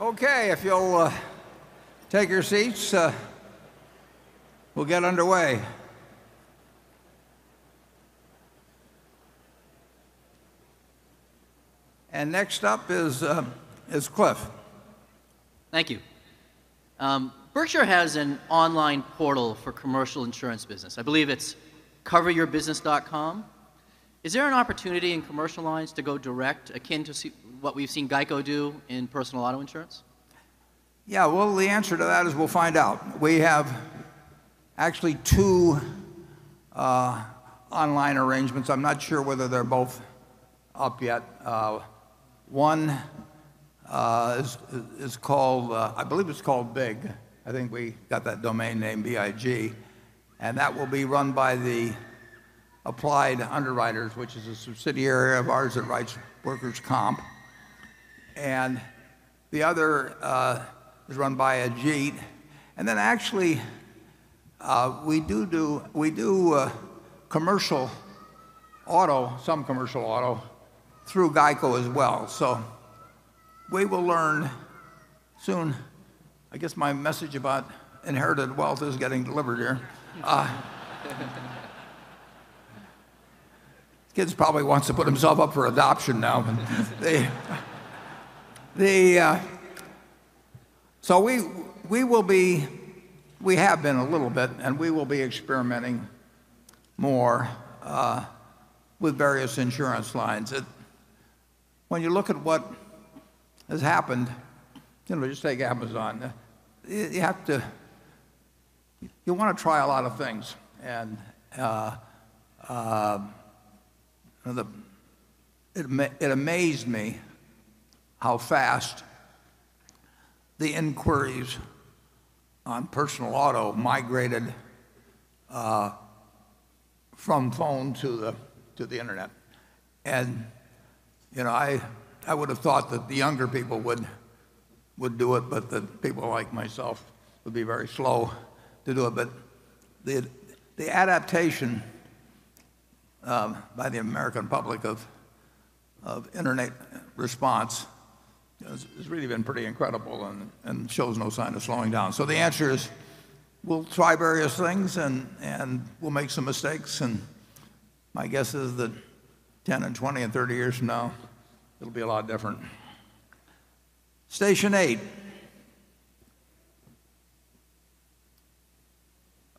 Okay, if you'll take your seats, we'll get underway. Next up is Cliff. Thank you. Berkshire has an online portal for commercial insurance business. I believe it's coveryourbusiness.com. Is there an opportunity in commercial lines to go direct, akin to what we've seen GEICO do in personal auto insurance? Yeah. The answer to that is we'll find out. We have actually two online arrangements. I'm not sure whether they're both up yet. One, I believe it's called BIG. I think we got that domain name, B-I-G, and that will be run by the Applied Underwriters, which is a subsidiary of ours that writes workers' comp. The other is run by Ajit. Then actually, we do commercial auto, some commercial auto, through GEICO as well. We will learn soon. I guess my message about inherited wealth is getting delivered here. Kid probably wants to put himself up for adoption now. We have been a little bit, and we will be experimenting more with various insurance lines. When you look at what has happened, just take Amazon. You want to try a lot of things. It amazed me how fast the inquiries on personal auto migrated from phone to the internet. I would've thought that the younger people would do it, but that people like myself would be very slow to do it. The adaptation by the American public of internet response has really been pretty incredible and shows no sign of slowing down. The answer is, we'll try various things, and we'll make some mistakes, and my guess is that 10 and 20 and 30 years from now, it'll be a lot different. Station 8.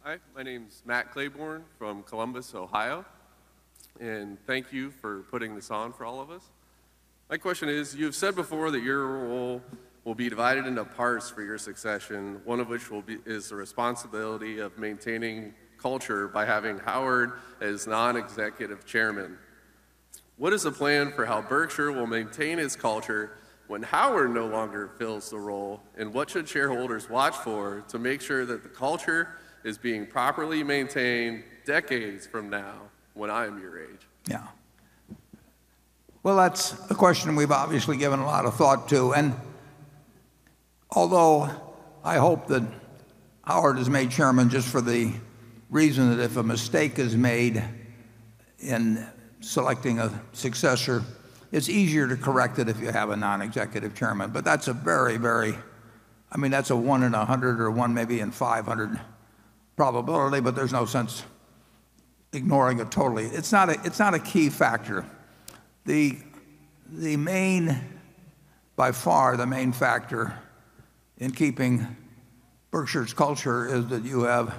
Hi, my name's Matt Claiborne from Columbus, Ohio. Thank you for putting this on for all of us. My question is, you've said before that your role will be divided into parts for your succession, one of which is the responsibility of maintaining culture by having Howard as non-executive chairman. What is the plan for how Berkshire will maintain its culture when Howard no longer fills the role, and what should shareholders watch for to make sure that the culture is being properly maintained decades from now when I am your age? Yeah. Well, that's a question we've obviously given a lot of thought to. Although I hope that Howard is made chairman just for the reason that if a mistake is made in selecting a successor, it's easier to correct it if you have a non-executive chairman. That's a one in 100 or one maybe in 500 probability, there's no sense ignoring it totally. It's not a key factor. By far, the main factor in keeping Berkshire's culture is that you have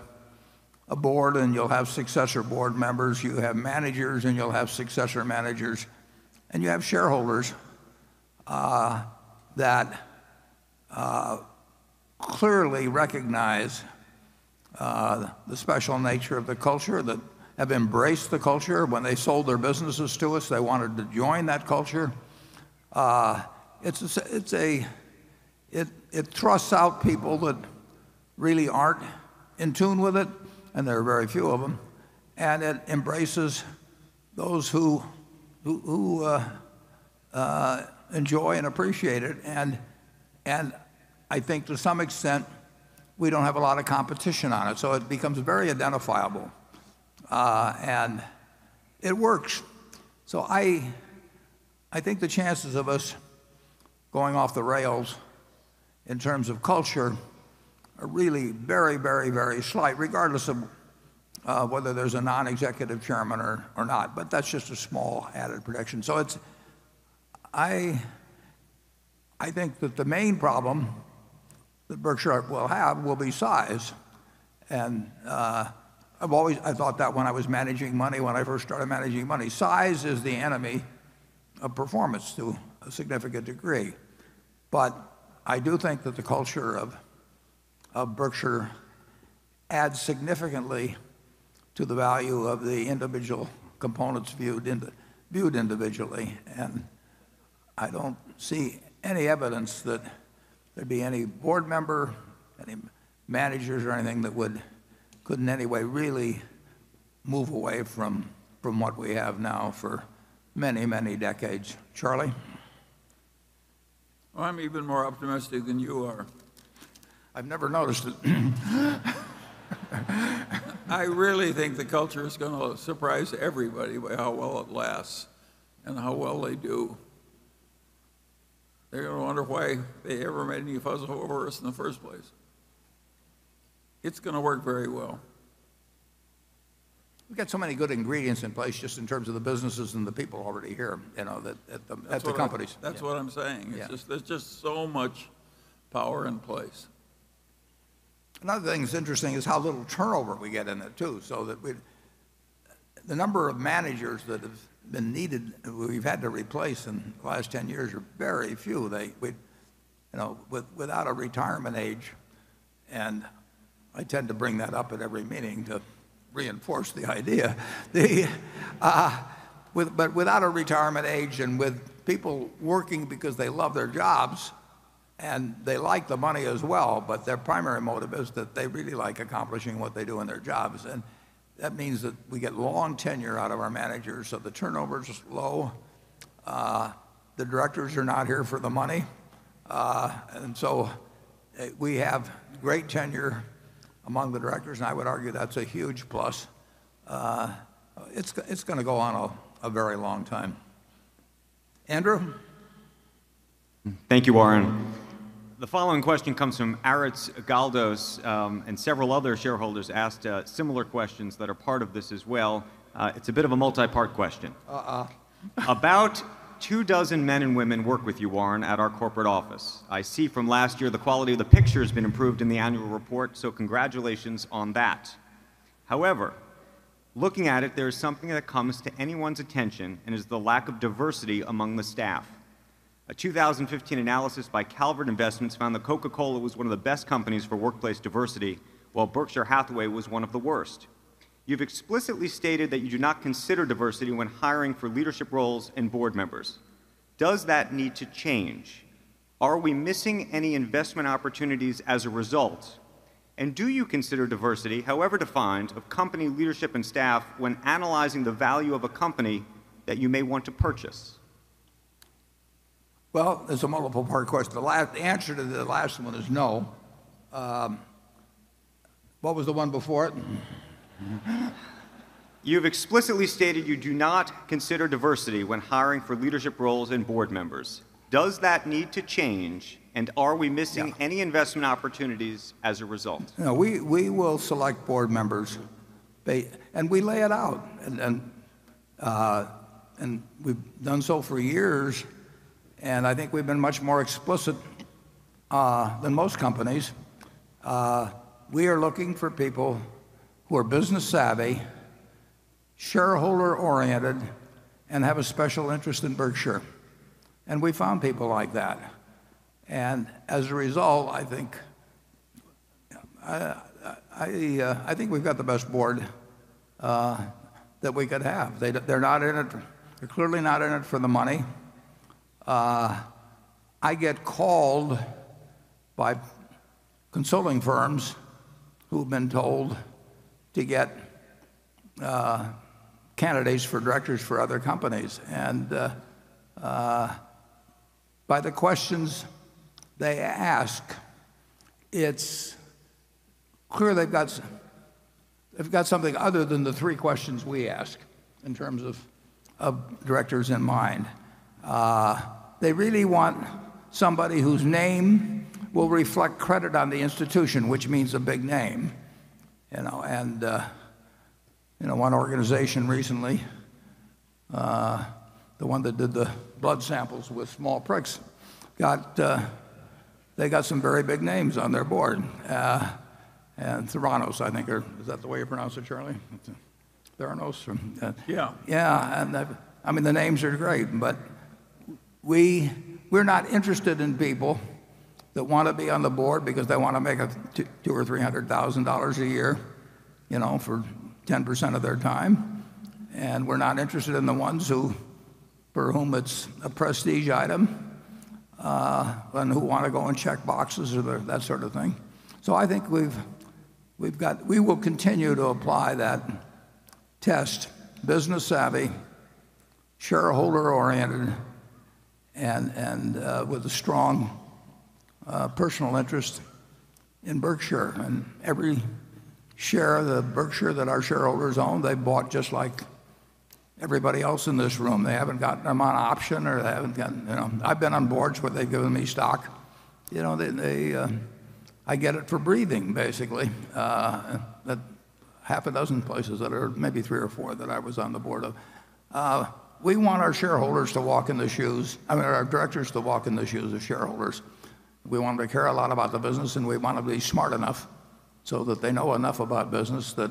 a board, you'll have successor board members, you have managers, and you'll have successor managers, and you have shareholders that clearly recognize the special nature of the culture, that have embraced the culture. When they sold their businesses to us, they wanted to join that culture. It thrusts out people that really aren't in tune with it. There are very few of them, and it embraces those who enjoy and appreciate it. I think to some extent, we don't have a lot of competition on it, so it becomes very identifiable. It works. I think the chances of us going off the rails in terms of culture are really very slight, regardless of whether there's a non-executive chairman or not. That's just a small added protection. I think that the main problem that Berkshire will have will be size. I thought that when I was managing money, when I first started managing money. Size is the enemy of performance to a significant degree. I do think that the culture of Berkshire adds significantly to the value of the individual components viewed individually. I don't see any evidence that there'd be any board member, any managers, or anything that could in any way really move away from what we have now for many decades. Charlie? Well, I'm even more optimistic than you are. I've never noticed it. I really think the culture is going to surprise everybody by how well it lasts and how well they do. They're going to wonder why they ever made any fuss over us in the first place. It's going to work very well. We've got so many good ingredients in place just in terms of the businesses and the people already here, at the companies. That's what I'm saying. Yeah. There's just so much power in place. Another thing that's interesting is how little turnover we get in it, too. The number of managers that have been needed, we've had to replace in the last 10 years are very few. Without a retirement age, I tend to bring that up at every meeting to reinforce the idea. Without a retirement age and with people working because they love their jobs, they like the money as well, their primary motive is that they really like accomplishing what they do in their jobs. That means that we get long tenure out of our managers. The turnover's low. The directors are not here for the money. We have great tenure among the directors, I would argue that's a huge plus. It's going to go on a very long time. Andrew? Thank you, Warren. The following question comes from Aritz Galdos, several other shareholders asked similar questions that are part of this as well. It's a bit of a multi-part question. Uh-uh. About two dozen men and women work with you, Warren, at our corporate office. I see from last year the quality of the picture has been improved in the annual report, so congratulations on that. However, looking at it, there is something that comes to anyone's attention and is the lack of diversity among the staff. A 2015 analysis by Calvert Investments found that Coca-Cola was one of the best companies for workplace diversity, while Berkshire Hathaway was one of the worst. You've explicitly stated that you do not consider diversity when hiring for leadership roles and board members. Does that need to change? Are we missing any investment opportunities as a result? Do you consider diversity, however defined, of company leadership and staff when analyzing the value of a company that you may want to purchase? Well, it's a multiple-part question. The answer to the last one is no. What was the one before it? You've explicitly stated you do not consider diversity when hiring for leadership roles and board members. Does that need to change, are we missing- Yeah any investment opportunities as a result? We will select board members, we lay it out, we've done so for years. I think we've been much more explicit than most companies. We are looking for people who are business savvy, shareholder oriented, and have a special interest in Berkshire. We've found people like that. As a result, I think we've got the best board that we could have. They're clearly not in it for the money. I get called by consulting firms who've been told to get candidates for directors for other companies. By the questions they ask, it's clear they've got something other than the three questions we ask in terms of directors in mind. They really want somebody whose name will reflect credit on the institution, which means a big name. One organization recently, the one that did the blood samples with small pricks, they got some very big names on their board. Theranos, I think. Is that the way you pronounce it, Charlie? Theranos? Yeah. Yeah. The names are great, but we're not interested in people that want to be on the board because they want to make $200,000 or $300,000 a year for 10% of their time. We're not interested in the ones for whom it's a prestige item, and who want to go and check boxes or that sort of thing. I think we will continue to apply that test, business savvy, shareholder oriented, and with a strong personal interest in Berkshire. Every share of the Berkshire that our shareholders own, they bought just like everybody else in this room. They haven't gotten them on option. I've been on boards where they've given me stock. I get it for breathing, basically, at half a dozen places, or maybe three or four that I was on the board of. We want our directors to walk in the shoes of shareholders. We want them to care a lot about the business, and we want them to be smart enough so that they know enough about business that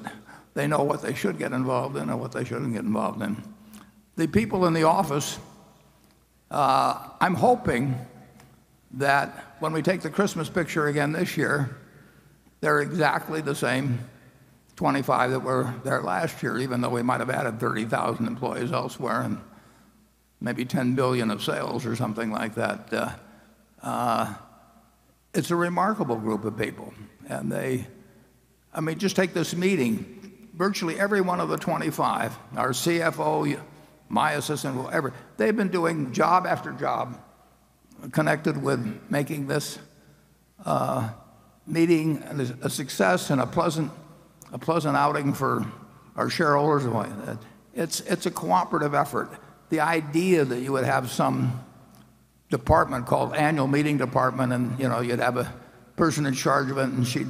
they know what they should get involved in and what they shouldn't get involved in. The people in the office, I'm hoping that when we take the Christmas picture again this year, they're exactly the same 25 that were there last year, even though we might have added 30,000 employees elsewhere and maybe $10 billion of sales or something like that. It's a remarkable group of people. Just take this meeting. Virtually every one of the 25, our CFO, my assistant, whoever, they've been doing job after job connected with making this meeting a success and a pleasant outing for our shareholders. It's a cooperative effort. The idea that you would have some department called annual meeting department, you'd have a person in charge of it, she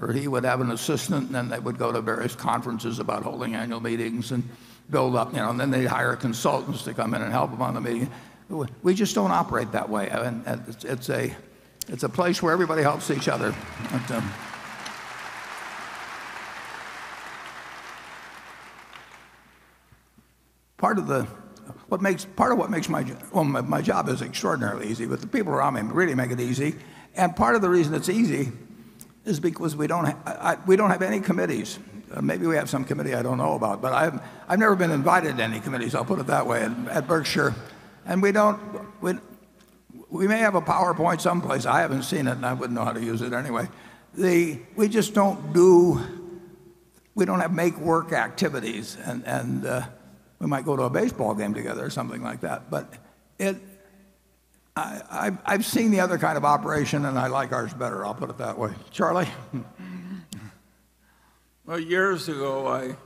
or he would have an assistant, they would go to various conferences about holding annual meetings and build up. They'd hire consultants to come in and help them on the meeting. We just don't operate that way. It's a place where everybody helps each other. Part of what makes my job is extraordinarily easy, the people around me really make it easy. Part of the reason it's easy is because we don't have any committees. Maybe we have some committee I don't know about, I've never been invited to any committees, I'll put it that way, at Berkshire. We may have a PowerPoint someplace. I haven't seen it and I wouldn't know how to use it anyway. We don't have make work activities. We might go to a baseball game together or something like that. I've seen the other kind of operation and I like ours better, I'll put it that way. Charlie? Well, years ago, I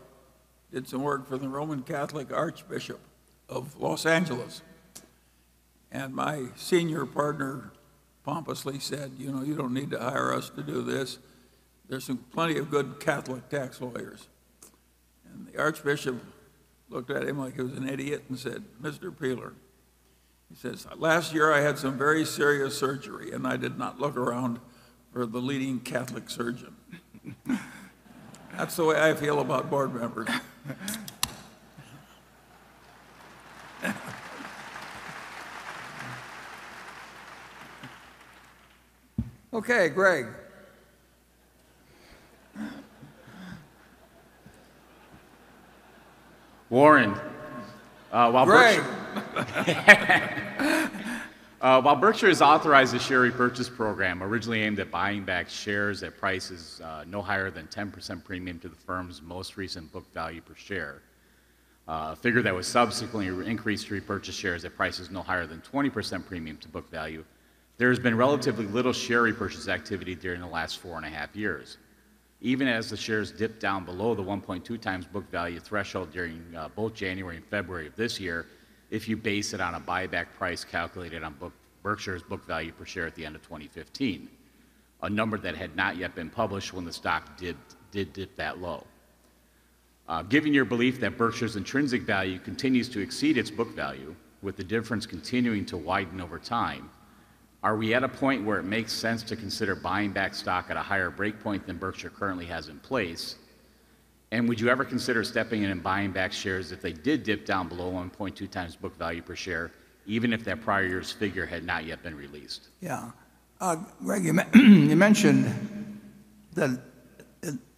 did some work for the Roman Catholic Archbishop of Los Angeles, my senior partner pompously said, "You know, you don't need to hire us to do this. There's plenty of good Catholic tax lawyers." The archbishop looked at him like he was an idiot and said, "Mr. Piehler," he says, "Last year I had some very serious surgery and I did not look around for the leading Catholic surgeon." That's the way I feel about board members. Okay, Greg. Warren. Greg. While Berkshire has authorized a share repurchase program originally aimed at buying back shares at prices no higher than 10% premium to the firm's most recent book value per share, a figure that was subsequently increased to repurchase shares at prices no higher than 20% premium to book value, there has been relatively little share repurchase activity during the last four and a half years, even as the shares dipped down below the 1.2 times book value threshold during both January and February of this year if you base it on a buyback price calculated on Berkshire's book value per share at the end of 2015, a number that had not yet been published when the stock did dip that low. Given your belief that Berkshire's intrinsic value continues to exceed its book value, with the difference continuing to widen over time, are we at a point where it makes sense to consider buying back stock at a higher breakpoint than Berkshire currently has in place? Would you ever consider stepping in and buying back shares if they did dip down below 1.2 times book value per share, even if that prior year's figure had not yet been released? Yeah. Greg, you mentioned that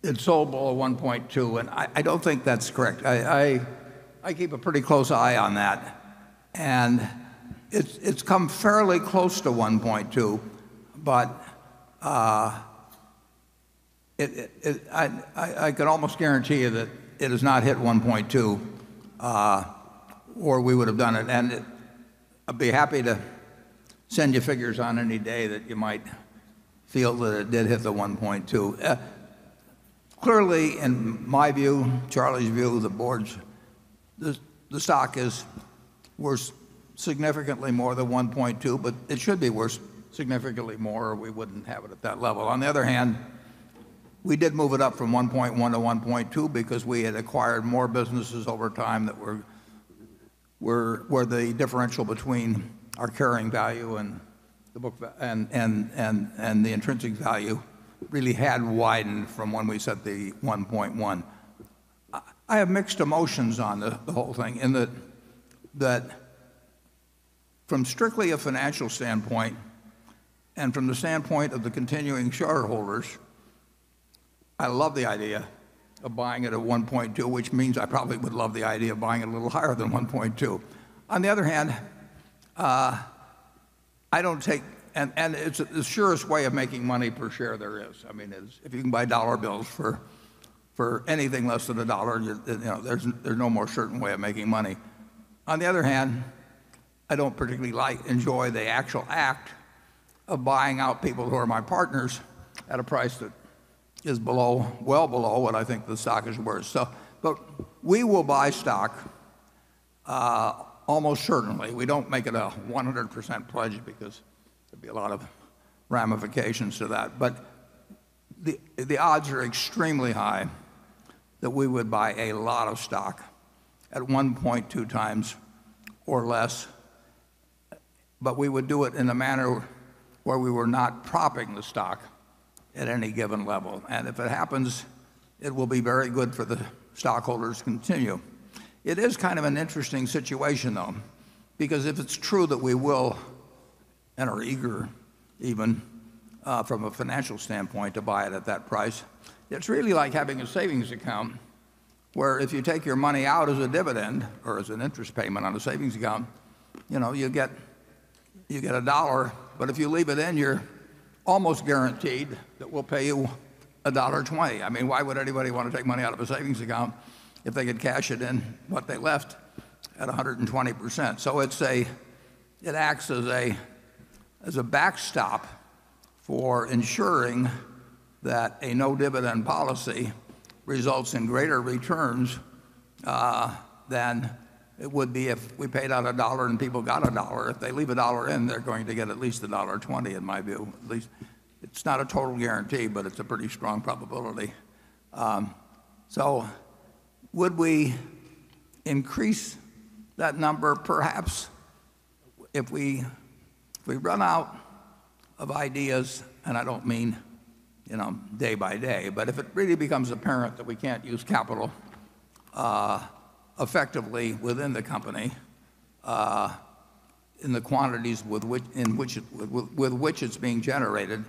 it sold below 1.2, I don't think that's correct. I keep a pretty close eye on that, and it's come fairly close to 1.2, but I could almost guarantee you that it has not hit 1.2, or we would have done it. I'd be happy to send you figures on any day that you might feel that it did hit the 1.2. Clearly, in my view, Charlie's view, the board's, the stock is worth significantly more than 1.2, but it should be worth significantly more or we wouldn't have it at that level. On the other hand, we did move it up from 1.1 to 1.2 because we had acquired more businesses over time that where the differential between our carrying value and the intrinsic value really had widened from when we set the 1.1. I have mixed emotions on the whole thing in that from strictly a financial standpoint and from the standpoint of the continuing shareholders, I love the idea of buying it at 1.2, which means I probably would love the idea of buying it a little higher than 1.2. On the other hand, it's the surest way of making money per share there is. If you can buy dollar bills for anything less than a dollar, there's no more certain way of making money. On the other hand, I don't particularly enjoy the actual act of buying out people who are my partners at a price that is well below what I think the stock is worth. We will buy stock almost certainly. We don't make it a 100% pledge because there'd be a lot of ramifications to that. The odds are extremely high that we would buy a lot of stock at 1.2 times or less, but we would do it in a manner where we were not propping the stock at any given level. If it happens, it will be very good for the stockholders to continue. It is kind of an interesting situation, though, because if it's true that we will, and are eager even, from a financial standpoint, to buy it at that price, it's really like having a savings account where if you take your money out as a dividend or as an interest payment on a savings account, you get a dollar, but if you leave it in, you're almost guaranteed that we'll pay you $1.20. Why would anybody want to take money out of a savings account if they could cash it in what they left at 120%? It acts as a backstop for ensuring that a no-dividend policy results in greater returns than it would be if we paid out a dollar and people got a dollar. If they leave a dollar in, they're going to get at least $1.20, in my view, at least. It's not a total guarantee, but it's a pretty strong probability. Would we increase that number? Perhaps. If we run out of ideas, and I don't mean day by day, but if it really becomes apparent that we can't use capital effectively within the company in the quantities with which it's being generated,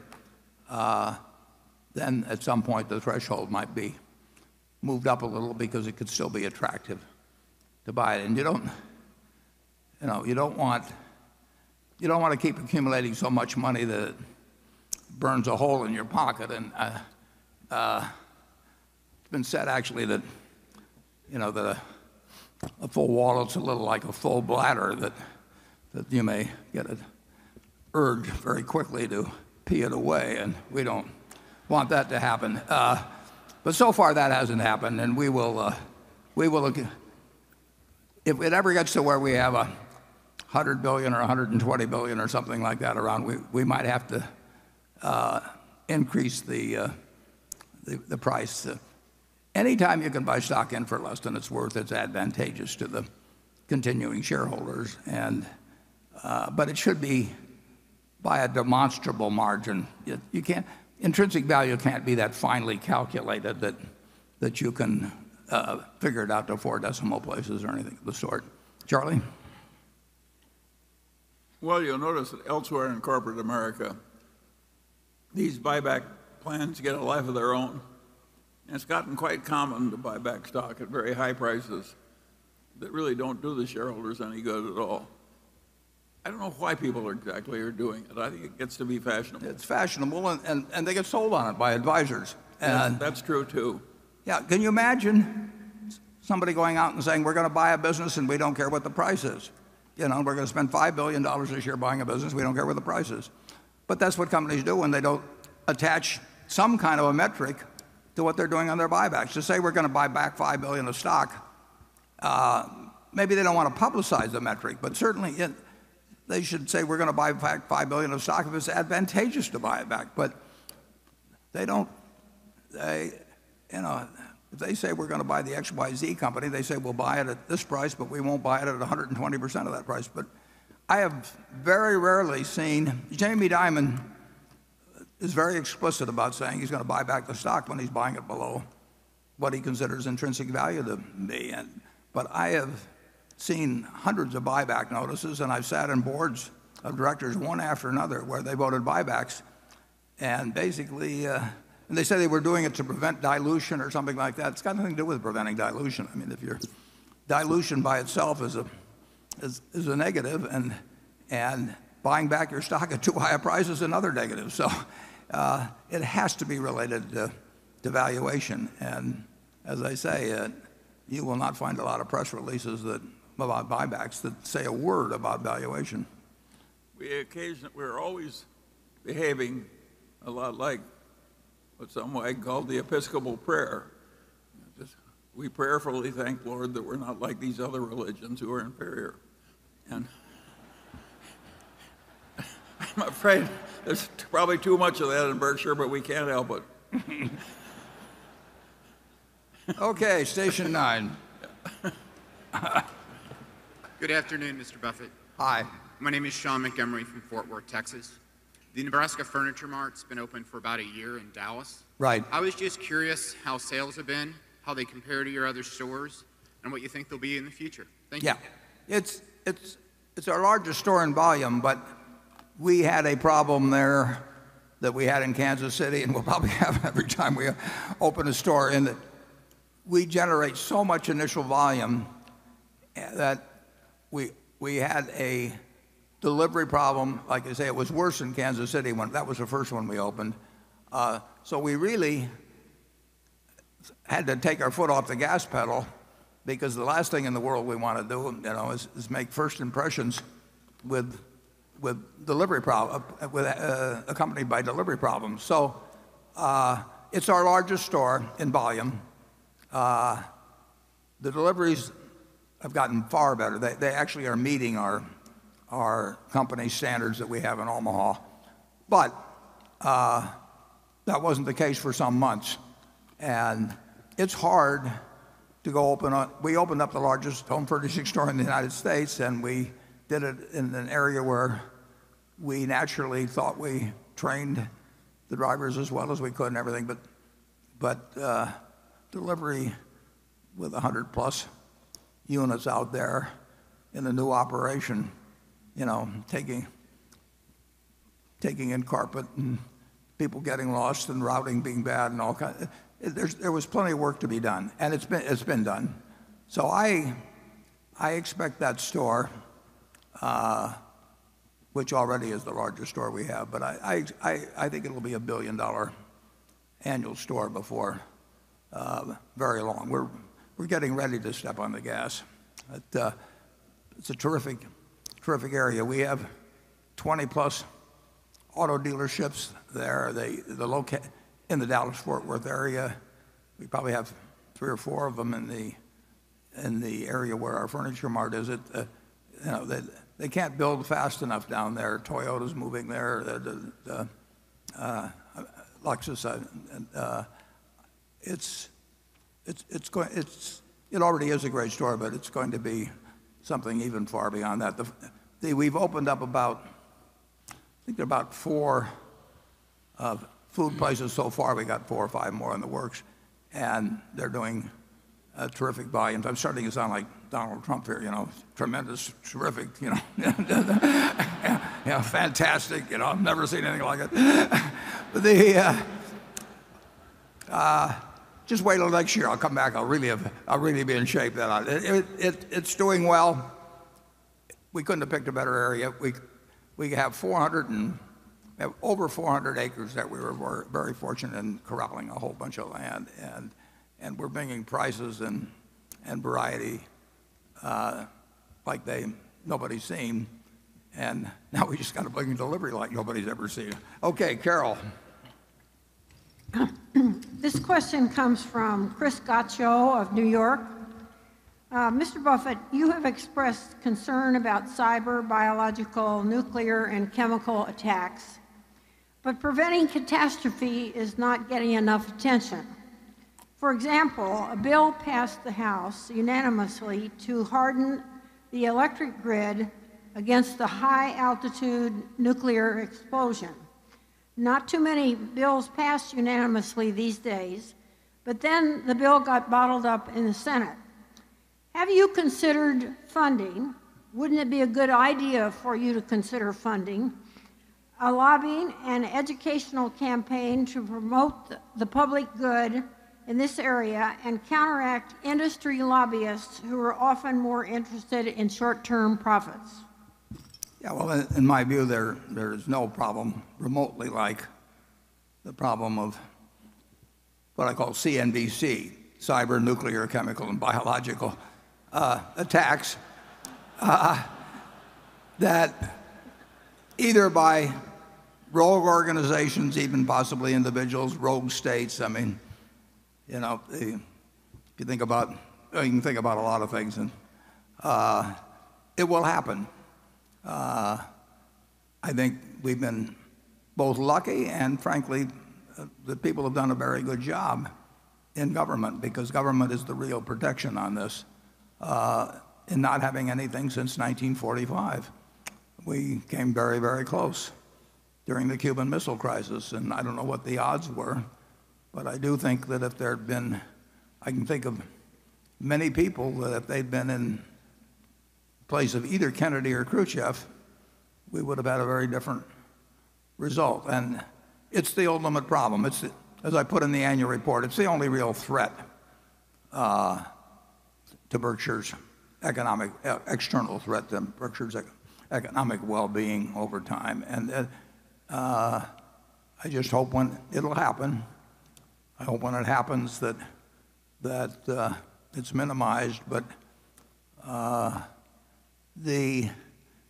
then at some point the threshold might be moved up a little because it could still be attractive to buy it. You don't want to keep accumulating so much money that it burns a hole in your pocket. It's been said, actually, that a full wallet's a little like a full bladder, that you may get an urge very quickly to pee it away, and we don't want that to happen. So far, that hasn't happened. If it ever gets to where we have $100 billion or $120 billion or something like that around, we might have to increase the price. Anytime you can buy stock in for less than it's worth, it's advantageous to the continuing shareholders. But it should be by a demonstrable margin. Intrinsic value can't be that finely calculated that you can figure it out to four decimal places or anything of the sort. Charlie? Well, you'll notice that elsewhere in corporate America, these buyback plans get a life of their own, and it's gotten quite common to buy back stock at very high prices that really don't do the shareholders any good at all. I don't know why people exactly are doing it. I think it gets to be fashionable. It's fashionable, and they get sold on it by advisors. Yeah, that's true, too. Yeah. Can you imagine somebody going out and saying, "We're going to buy a business, and we don't care what the price is. We're going to spend $5 billion this year buying a business. We don't care what the price is." That's what companies do when they don't attach some kind of a metric to what they're doing on their buybacks. To say we're going to buy back $5 billion of stock, maybe they don't want to publicize the metric, but certainly, they should say, "We're going to buy back $5 billion of stock if it's advantageous to buy it back." They say we're going to buy the XYZ company. They say we'll buy it at this price, but we won't buy it at 120% of that price. Jamie Dimon is very explicit about saying he's going to buy back the stock when he's buying it below what he considers intrinsic value to be. I have seen hundreds of buyback notices, and I've sat in boards of directors, one after another, where they voted buybacks. They say they were doing it to prevent dilution or something like that. It's got nothing to do with preventing dilution. Dilution by itself is a negative, and buying back your stock at too high a price is another negative. It has to be related to valuation. As I say, you will not find a lot of press releases about buybacks that say a word about valuation. We are always behaving a lot like what some might call the Episcopal prayer. We prayerfully thank Lord that we're not like these other religions who are inferior. I'm afraid there's probably too much of that in Berkshire, but we can't help it. Okay, station 9. Good afternoon, Mr. Buffett. Hi. My name is Sean Montgomery from Fort Worth, Texas. The Nebraska Furniture Mart's been open for about a year in Dallas. Right. I was just curious how sales have been, how they compare to your other stores, and what you think they'll be in the future. Thank you. Yeah. It's our largest store in volume. We had a problem there that we had in Kansas City and we'll probably have every time we open a store in it. We generate so much initial volume that we had a delivery problem. Like I say, it was worse in Kansas City. That was the first one we opened. We really had to take our foot off the gas pedal because the last thing in the world we want to do is make first impressions accompanied by delivery problems. It's our largest store in volume. The deliveries have gotten far better. They actually are meeting our company standards that we have in Omaha. That wasn't the case for some months. We opened up the largest home furnishing store in the United States. We did it in an area where we naturally thought we trained the drivers as well as we could and everything. Delivery with 100-plus units out there in a new operation, taking in carpet and people getting lost and routing being bad and all kinds. There was plenty of work to be done, and it's been done. I expect that store, which already is the largest store we have, I think it'll be a billion-dollar annual store before very long. We're getting ready to step on the gas. It's a terrific area. We have 20-plus auto dealerships there in the Dallas-Fort Worth area. We probably have three or four of them in the area where our Furniture Mart is. They can't build fast enough down there. Toyota's moving there, Lexus. It already is a great store, It's going to be something even far beyond that. We've opened up about, I think about four food places so far. We got four or five more in the works. They're doing terrific volumes. I'm starting to sound like Donald Trump here, tremendous, terrific fantastic. I've never seen anything like it. Just wait till next year. I'll come back. I'll really be in shape then. It's doing well. We couldn't have picked a better area. We have over 400 acres that we were very fortunate in corralling a whole bunch of land. We're bringing prices and variety like nobody's seen. Now we just got to bring delivery like nobody's ever seen. Okay, Carol. This question comes from Chris Gacho of New York. "Mr. Buffett, you have expressed concern about cyber, biological, nuclear, and chemical attacks, but preventing catastrophe is not getting enough attention. For example, a bill passed the House unanimously to harden the electric grid against a high-altitude nuclear explosion. Not too many bills pass unanimously these days. The bill got bottled up in the Senate. Have you considered funding? Wouldn't it be a good idea for you to consider funding a lobbying and educational campaign to promote the public good in this area and counteract industry lobbyists who are often more interested in short-term profits? Well, in my view, there is no problem remotely like the problem of what I call CNCB, cyber, nuclear, chemical, and biological attacks that either by rogue organizations, even possibly individuals, rogue states. You can think about a lot of things. It will happen. I think we've been both lucky, frankly, that people have done a very good job in government because government is the real protection on this, in not having anything since 1945. We came very, very close during the Cuban Missile Crisis. I don't know what the odds were, but I do think that if there'd been I can think of many people that if they'd been in place of either Kennedy or Khrushchev, we would have had a very different result. It's the ultimate problem. As I put in the annual report, it's the only real threat to Berkshire's economic, external threat to Berkshire's economic well-being over time. It'll happen. I hope when it happens that it's minimized, the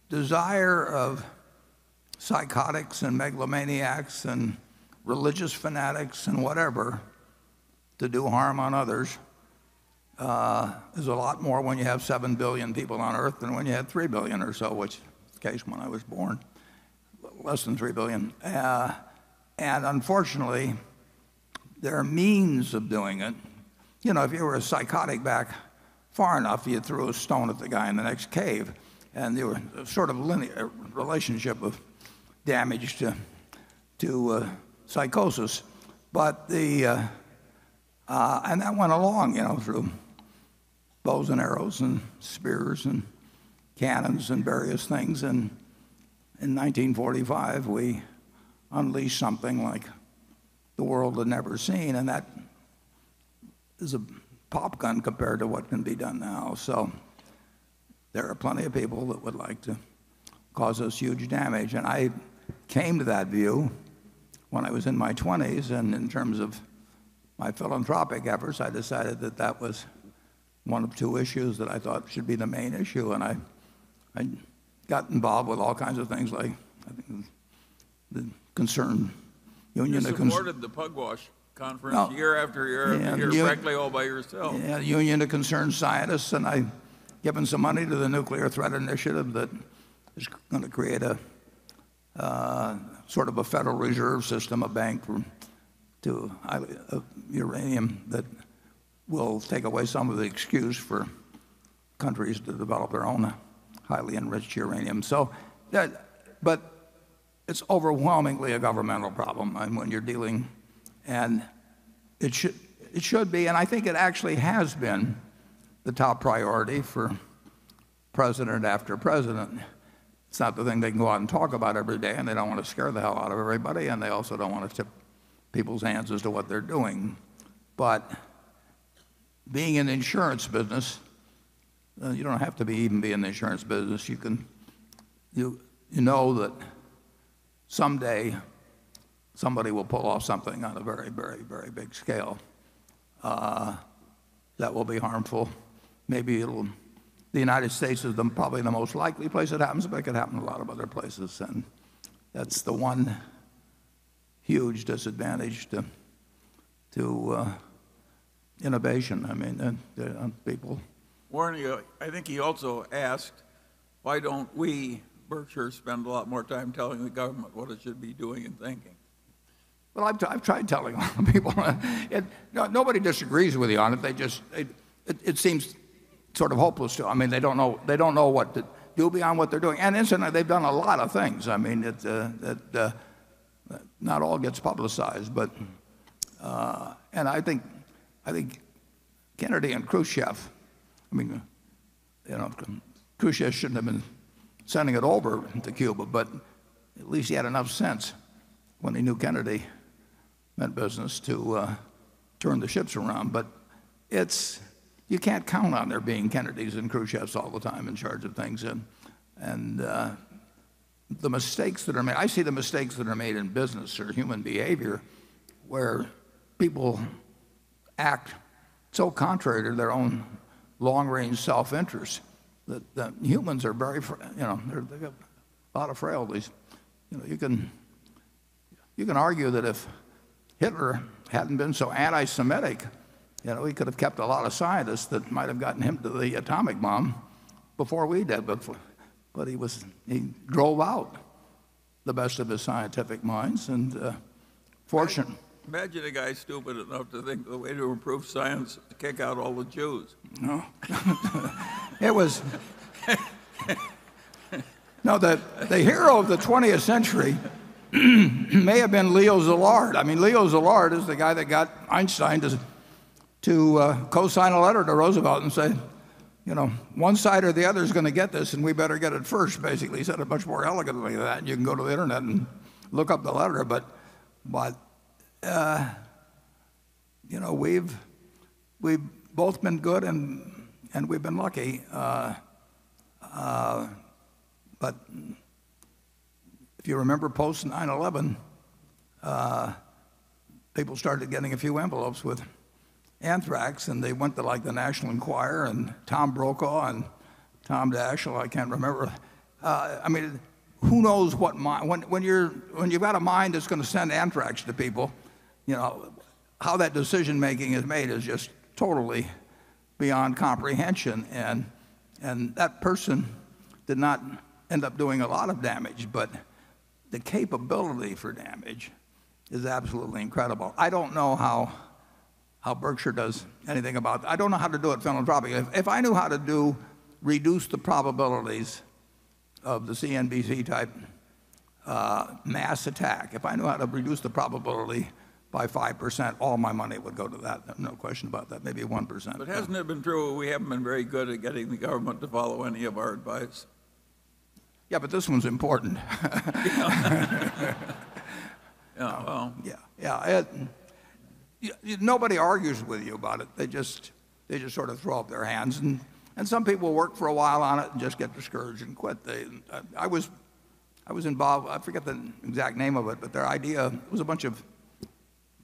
desire of psychotics and megalomaniacs and religious fanatics and whatever to do harm on others is a lot more when you have 7 billion people on Earth than when you had 3 billion or so, which was the case when I was born, less than 3 billion. Unfortunately, there are means of doing it. If you were a psychotic back far enough, you threw a stone at the guy in the next cave. There was sort of a linear relationship of damage to psychosis. That went along through bows and arrows and spears and cannons and various things. In 1945, we unleashed something like the world had never seen. That is a pop gun compared to what can be done now. There are plenty of people that would like to cause us huge damage. I came to that view when I was in my 20s. In terms of my philanthropic efforts, I decided that that was one of two issues that I thought should be the main issue. I got involved with all kinds of things like, I think it was the concern union You supported the Pugwash Conference year after year. Yeah frankly, all by yourself. Yeah, Union of Concerned Scientists, and I've given some money to the Nuclear Threat Initiative that is going to create a sort of a Federal Reserve system, a bank of uranium that will take away some of the excuse for countries to develop their own highly enriched uranium. It's overwhelmingly a governmental problem when you're dealing, and it should be, and I think it actually has been the top priority for president after president. It's not the thing they can go out and talk about every day, and they don't want to scare the hell out of everybody, and they also don't want to tip people's hands as to what they're doing. Being in the insurance business, you don't have to even be in the insurance business. You know that someday somebody will pull off something on a very big scale that will be harmful. Maybe the United States is probably the most likely place it happens, but it could happen a lot of other places. That's the one huge disadvantage to innovation. Warren, I think he also asked why don't we, Berkshire, spend a lot more time telling the government what it should be doing and thinking? Well, I've tried telling a lot of people. Nobody disagrees with you on it seems sort of hopeless to them. They don't know what to do beyond what they're doing. Incidentally, they've done a lot of things. Not all gets publicized. I think Kennedy and Khrushchev shouldn't have been sending it over into Cuba, but at least he had enough sense when he knew Kennedy meant business to turn the ships around. You can't count on there being Kennedys and Khrushchevs all the time in charge of things. I see the mistakes that are made in business or human behavior, where people act so contrary to their own long-range self-interest that humans, they got a lot of frailties. You can argue that if Hitler hadn't been so anti-Semitic, he could have kept a lot of scientists that might have gotten him to the atomic bomb before we did. He drove out the best of his scientific minds. Imagine a guy stupid enough to think the way to improve science is to kick out all the Jews. The hero of the 20th century may have been Leo Szilard. Leo Szilard is the guy that got Einstein to co-sign a letter to Roosevelt and say, "One side or the other is going to get this, and we better get it first," basically. He said it much more elegantly than that, and you can go to the internet and look up the letter. We've both been good and we've been lucky. If you remember post 9/11, people started getting a few envelopes with anthrax, and they went to the National Enquirer and Tom Brokaw and Tom Daschle, I can't remember. When you've got a mind that's going to send anthrax to people, how that decision-making is made is just totally beyond comprehension. That person did not end up doing a lot of damage, but the capability for damage is absolutely incredible. I don't know how Berkshire does anything about that. I don't know how to do it philanthropically. If I knew how to reduce the probabilities of the CNCB type mass attack, if I knew how to reduce the probability by 5%, all my money would go to that, no question about that. Maybe 1%. Hasn't it been true we haven't been very good at getting the government to follow any of our advice? Yeah, this one's important. Yeah. Yeah. Nobody argues with you about it. They just sort of throw up their hands, and some people work for a while on it and just get discouraged and quit. I was involved, I forget the exact name of it, but their idea was a bunch of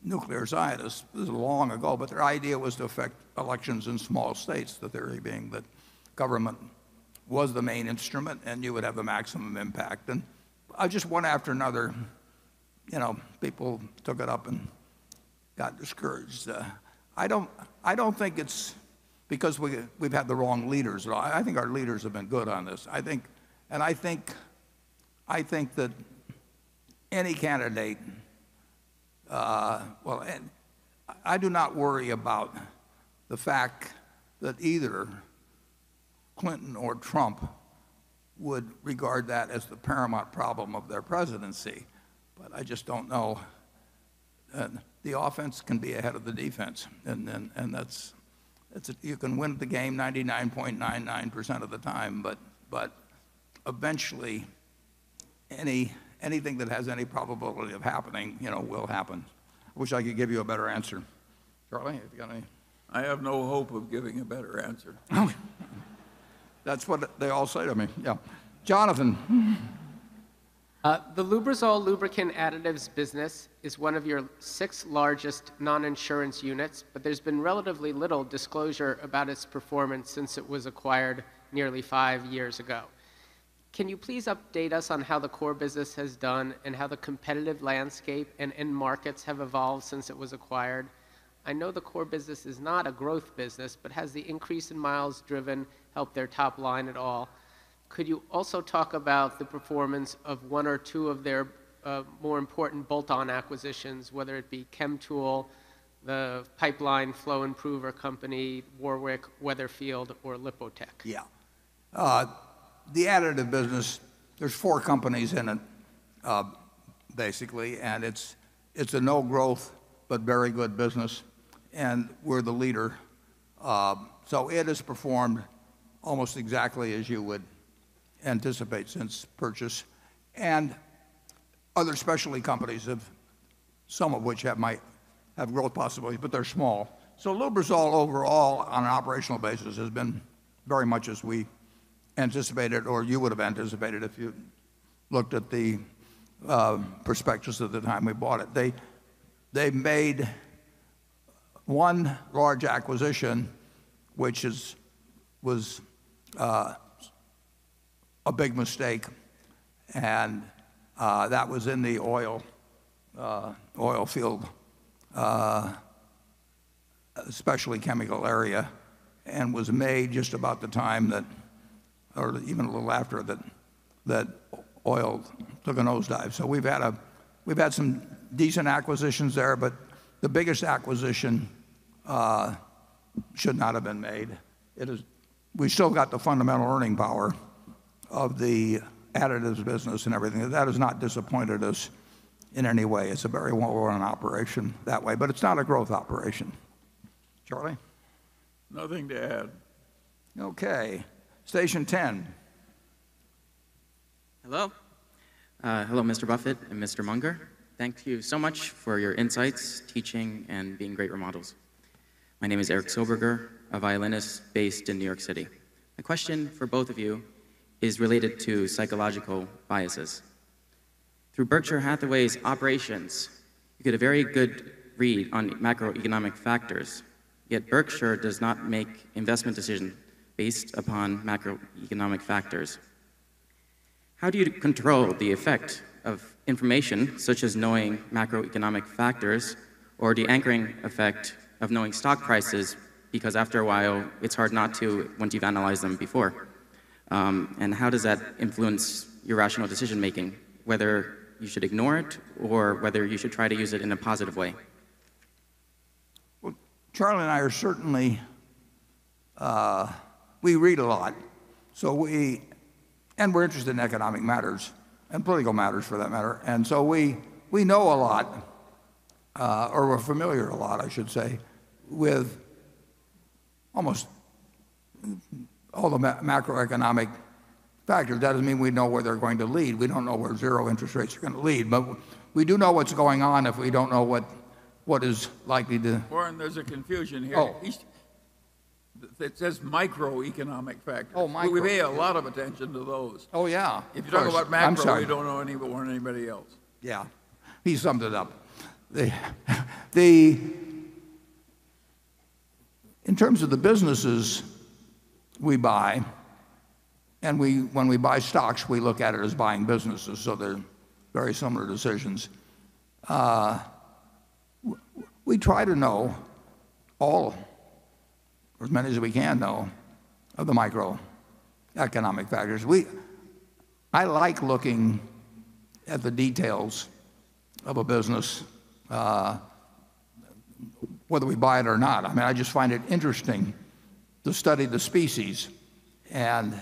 nuclear scientists. This was long ago, but their idea was to affect elections in small states. The theory being that government was the main instrument and you would have the maximum impact. Just one after another, people took it up and got discouraged. I don't think it's because we've had the wrong leaders. I think our leaders have been good on this. I do not worry about the fact that either Clinton or Trump would regard that as the paramount problem of their presidency. I just don't know. The offense can be ahead of the defense, and you can win the game 99.99% of the time, but eventually anything that has any probability of happening will happen. I wish I could give you a better answer. Charlie, have you got any? I have no hope of giving a better answer. That's what they all say to me. Yeah. Jonathan? The Lubrizol lubricant additives business is one of your six largest non-insurance units, but there's been relatively little disclosure about its performance since it was acquired nearly 5 years ago. Can you please update us on how the core business has done and how the competitive landscape and end markets have evolved since it was acquired? I know the core business is not a growth business, but has the increase in miles driven helped their top line at all? Could you also talk about the performance of one or two of their more important bolt-on acquisitions, whether it be Chemtool, the pipeline flow improver company, Warwick, Weatherford, or Lipotec? Yeah. The additive business, there's four companies in it. It's a no-growth, but very good business, and we're the leader. It has performed almost exactly as you would anticipate since purchase. Other specialty companies, some of which might have growth possibilities, but they're small. Lubrizol overall on an operational basis has been very much as we anticipated or you would have anticipated if you looked at the prospectus at the time we bought it. They made one large acquisition, which was a big mistake, and that was in the oil field, specialty chemical area, and was made just about the time that or even a little after that oil took a nosedive. We've had some decent acquisitions there, but the biggest acquisition should not have been made. We still got the fundamental earning power of the additives business and everything. That has not disappointed us in any way. It's a very well-run operation that way but it's not a growth operation. Charlie? Nothing to add. Okay. Station 10. Hello. Hello, Mr. Buffett and Mr. Munger. Thank you so much for your insights, teaching, and being great role models. My name is Eric Silberger, a violinist based in New York City. My question for both of you is related to psychological biases. Through Berkshire Hathaway's operations, you get a very good read on macroeconomic factors, yet Berkshire does not make investment decisions based upon macroeconomic factors. How do you control the effect of information such as knowing macroeconomic factors or the anchoring effect of knowing stock prices? Because after a while, it's hard not to once you've analyzed them before. How does that influence your rational decision-making, whether you should ignore it or whether you should try to use it in a positive way? Well, Charlie and I are certainly, we read a lot, and we're interested in economic matters and political matters for that matter. We know a lot, or we're familiar a lot, I should say, with almost all the macroeconomic factors. Doesn't mean we know where they're going to lead. We don't know where zero interest rates are going to lead. We do know what's going on if we don't know what is likely to- Warren, there's a confusion here. Oh. It says microeconomic factors. Oh, micro. We pay a lot of attention to those. Oh, yeah, of course. If you talk about macro- I'm sorry we don't know any more than anybody else. Yeah. He summed it up. In terms of the businesses we buy, and when we buy stocks, we look at it as buying businesses, so they're very similar decisions. We try to know all, or as many as we can know, of the microeconomic factors. I like looking at the details of a business, whether we buy it or not. I just find it interesting to study the species, and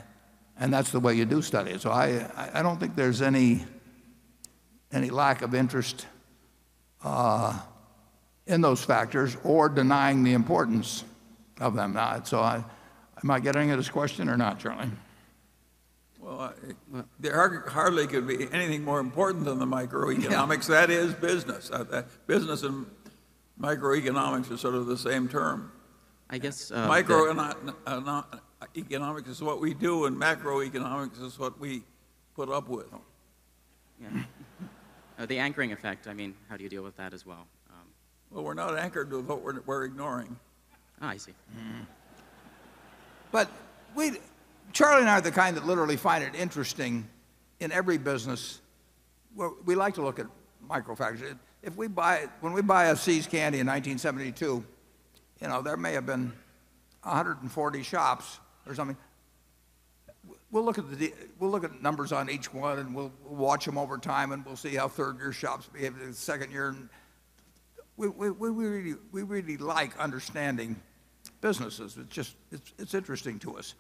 that's the way you do study it. I don't think there's any lack of interest in those factors or denying the importance of them. Am I getting at his question or not, Charlie? Well, there hardly could be anything more important than the microeconomics. Yeah. That is business. Business and microeconomics are sort of the same term. I guess. Microeconomics is what we do, and macroeconomics is what we put up with. Yeah. The anchoring effect, how do you deal with that as well? Well, we're not anchored to what we're ignoring. Oh, I see. Charlie and I are the kind that literally find it interesting in every business, we like to look at micro factors. When we buy See's Candies in 1972, there may have been 140 shops or something. We'll look at numbers on each one, and we'll watch them over time, and we'll see how third-year shops behave to the second year. We really like understanding businesses. It's interesting to us.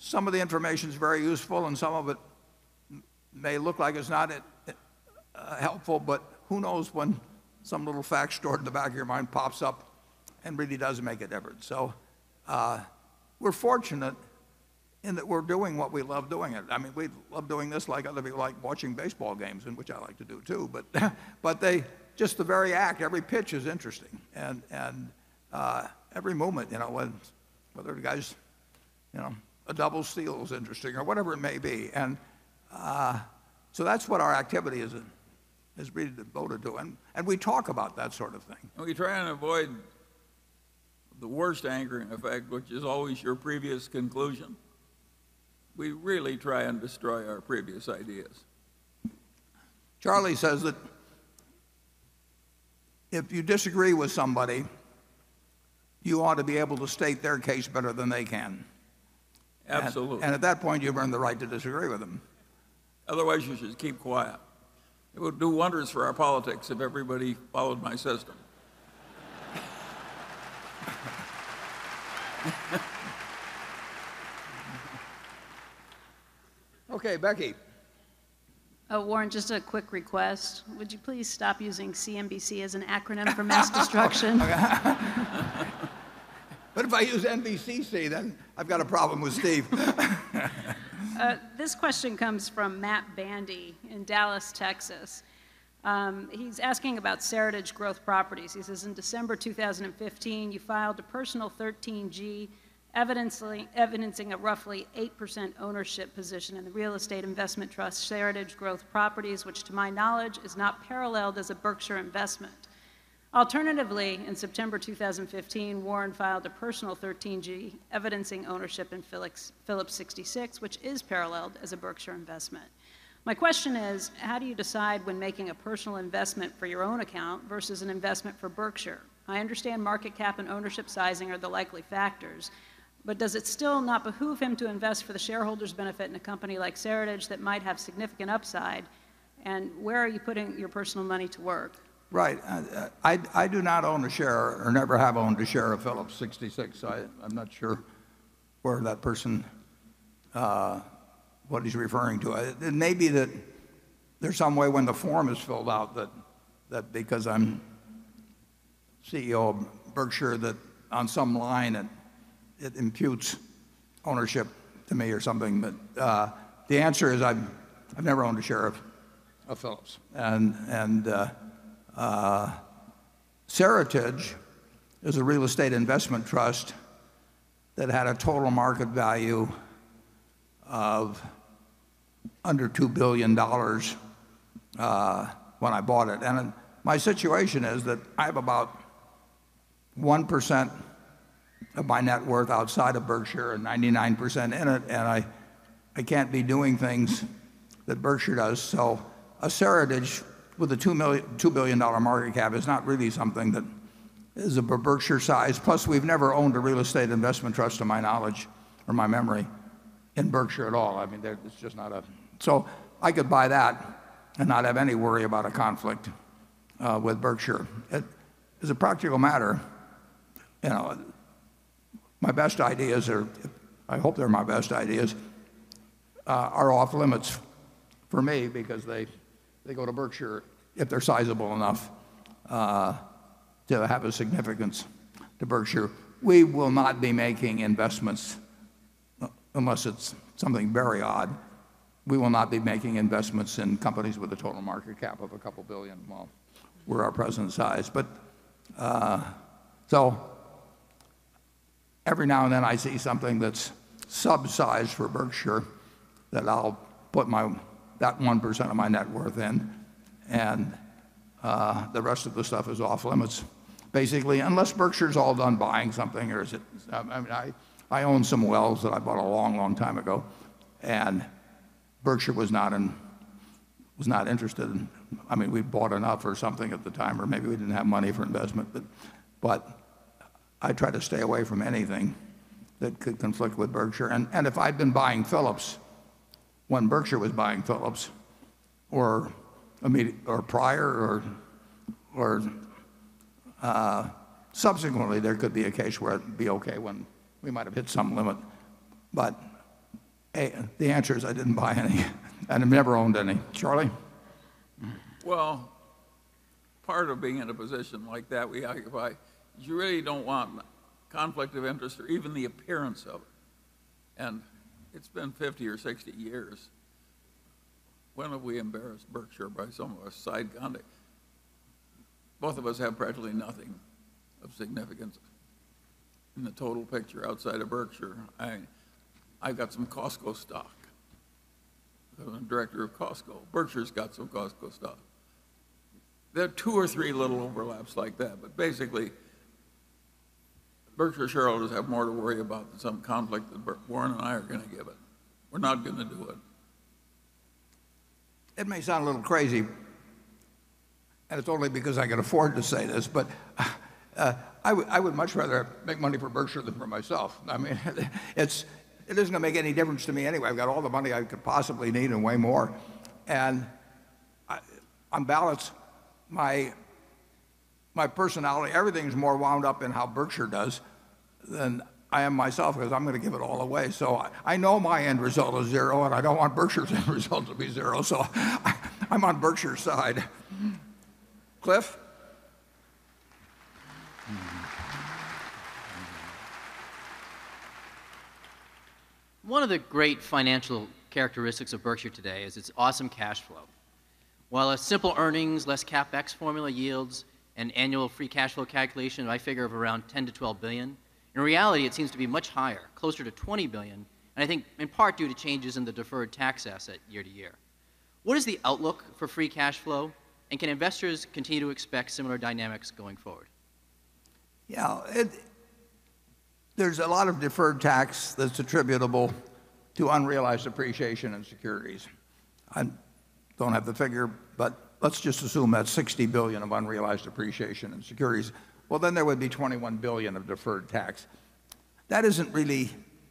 Some of the information is very useful, and some of it may look like it's not helpful, but who knows when some little fact stored in the back of your mind pops up and really does make a difference. We're fortunate in that we're doing what we love doing. We love doing this like other people like watching baseball games, which I like to do, too. Just the very act, every pitch is interesting and every moment, whether a guy's a double steal is interesting or whatever it may be. That's what our activity is really devoted to, and we talk about that sort of thing. We try and avoid the worst anchoring effect, which is always your previous conclusion. We really try and destroy our previous ideas. Charlie says that if you disagree with somebody, you ought to be able to state their case better than they can. Absolutely. At that point, you've earned the right to disagree with them. Otherwise, you should keep quiet. It would do wonders for our politics if everybody followed my system. Okay, Becky. Oh, Warren, just a quick request. Would you please stop using CNCB as an acronym for mass destruction? If I use NBC, then I've got a problem with Steve. This question comes from Matt Bandy in Dallas, Texas. He's asking about Seritage Growth Properties. He says, "In December 2015, you filed a personal 13G evidencing a roughly 8% ownership position in the real estate investment trust, Seritage Growth Properties, which to my knowledge is not paralleled as a Berkshire investment. Alternatively, in September 2015, Warren filed a personal 13G evidencing ownership in Phillips 66, which is paralleled as a Berkshire investment. My question is, how do you decide when making a personal investment for your own account versus an investment for Berkshire? I understand market cap and ownership sizing are the likely factors, but does it still not behoove him to invest for the shareholders' benefit in a company like Seritage that might have significant upside? Where are you putting your personal money to work? Right. I do not own a share or never have owned a share of Phillips 66. I'm not sure where that person, what he's referring to. It may be that there's some way when the form is filled out that because I'm CEO of Berkshire, that on some line it imputes ownership to me or something. The answer is I've never owned a share of Phillips. Seritage is a real estate investment trust that had a total market value of under $2 billion when I bought it. My situation is that I have about 1% of my net worth outside of Berkshire and 99% in it, I can't be doing things that Berkshire does. A Seritage with a $2 billion market cap is not really something that is of a Berkshire size. We've never owned a real estate investment trust to my knowledge or my memory in Berkshire at all. It's just not us. I could buy that and not have any worry about a conflict with Berkshire. As a practical matter, my best ideas are, I hope they're my best ideas, are off limits for me because they go to Berkshire if they're sizable enough to have a significance to Berkshire. We will not be making investments unless it's something very odd. We will not be making investments in companies with a total market cap of a couple of billion while we're our present size. Every now and then I see something that's sub-sized for Berkshire that I'll put that 1% of my net worth in, the rest of the stuff is off limits. Basically, unless Berkshire's all done buying something. I own some wells that I bought a long, long time ago, Berkshire was not interested in. We'd bought enough or something at the time, or maybe we didn't have money for investment. I try to stay away from anything that could conflict with Berkshire. If I'd been buying Phillips when Berkshire was buying Phillips, or prior or subsequently, there could be a case where it'd be okay when we might have hit some limit. The answer is I didn't buy any and have never owned any. Charlie? Well, part of being in a position like that we occupy is you really don't want conflict of interest or even the appearance of it, and it's been 50 or 60 years. When have we embarrassed Berkshire by some of our side conduct? Both of us have practically nothing of significance in the total picture outside of Berkshire. I've got some Costco stock. I'm a director of Costco. Berkshire's got some Costco stock. There are two or three little overlaps like that, but basically, Berkshire shareholders have more to worry about than some conflict that Warren and I are going to give it. We're not going to do it. It may sound a little crazy, it's only because I can afford to say this, but I would much rather make money for Berkshire than for myself. It isn't going to make any difference to me anyway. I've got all the money I could possibly need and way more. On balance, my personality, everything's more wound up in how Berkshire does than I am myself because I'm going to give it all away. I know my end result is zero, I don't want Berkshire's end result to be zero, I'm on Berkshire's side. Cliff? One of the great financial characteristics of Berkshire today is its awesome cash flow. While a simple earnings less CapEx formula yields an annual free cash flow calculation of, I figure, of around $10 billion-$12 billion, in reality, it seems to be much higher, closer to $20 billion, and I think in part due to changes in the deferred tax asset year-to-year. What is the outlook for free cash flow, can investors continue to expect similar dynamics going forward? Yeah. There's a lot of deferred tax that's attributable to unrealized appreciation in securities. I don't have the figure, but let's just assume that's $60 billion of unrealized appreciation in securities. There would be $21 billion of deferred tax. That isn't really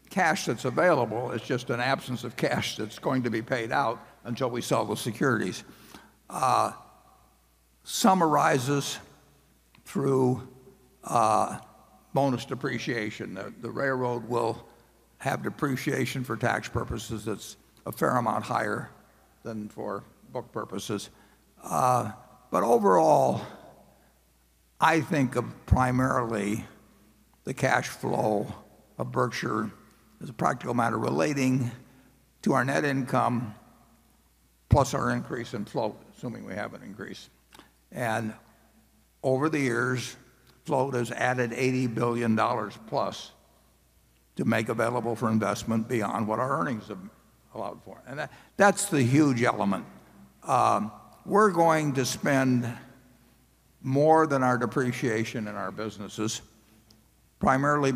cash that's available. It's just an absence of cash that's going to be paid out until we sell those securities. summarizes through bonus depreciation. The railroad will have depreciation for tax purposes that's a fair amount higher than for book purposes. Overall, I think of primarily the cash flow of Berkshire as a practical matter relating to our net income, plus our increase in float, assuming we have an increase. Over the years, float has added $80 billion+ to make available for investment beyond what our earnings have allowed for. That's the huge element. We're going to spend more than our depreciation in our businesses, primarily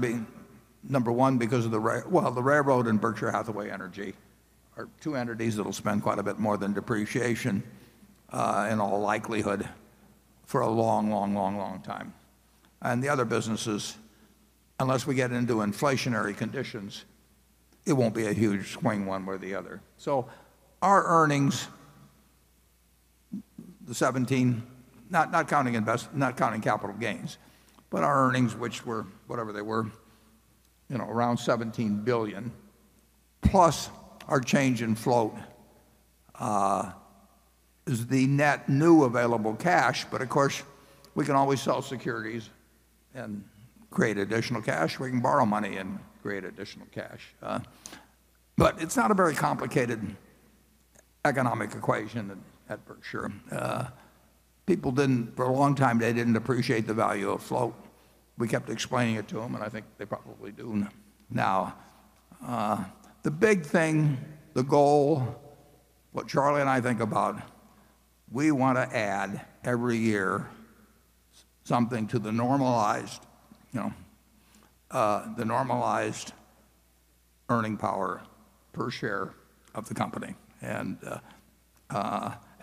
number 1 because of the railroad. Berkshire Hathaway Energy are two entities that'll spend quite a bit more than depreciation, in all likelihood for a long time. The other businesses, unless we get into inflationary conditions, it won't be a huge swing one way or the other. Our earnings, the $17, not counting capital gains, but our earnings, which were whatever they were, around $17 billion, plus our change in float, is the net new available cash. Of course, we can always sell securities and create additional cash. We can borrow money and create additional cash. It's not a very complicated economic equation at Berkshire. People, for a long time, they didn't appreciate the value of float. We kept explaining it to them, and I think they probably do now. The big thing, the goal, what Charlie and I think about, we want to add every year something to the normalized earning power per share of the company.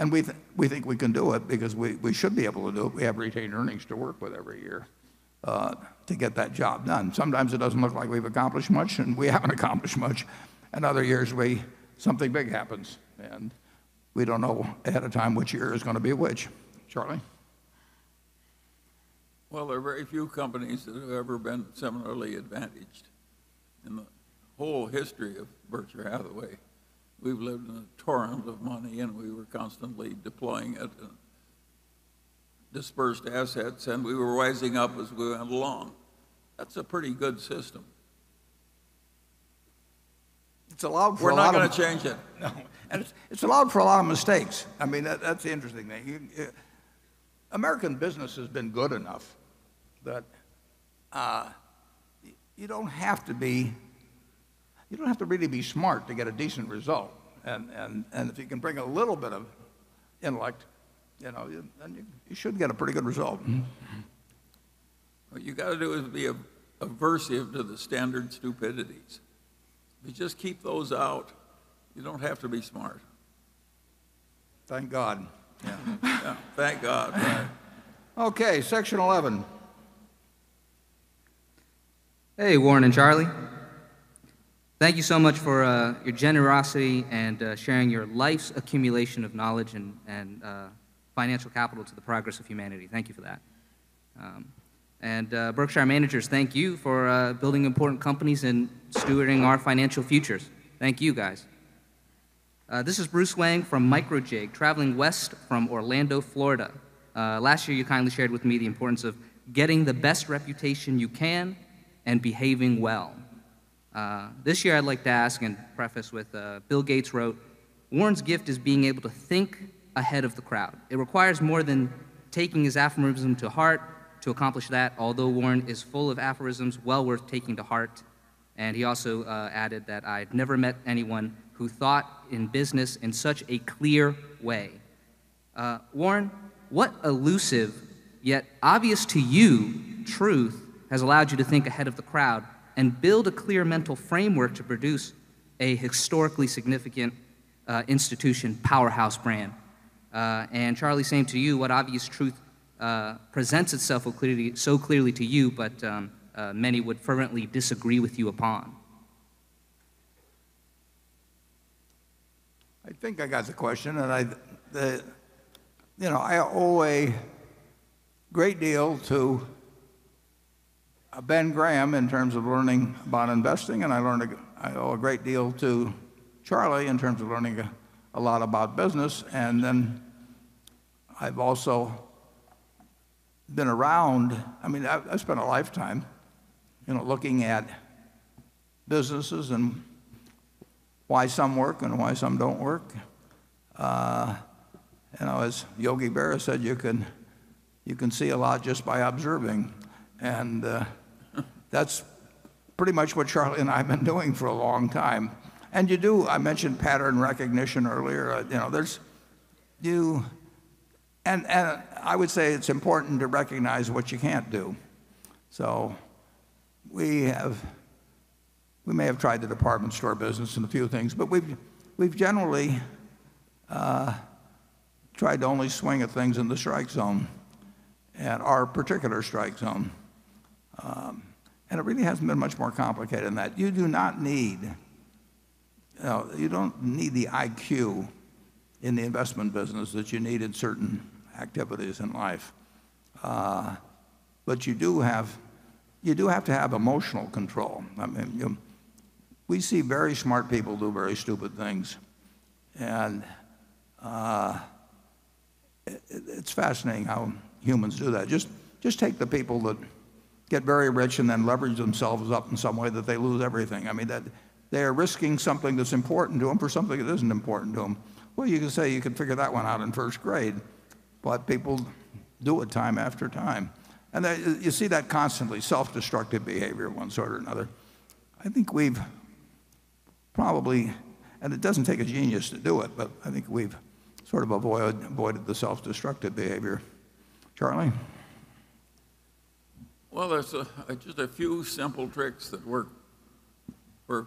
We think we can do it because we should be able to do it. We have retained earnings to work with every year to get that job done. Sometimes it doesn't look like we've accomplished much, and we haven't accomplished much. Other years, something big happens, and we don't know ahead of time which year is going to be which. Charlie? Well, there are very few companies that have ever been similarly advantaged in the whole history of Berkshire Hathaway. We've lived in a torrent of money, and we were constantly deploying it and dispersed assets, and we were rising up as we went along. That's a pretty good system. It's allowed for a lot of We're not going to change it. No. It's allowed for a lot of mistakes. That's the interesting thing. American business has been good enough that you don't have to really be smart to get a decent result. If you can bring a little bit of intellect, then you should get a pretty good result. What you got to do is be aversive to the standard stupidities. If you just keep those out, you don't have to be smart. Thank God. Yeah. Yeah. Thank God. Right. Okay. Section 11. Hey, Warren and Charlie. Thank you so much for your generosity and sharing your life's accumulation of knowledge and financial capital to the progress of humanity. Thank you for that. Berkshire managers, thank you for building important companies and stewarding our financial futures. Thank you, guys. This is Bruce Wang from MICROJIG, traveling west from Orlando, Florida. Last year, you kindly shared with me the importance of getting the best reputation you can and behaving well. This year I'd like to ask and preface with Bill Gates wrote, 'Warren's gift is being able to think ahead of the crowd. It requires more than taking his aphorism to heart to accomplish that, although Warren is full of aphorisms well worth taking to heart.' He also added that, 'I've never met anyone who thought in business in such a clear way.' Warren, what elusive, yet obvious to you, truth has allowed you to think ahead of the crowd and build a clear mental framework to produce a historically significant institution powerhouse brand? Charlie, same to you, what obvious truth presents itself so clearly to you, but many would fervently disagree with you upon? I think I got the question. I owe a great deal to Benjamin Graham in terms of learning about investing. I owe a great deal to Charlie in terms of learning a lot about business. Then I've also been around. I mean, I spent a lifetime looking at businesses and why some work and why some don't work. As Yogi Berra said, "You can see a lot just by observing." That's pretty much what Charlie and I have been doing for a long time. You do. I mentioned pattern recognition earlier. I would say it's important to recognize what you can't do. We may have tried the department store business and a few things, but we've generally tried to only swing at things in the strike zone, at our particular strike zone. It really hasn't been much more complicated than that. You don't need the IQ in the investment business that you need in certain activities in life. You do have to have emotional control. We see very smart people do very stupid things, and it's fascinating how humans do that. Just take the people that get very rich and then leverage themselves up in some way that they lose everything. They are risking something that's important to them for something that isn't important to them. Well, you can say you can figure that one out in first grade, but people do it time after time. You see that constantly, self-destructive behavior of one sort or another. I think we've probably, it doesn't take a genius to do it, but I think we've sort of avoided the self-destructive behavior. Charlie? Well, there's just a few simple tricks that work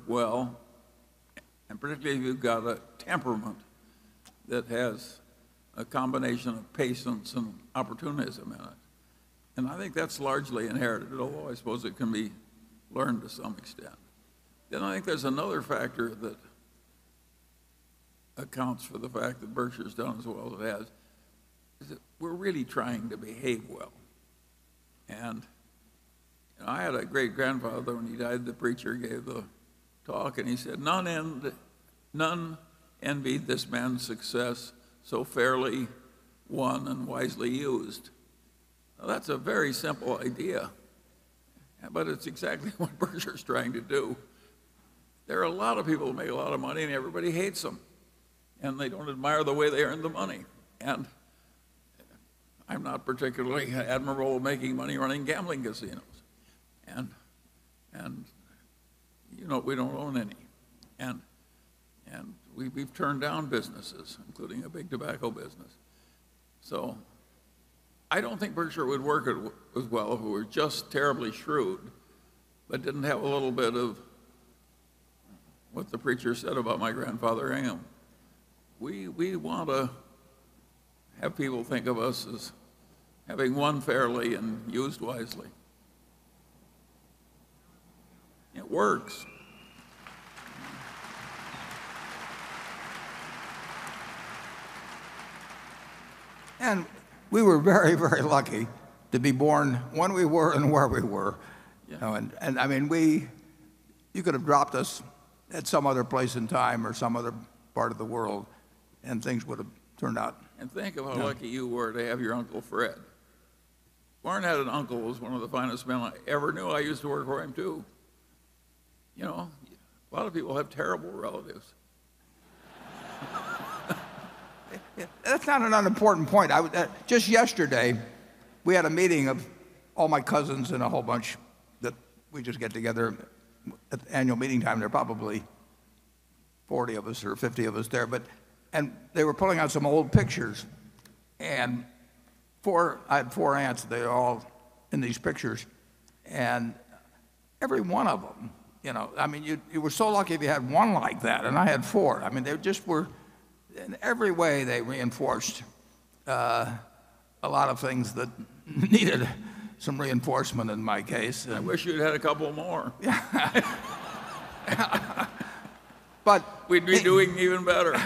well, and particularly if you've got a temperament that has a combination of patience and opportunism in it. I think that's largely inherited, although I suppose it can be learned to some extent. I think there's another factor that accounts for the fact that Berkshire's done as well as it has, is that we're really trying to behave well. I had a great grandfather, when he died, the preacher gave the talk and he said, "None envied this man's success, so fairly won and wisely used." Now, that's a very simple idea, but it's exactly what Berkshire's trying to do. There are a lot of people who make a lot of money, and everybody hates them, and they don't admire the way they earn the money. I'm not particularly admirable making money running gambling casinos, and we don't own any. We've turned down businesses, including a big tobacco business. I don't think Berkshire would work as well if we were just terribly shrewd but didn't have a little bit of what the preacher said about my grandfather, Anham. We want to have people think of us as having won fairly and used wisely. It works. We were very, very lucky to be born when we were and where we were. Yeah. You could have dropped us at some other place and time or some other part of the world, and things would have turned out. Think of how lucky you were to have your Fred Buffett. Warren had an uncle who was one of the finest men I ever knew. I used to work for him, too. A lot of people have terrible relatives. That's not an unimportant point. Just yesterday, we had a meeting of all my cousins and a whole bunch that we just get together at annual meeting time. There are probably 40 of us or 50 of us there. They were pulling out some old pictures. I have four aunts, they're all in these pictures. Every one of them, you were so lucky if you had one like that, and I had four. In every way, they reinforced a lot of things that needed some reinforcement in my case. I wish you'd had a couple more. Yeah. We'd be doing even better.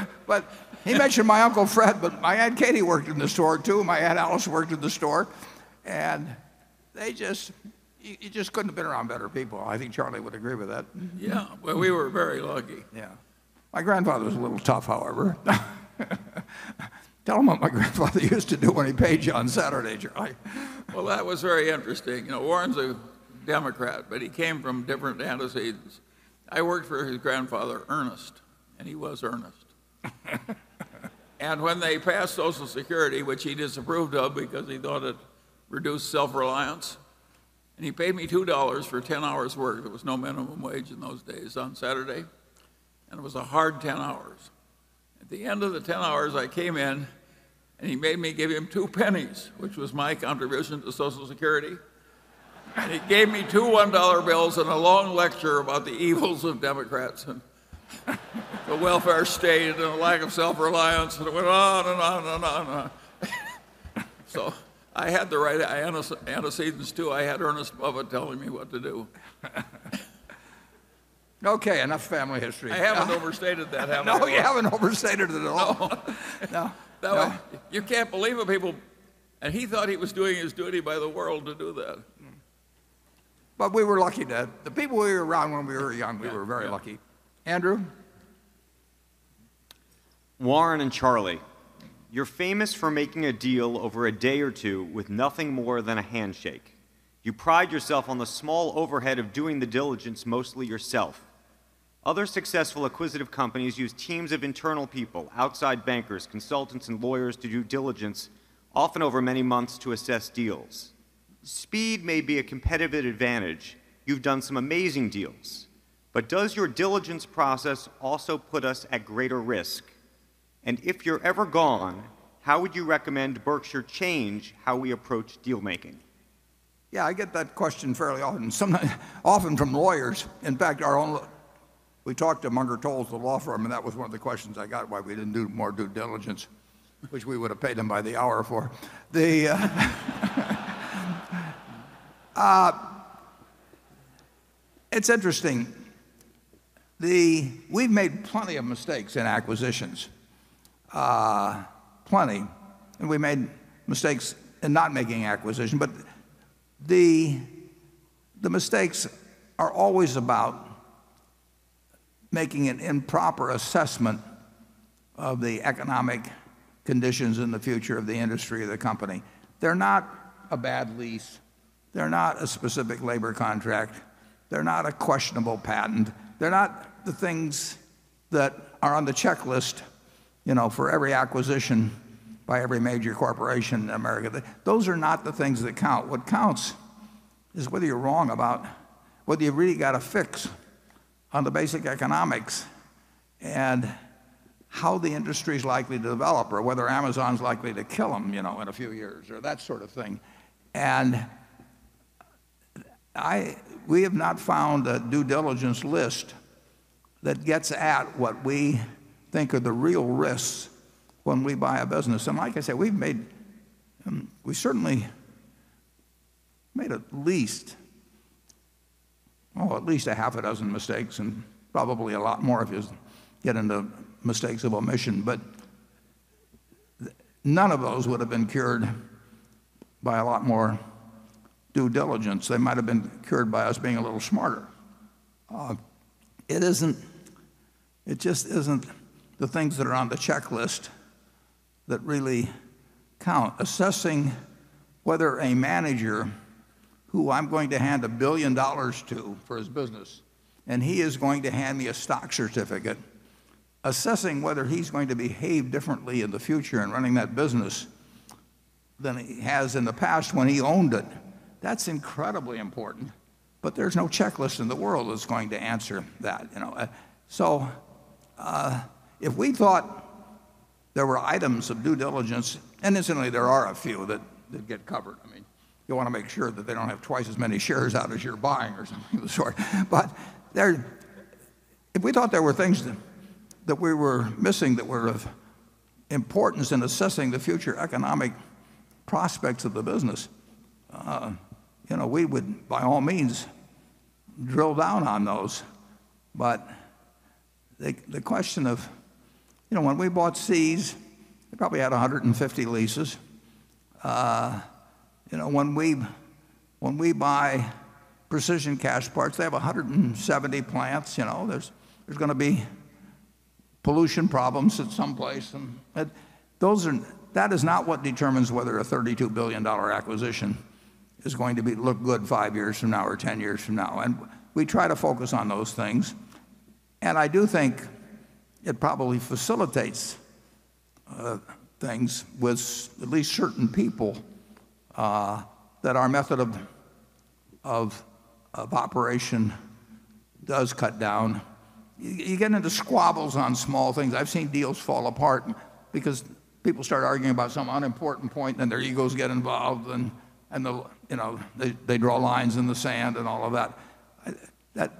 He mentioned my Fred Buffett, but my Katie Buffett worked in the store, too, and my Alice Buffett worked in the store. You just couldn't have been around better people. I think Charlie would agree with that. Yeah. Well, we were very lucky. Yeah. My grandfather was a little tough, however. Tell them what my grandfather used to do when he paid you on Saturday, Charlie. Well, that was very interesting. Warren's a Democrat, but he came from different antecedents. I worked for his grandfather, Ernest, and he was earnest. When they passed Social Security, which he disapproved of because he thought it reduced self-reliance, and he paid me $2 for 10 hours work, there was no minimum wage in those days, on Saturday, and it was a hard 10 hours. At the end of the 10 hours, I came in and he made me give him two pennies, which was my contribution to Social Security. He gave me two $1 bills and a long lecture about the evils of Democrats and the welfare state and the lack of self-reliance. It went on and on and on and on. I had the right antecedents, too. I had Ernest Buffett telling me what to do. Okay. Enough family history. I haven't overstated that, have I? No, you haven't overstated it at all. No. You can't believe what people. He thought he was doing his duty by the world to do that. We were lucky, Dad. The people we were around when we were young. Yeah We were very lucky. Andrew? Warren and Charlie, you're famous for making a deal over a day or two with nothing more than a handshake. You pride yourself on the small overhead of doing the diligence mostly yourself. Other successful acquisitive companies use teams of internal people, outside bankers, consultants, and lawyers to due diligence, often over many months, to assess deals. Speed may be a competitive advantage. You've done some amazing deals. Does your diligence process also put us at greater risk? If you're ever gone, how would you recommend Berkshire change how we approach deal making? I get that question fairly often from lawyers. In fact, we talked to Munger, Tolles, the law firm, that was one of the questions I got, why we didn't do more due diligence, which we would have paid them by the hour for. It's interesting. We've made plenty of mistakes in acquisitions, plenty. We made mistakes in not making acquisition, but the mistakes are always about making an improper assessment of the economic conditions in the future of the industry or the company. They're not a bad lease. They're not a specific labor contract. They're not a questionable patent. They're not the things that are on the checklist for every acquisition by every major corporation in America. Those are not the things that count. What counts is whether you're wrong about whether you've really got a fix on the basic economics and how the industry is likely to develop, or whether Amazon is likely to kill them in a few years, or that sort of thing. We have not found a due diligence list that gets at what we think are the real risks when we buy a business. Like I said, we certainly made at least a half a dozen mistakes, and probably a lot more if you get into mistakes of omission. None of those would have been cured by a lot more due diligence. They might have been cured by us being a little smarter. It just isn't the things that are on the checklist that really count. Assessing whether a manager who I'm going to hand $1 billion to for his business, he is going to hand me a stock certificate, assessing whether he's going to behave differently in the future in running that business than he has in the past when he owned it, that's incredibly important, there's no checklist in the world that's going to answer that. If we thought there were items of due diligence, and incidentally there are a few that get covered. You want to make sure that they don't have twice as many shares out as you're buying or something of the sort. If we thought there were things that we were missing that were of importance in assessing the future economic prospects of the business, we would by all means drill down on those. The question of when we bought See's, they probably had 150 leases. When we buy Precision Castparts, they have 170 plants. There's going to be pollution problems at some place. That is not what determines whether a $32 billion acquisition is going to look good five years from now or 10 years from now, and we try to focus on those things. I do think it probably facilitates things with at least certain people, that our method of operation does cut down. You get into squabbles on small things. I've seen deals fall apart because people start arguing about some unimportant point, and their egos get involved, and they draw lines in the sand and all of that.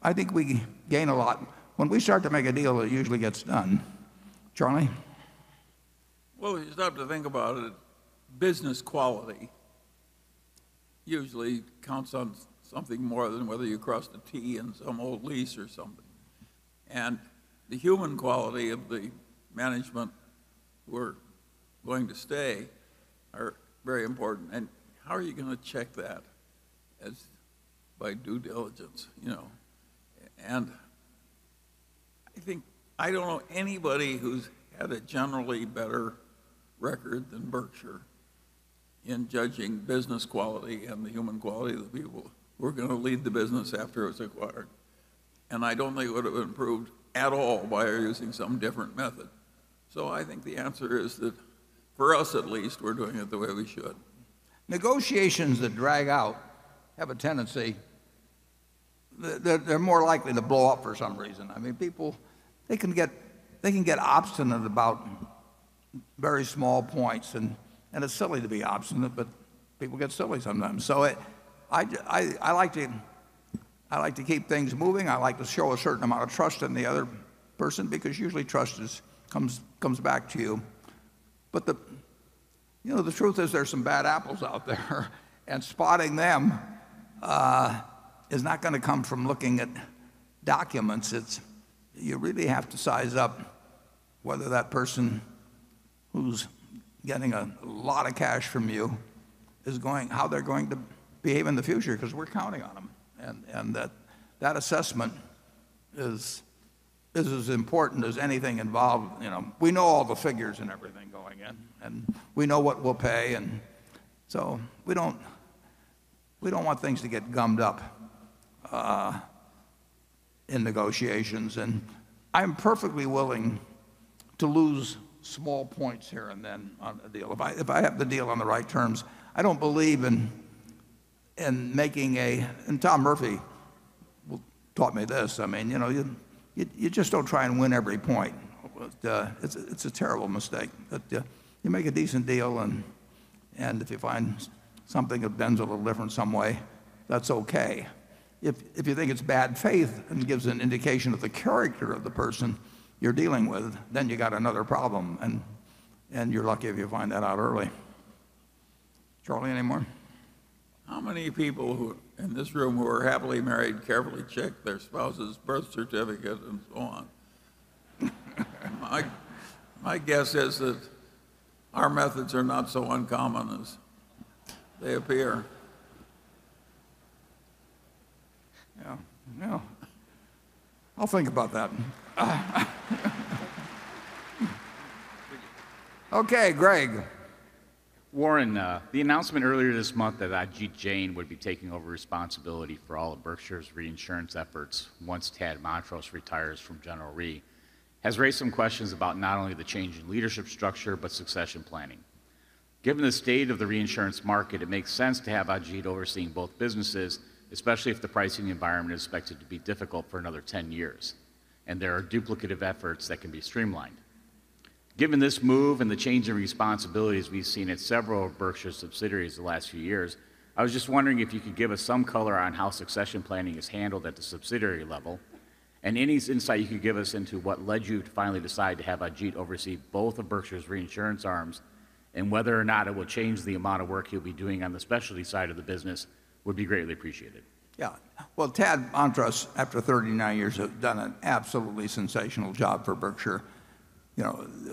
I think we gain a lot. When we start to make a deal, it usually gets done. Charlie? Well, you stop to think about it, business quality usually counts on something more than whether you cross the T in some old lease or something. The human quality of the management who are going to stay are very important, and how are you going to check that by due diligence? I don't know anybody who's had a generally better record than Berkshire in judging business quality and the human quality of the people who are going to lead the business after it's acquired. I don't think it would have improved at all by using some different method. I think the answer is that for us at least, we're doing it the way we should. Negotiations that drag out have a tendency that they're more likely to blow up for some reason. People can get obstinate about very small points, and it's silly to be obstinate, but people get silly sometimes. I like to keep things moving. I like to show a certain amount of trust in the other person because usually trust comes back to you. The truth is there's some bad apples out there and spotting them is not going to come from looking at documents. You really have to size up whether that person who's getting a lot of cash from you, how they're going to behave in the future because we're counting on them. That assessment is as important as anything involved. We know all the figures and everything going in, and we know what we'll pay, so we don't want things to get gummed up in negotiations. I'm perfectly willing to lose small points here and then on a deal if I have the deal on the right terms. Tom Murphy taught me this. You just don't try and win every point. It's a terrible mistake. You make a decent deal, and if you find something that bends a little different some way, that's okay. If you think it's bad faith and gives an indication of the character of the person you're dealing with, then you got another problem, and you're lucky if you find that out early. Charlie, any more? How many people in this room who are happily married carefully check their spouse's birth certificate and so on? My guess is that our methods are not so uncommon as they appear. Yeah. I'll think about that. Okay, Greg. Warren, the announcement earlier this month that Ajit Jain would be taking over responsibility for all of Berkshire's reinsurance efforts once Tad Montross retires from General Re has raised some questions about not only the change in leadership structure, but succession planning. Given the state of the reinsurance market, it makes sense to have Ajit overseeing both businesses, especially if the pricing environment is expected to be difficult for another 10 years, and there are duplicative efforts that can be streamlined. Given this move and the change in responsibilities we've seen at several of Berkshire's subsidiaries the last few years, I was just wondering if you could give us some color on how succession planning is handled at the subsidiary level, and any insight you could give us into what led you to finally decide to have Ajit oversee both of Berkshire's reinsurance arms, and whether or not it will change the amount of work he'll be doing on the specialty side of the business would be greatly appreciated. Well, Tad Montross, after 39 years, has done an absolutely sensational job for Berkshire. General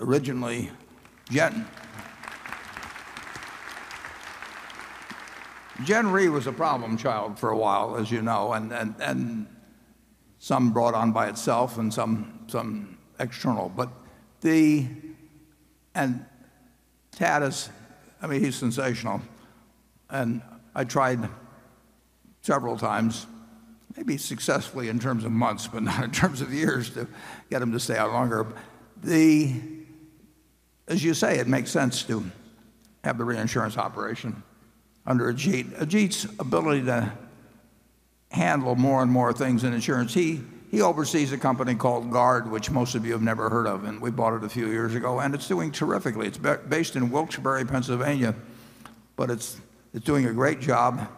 Re was a problem child for a while, as you know, and some brought on by itself and some external. Tad is sensational, and I tried several times, maybe successfully in terms of months but not in terms of years, to get him to stay on longer. As you say, it makes sense to have the reinsurance operation under Ajit. Ajit's ability to handle more and more things in insurance, he oversees a company called Guard, which most of you have never heard of, and we bought it a few years ago, and it's doing terrifically. It's based in Wilkes-Barre, Pennsylvania, but it's doing a great job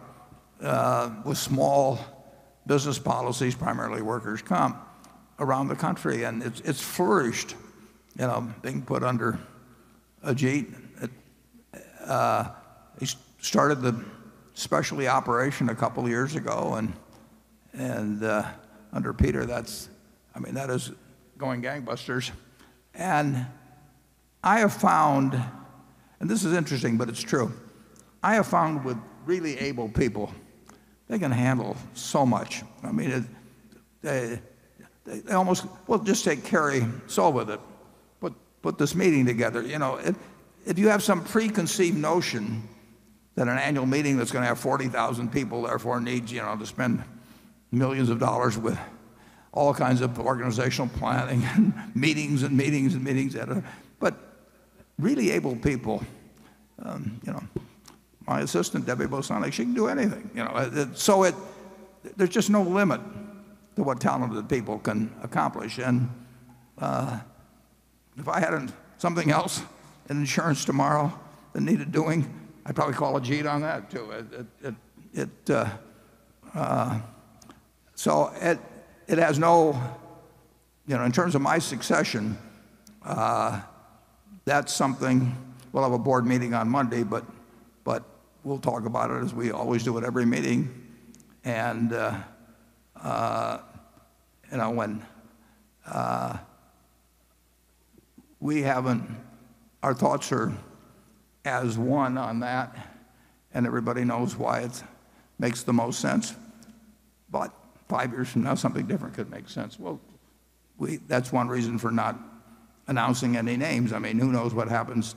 with small business policies, primarily workers' comp, around the country, and it's flourished being put under Ajit. He started the specialty operation a couple of years ago, and under Peter, that is going gangbusters. This is interesting, but it's true. I have found with really able people, they can handle so much. Well, just take Carrie Sova, put this meeting together. If you have some preconceived notion that an annual meeting that's going to have 40,000 people therefore needs to spend $ millions with all kinds of organizational planning and meetings, and meetings, and meetings. Really able people, my assistant, Debbie Bosanek, she can do anything. There's just no limit to what talented people can accomplish. If I had something else in insurance tomorrow that needed doing, I'd probably call Ajit on that, too. In terms of my succession, we'll have a board meeting on Monday, but we'll talk about it as we always do at every meeting. Our thoughts are as one on that, and everybody knows why it makes the most sense. Five years from now, something different could make sense. Well, that's one reason for not announcing any names. Who knows what happens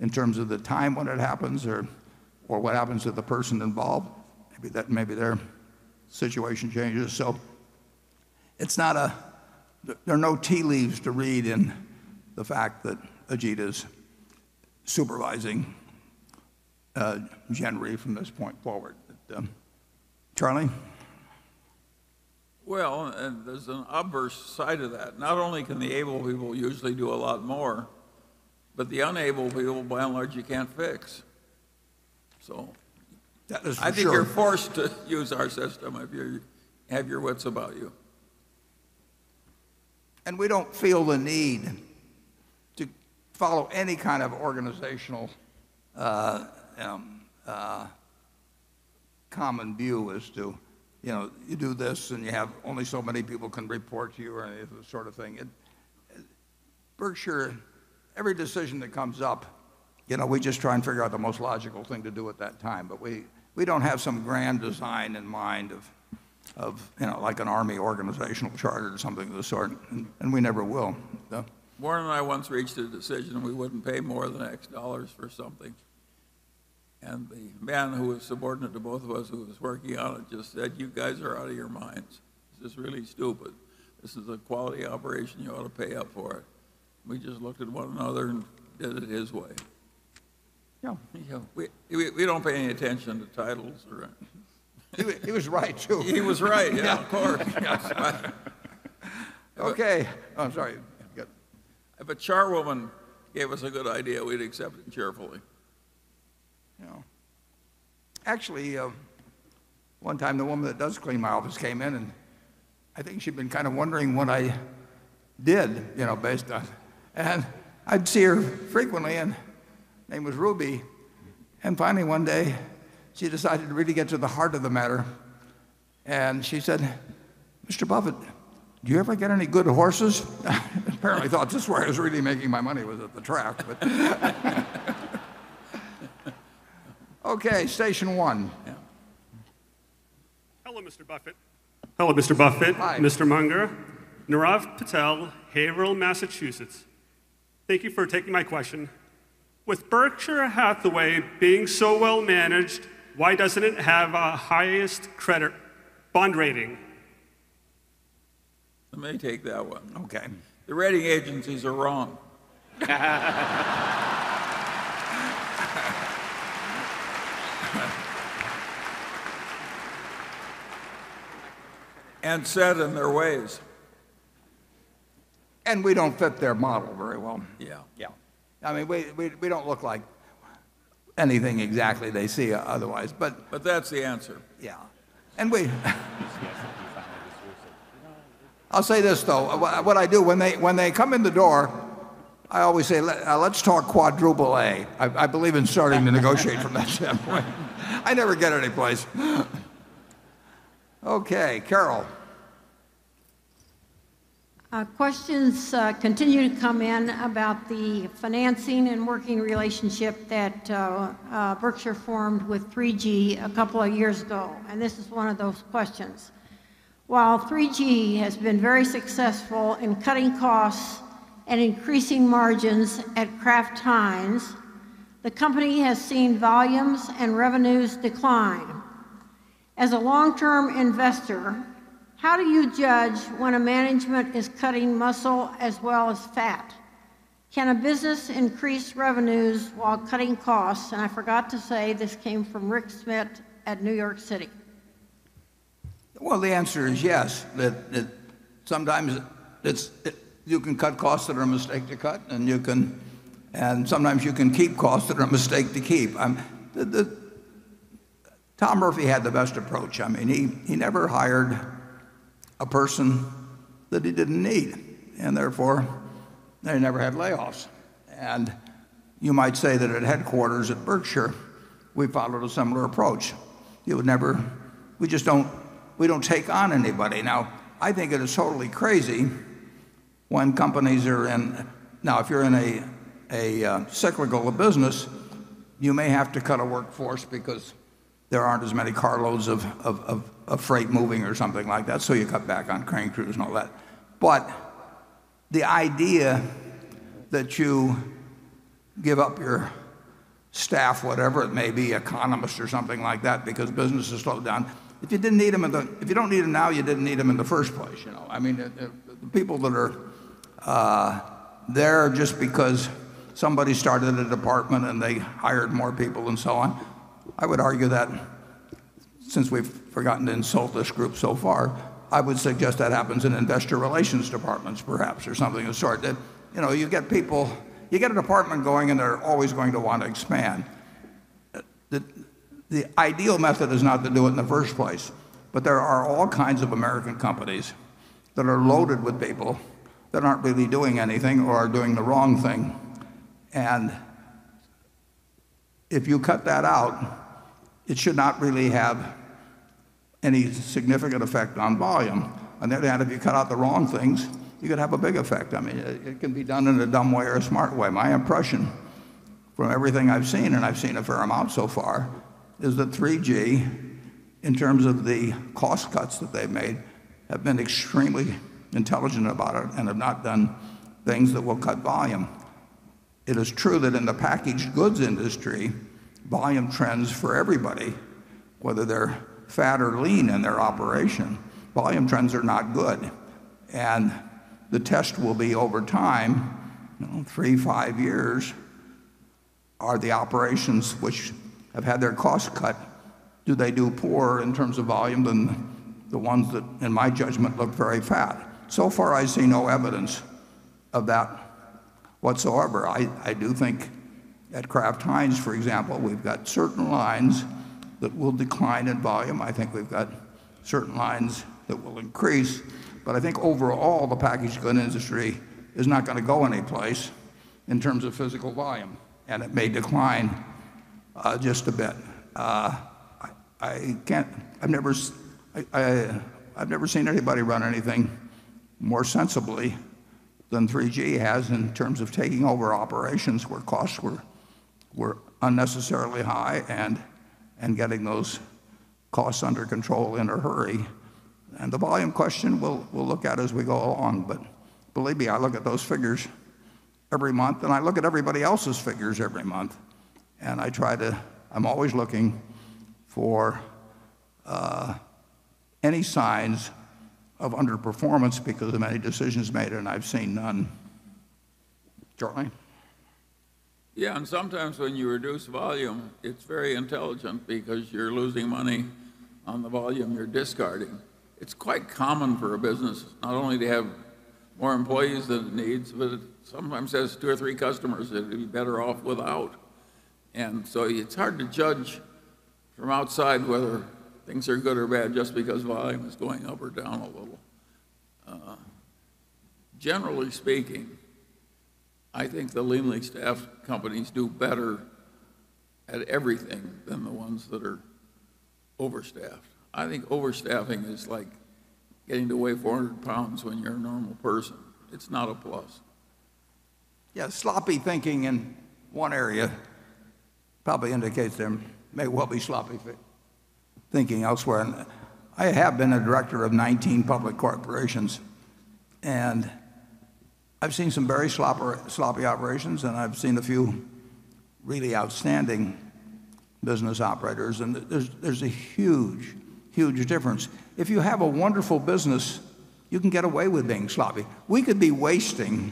in terms of the time when it happens or what happens to the person involved? Maybe their situation changes. There are no tea leaves to read in the fact that Ajit is supervising General Re from this point forward. Charlie? Well, there's an adverse side of that. Not only can the able people usually do a lot more, but the unable people, by and large, you can't fix. That is for sure I think you're forced to use our system if you have your wits about you. We don't feel the need to follow any kind of organizational common view as to you do this, and you have only so many people can report to you or any of this sort of thing. Berkshire, every decision that comes up, we just try and figure out the most logical thing to do at that time. We don't have some grand design in mind of an army organizational chart or something of the sort, and we never will. Yeah. Warren and I once reached a decision we wouldn't pay more than X dollars for something. The man who was subordinate to both of us who was working on it just said, "You guys are out of your minds. This is really stupid. This is a quality operation. You ought to pay up for it." We just looked at one another and did it his way. Yeah. We don't pay any attention to titles or anything. He was right, too. He was right. Yeah, of course. Yes. Okay. Oh, sorry. Go ahead. If a charwoman gave us a good idea, we'd accept it cheerfully One time, the woman that does clean my office came in, I think she'd been kind of wondering what I did. I'd see her frequently, her name was Ruby. Finally, one day, she decided to really get to the heart of the matter, she said, "Mr. Buffett, do you ever get any good horses?" Apparently thought this is where I was really making my money was at the track. Okay, station one. Yeah. Hello, Mr. Buffett. Hi. Hello, Mr. Buffett, Mr. Munger. Nirav Patel, Haverhill, Massachusetts. Thank you for taking my question. With Berkshire Hathaway being so well-managed, why doesn't it have a highest credit bond rating? Let me take that one. Okay. The rating agencies are wrong. Set in their ways. We don't fit their model very well. Yeah. Yeah. We don't look like anything exactly they see otherwise, but. That's the answer. Yeah. I'll say this, though. What I do when they come in the door, I always say, "Let's talk quadruple A." I believe in starting to negotiate from that standpoint. I never get any place. Okay, Carol. Questions continue to come in about the financing and working relationship that Berkshire formed with 3G a couple of years ago, and this is one of those questions. While 3G has been very successful in cutting costs and increasing margins at Kraft Heinz, the company has seen volumes and revenues decline. As a long-term investor, how do you judge when a management is cutting muscle as well as fat? Can a business increase revenues while cutting costs? I forgot to say, this came from Rick Smith at New York City. Well, the answer is yes. Sometimes you can cut costs that are a mistake to cut, and sometimes you can keep costs that are a mistake to keep. Tom Murphy had the best approach. He never hired a person that he didn't need, and therefore they never had layoffs. You might say that at headquarters at Berkshire, we followed a similar approach. We don't take on anybody. Now, I think it is totally crazy when companies are in. Now, if you're in a cyclical business, you may have to cut a workforce because there aren't as many car loads of freight moving or something like that, so you cut back on crane crews and all that. The idea that you give up your staff, whatever it may be, economist or something like that, because business has slowed down. If you don't need them now, you didn't need them in the first place. The people that are there just because somebody started a department, and they hired more people and so on. I would argue that since we've forgotten to insult this group so far, I would suggest that happens in investor relations departments perhaps or something of the sort. You get a department going, and they're always going to want to expand. The ideal method is not to do it in the first place, there are all kinds of American companies that are loaded with people that aren't really doing anything or are doing the wrong thing. If you cut that out, it should not really have any significant effect on volume. On the other hand, if you cut out the wrong things, you could have a big effect. It can be done in a dumb way or a smart way. My impression from everything I've seen, and I've seen a fair amount so far, is that 3G, in terms of the cost cuts that they've made, have been extremely intelligent about it and have not done things that will cut volume. It is true that in the packaged goods industry, volume trends for everybody, whether they're fat or lean in their operation, volume trends are not good. The test will be over time, three, five years, are the operations which have had their costs cut, do they do poorer in terms of volume than the ones that, in my judgment, look very fat? So far, I see no evidence of that whatsoever. I do think at Kraft Heinz, for example, we've got certain lines that will decline in volume. I think we've got certain lines that will increase, but I think overall, the packaged good industry is not going to go any place in terms of physical volume, and it may decline just a bit. I've never seen anybody run anything more sensibly than 3G has in terms of taking over operations where costs were unnecessarily high and getting those costs under control in a hurry. The volume question, we'll look at as we go on. Believe me, I look at those figures every month, and I look at everybody else's figures every month, and I'm always looking for any signs of underperformance because of any decisions made, and I've seen none. Charlie? Sometimes when you reduce volume, it's very intelligent because you're losing money on the volume you're discarding. It's quite common for a business not only to have more employees than it needs, but it sometimes has two or three customers it'd be better off without. It's hard to judge from outside whether things are good or bad just because volume is going up or down a little. Generally speaking, I think the leanly staffed companies do better at everything than the ones that are overstaffed. I think overstaffing is like gaining the weight 400 pounds when you're a normal person. It's not a plus. Sloppy thinking in one area probably indicates there may well be sloppy thinking elsewhere. I have been a director of 19 public corporations, and I've seen some very sloppy operations, and I've seen a few really outstanding business operators, and there's a huge difference. If you have a wonderful business, you can get away with being sloppy. We could be wasting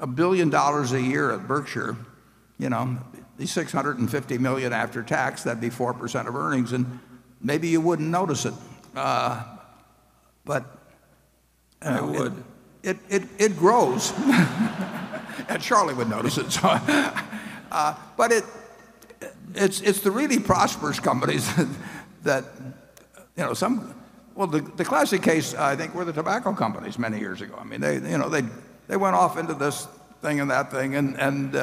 $1 billion a year at Berkshire, be $650 million after tax, that'd be 4% of earnings. Maybe you wouldn't notice it. I would. It grows. Charlie would notice it. It's the really prosperous companies that some. Well, the classic case, I think, were the tobacco companies many years ago. They went off into this thing and that thing, and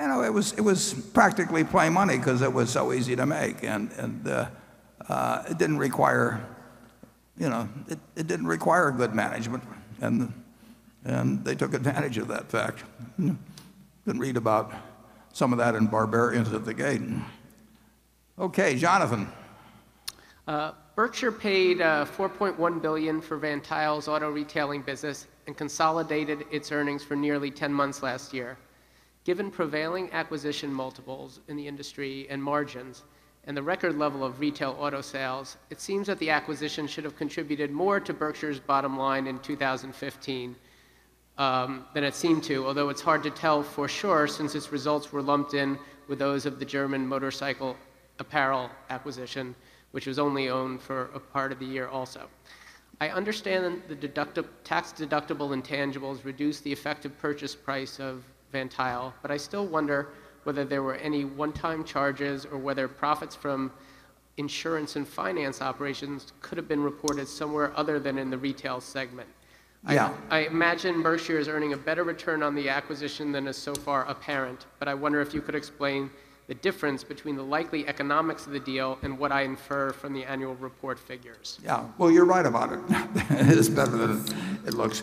it was practically play money because it was so easy to make, and it didn't require good management, and they took advantage of that fact. You can read about some of that in "Barbarians at the Gate." Jonathan. Berkshire paid $4.1 billion for Van Tuyl's auto retailing business and consolidated its earnings for nearly 10 months last year. Given prevailing acquisition multiples in the industry and margins, and the record level of retail auto sales, it seems that the acquisition should have contributed more to Berkshire's bottom line in 2015 than it seemed to, although it's hard to tell for sure since its results were lumped in with those of the German motorcycle apparel acquisition, which was only owned for a part of the year also. I understand the tax deductible intangibles reduce the effective purchase price of Van Tuyl, I still wonder whether there were any one-time charges or whether profits from insurance and finance operations could have been reported somewhere other than in the retail segment. Yeah. I imagine Berkshire is earning a better return on the acquisition than is so far apparent, I wonder if you could explain the difference between the likely economics of the deal and what I infer from the annual report figures. You're right about it. It is better than it looks.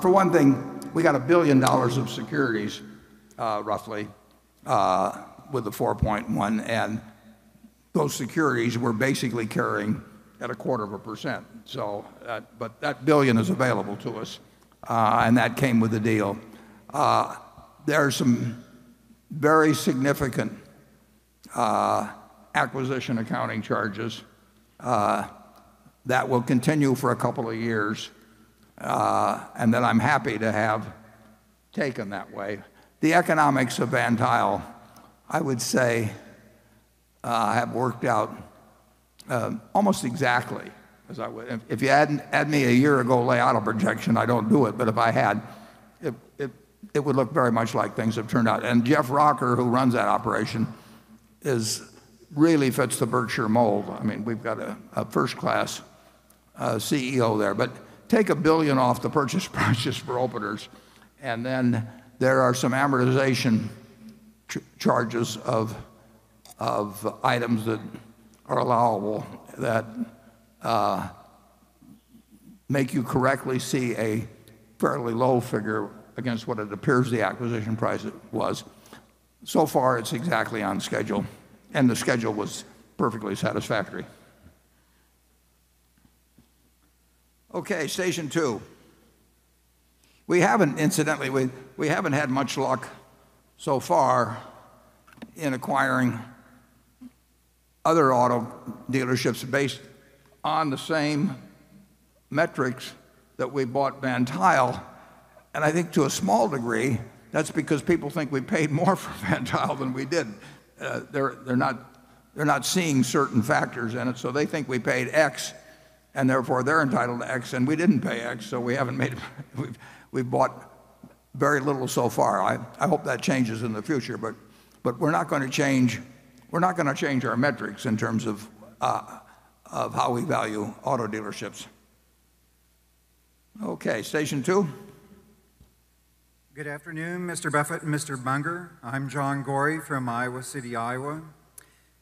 For one thing, we got $1 billion of securities, roughly, with the $4.1, and those securities we're basically carrying at a quarter of a percent. That $1 billion is available to us, and that came with the deal. There are some very significant acquisition accounting charges that will continue for a couple of years, and that I'm happy to have taken that way. The economics of Van Tuyl, I would say, have worked out almost exactly as I would have. If you had me a year ago lay out a projection, I don't do it, if I had, it would look very much like things have turned out. Jeff Rachor, who runs that operation, really fits the Berkshire mold. We've got a first-class CEO there. Take $1 billion off the purchase price for openers, and then there are some amortization charges of items that are allowable that make you correctly see a fairly low figure against what it appears the acquisition price was. So far, it's exactly on schedule, and the schedule was perfectly satisfactory. Okay, station 2. Incidentally, we haven't had much luck so far in acquiring other auto dealerships based on the same metrics that we bought Van Tuyl. I think to a small degree, that's because people think we paid more for Van Tuyl than we did. They're not seeing certain factors in it, they think we paid X, and therefore they're entitled to X. We didn't pay X, so we haven't made a profit. We've bought very little so far. I hope that changes in the future. We're not going to change our metrics in terms of how we value auto dealerships. Okay, station 2. Good afternoon, Mr. Buffett and Mr. Munger. I'm John Gory from Iowa City, Iowa.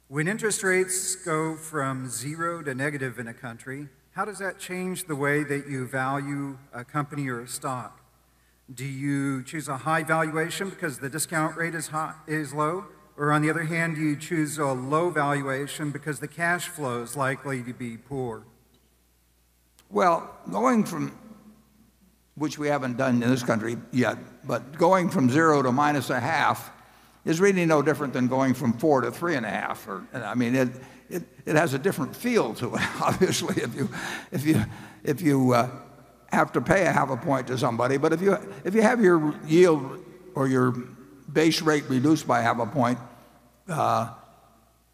When interest rates go from zero to negative in a country, how does that change the way that you value a company or a stock? Do you choose a high valuation because the discount rate is low? On the other hand, do you choose a low valuation because the cash flow is likely to be poor? Going from, which we haven't done in this country yet, but going from zero to minus a half is really no different than going from four to three and a half. It has a different feel to it, obviously, if you have to pay a half a point to somebody. If you have your yield or your base rate reduced by half a point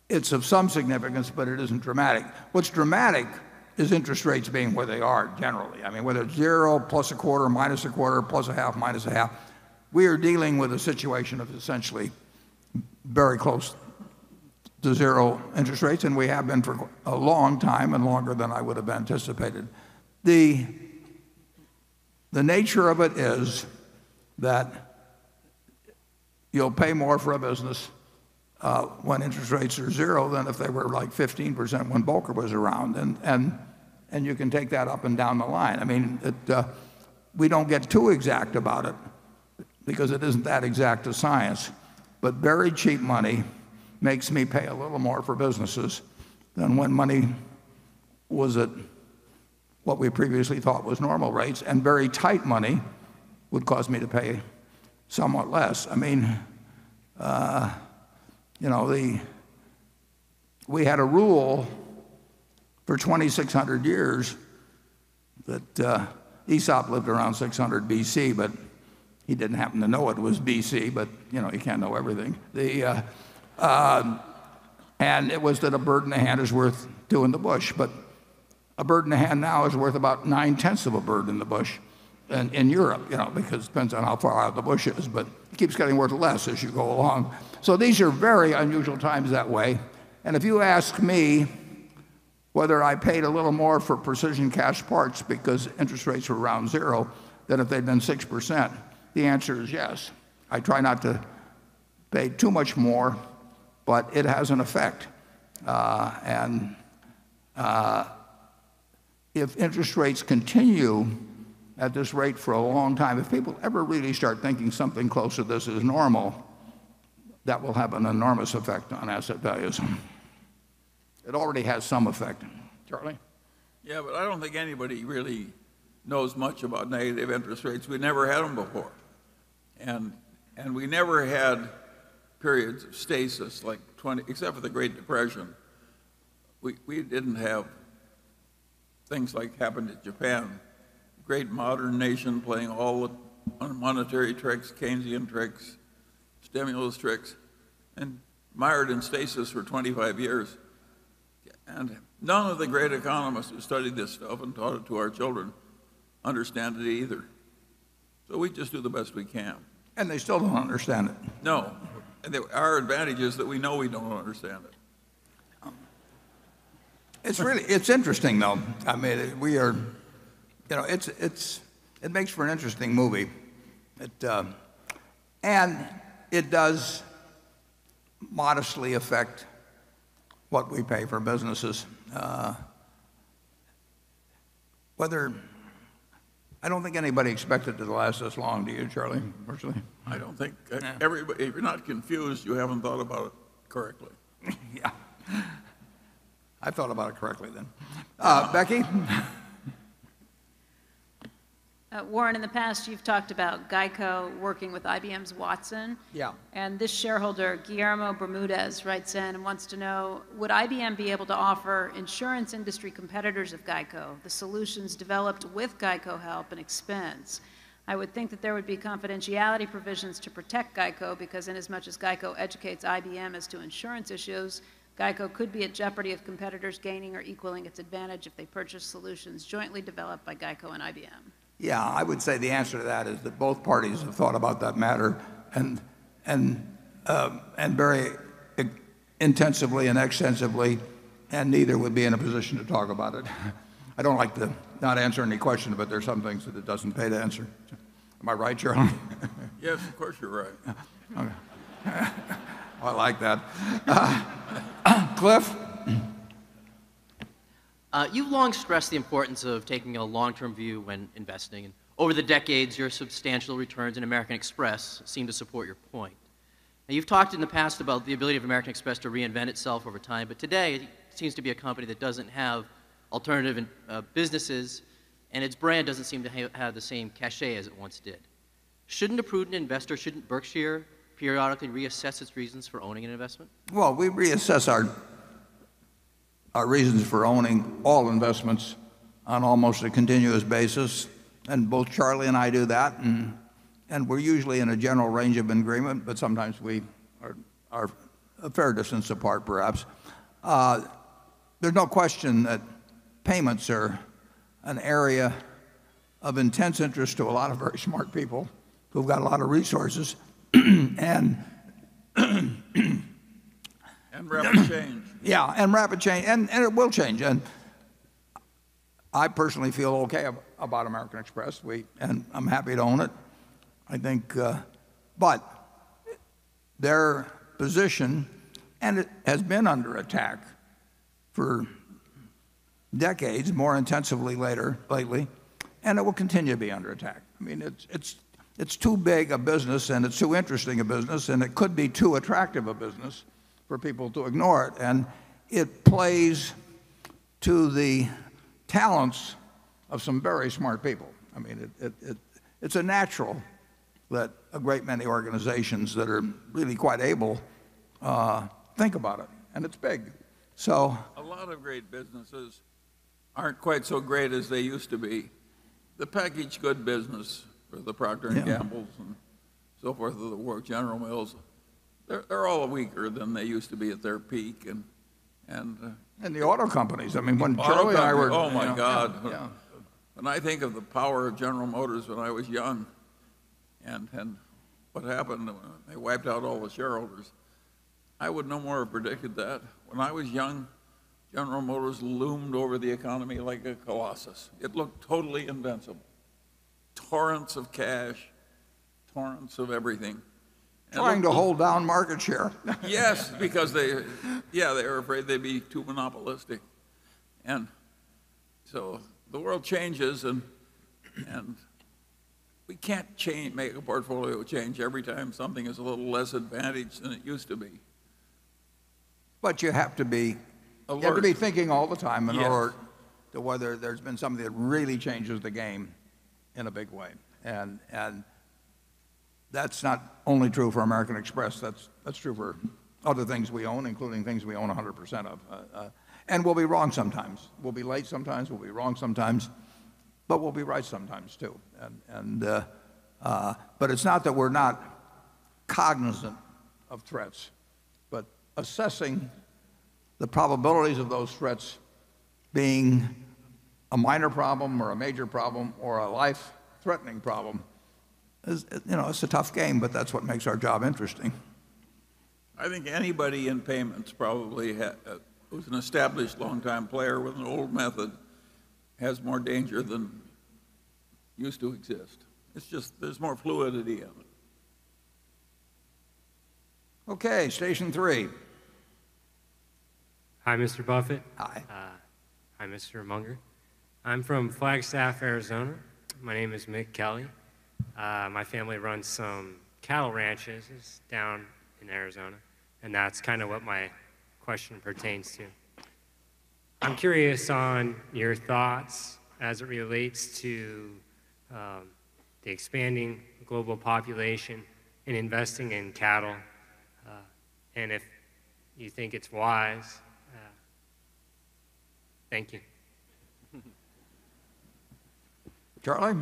It's of some significance, but it isn't dramatic. What's dramatic is interest rates being where they are generally. Whether it's zero plus a quarter, minus a quarter, plus a half, minus a half, we are dealing with a situation of essentially very close to zero interest rates, and we have been for a long time and longer than I would have anticipated. The nature of it is that you'll pay more for a business when interest rates are zero than if they were 15% when Volcker was around, and you can take that up and down the line. We don't get too exact about it because it isn't that exact a science, but very cheap money makes me pay a little more for businesses than when money was at what we previously thought was normal rates, and very tight money would cause me to pay somewhat less. We had a rule for 2,600 years that Aesop lived around 600 BC, but he didn't happen to know it was BC. You can't know everything. It was that a bird in the hand is worth two in the bush, but a bird in the hand now is worth about nine-tenths of a bird in the bush in Europe because it depends on how far out the bush is, but it keeps getting worth less as you go along. These are very unusual times that way, and if you ask me whether I paid a little more for Precision Castparts because interest rates were around zero than if they'd been 6%, the answer is yes. I try not to pay too much more, but it has an effect. If interest rates continue at this rate for a long time, if people ever really start thinking something close to this is normal, that will have an enormous effect on asset values. It already has some effect. Charlie? Yeah, I don't think anybody really knows much about negative interest rates. We never had them before. We never had periods of stasis like except for the Great Depression. We didn't have things like happened in Japan, a great modern nation playing all the monetary tricks, Keynesian tricks, stimulus tricks, and mired in stasis for 25 years. None of the great economists who studied this stuff and taught it to our children understand it either. We just do the best we can. They still don't understand it. No. Our advantage is that we know we don't understand it. It's interesting, though. It makes for an interesting movie. It does modestly affect what we pay for businesses. I don't think anybody expected it to last this long, do you, Charlie, personally? I don't think- Yeah if you're not confused, you haven't thought about it correctly. Yeah. I thought about it correctly then. Becky? Warren, in the past, you've talked about GEICO working with IBM's Watson. Yeah. This shareholder, Guillermo Bermudez, writes in and wants to know, would IBM be able to offer insurance industry competitors of GEICO the solutions developed with GEICO help and expense? I would think that there would be confidentiality provisions to protect GEICO because in as much as GEICO educates IBM as to insurance issues, GEICO could be at jeopardy of competitors gaining or equaling its advantage if they purchase solutions jointly developed by GEICO and IBM. Yeah. I would say the answer to that is that both parties have thought about that matter and very intensively and extensively, and neither would be in a position to talk about it. I don't like to not answer any question, but there are some things that it doesn't pay to answer. Am I right, Charlie? Yes, of course, you're right. Okay. I like that. Cliff? Over the decades, your substantial returns in American Express seem to support your point. You've talked in the past about the ability of American Express to reinvent itself over time, today it seems to be a company that doesn't have alternative businesses and its brand doesn't seem to have the same cachet as it once did. Shouldn't a prudent investor, shouldn't Berkshire periodically reassess its reasons for owning an investment? Well, we reassess our reasons for owning all investments on almost a continuous basis. Both Charlie and I do that, we're usually in a general range of agreement, sometimes we are a fair distance apart, perhaps. There's no question that payments are an area of intense interest to a lot of very smart people who've got a lot of resources. Rapid change. Yeah, rapid change. It will change. I personally feel okay about American Express, and I'm happy to own it. Their position has been under attack for decades, more intensively lately, and it will continue to be under attack. It's too big a business and it's too interesting a business, and it could be too attractive a business for people to ignore it. It plays to the talents of some very smart people. It's natural that a great many organizations that are really quite able think about it, and it's big. Businesses aren't quite so great as they used to be. The packaged good business for the Procter & Gamble Yeah So forth of the world, General Mills, they're all weaker than they used to be at their peak. The auto companies. When Charlie and I were Oh, my God. Yeah. When I think of the power of General Motors when I was young, and what happened, they wiped out all the shareholders. I would no more have predicted that. When I was young, General Motors loomed over the economy like a colossus. It looked totally invincible. Torrents of cash, torrents of everything. Trying to hold down market share. Yes, because they are afraid they'd be too monopolistic. The world changes, and we can't make a portfolio change every time something is a little less advantaged than it used to be. You have to be Alert You have to be thinking all the time. Yes To whether there's been something that really changes the game in a big way. That's not only true for American Express, that's true for other things we own, including things we own 100% of. We'll be wrong sometimes. We'll be late sometimes, we'll be wrong sometimes, but we'll be right sometimes, too. It's not that we're not cognizant of threats, but assessing the probabilities of those threats being a minor problem or a major problem or a life-threatening problem, it's a tough game, but that's what makes our job interesting. I think anybody in payments, probably, who's an established longtime player with an old method has more danger than used to exist. There's more fluidity in it. Okay. Station 3. Hi, Mr. Buffett. Hi. Hi, Mr. Munger. I'm from Flagstaff, Arizona. My name is Mick Kelly. My family runs some cattle ranches down in Arizona, and that's what my question pertains to. I'm curious on your thoughts as it relates to the expanding global population and investing in cattle, and if you think it's wise. Thank you. Charlie?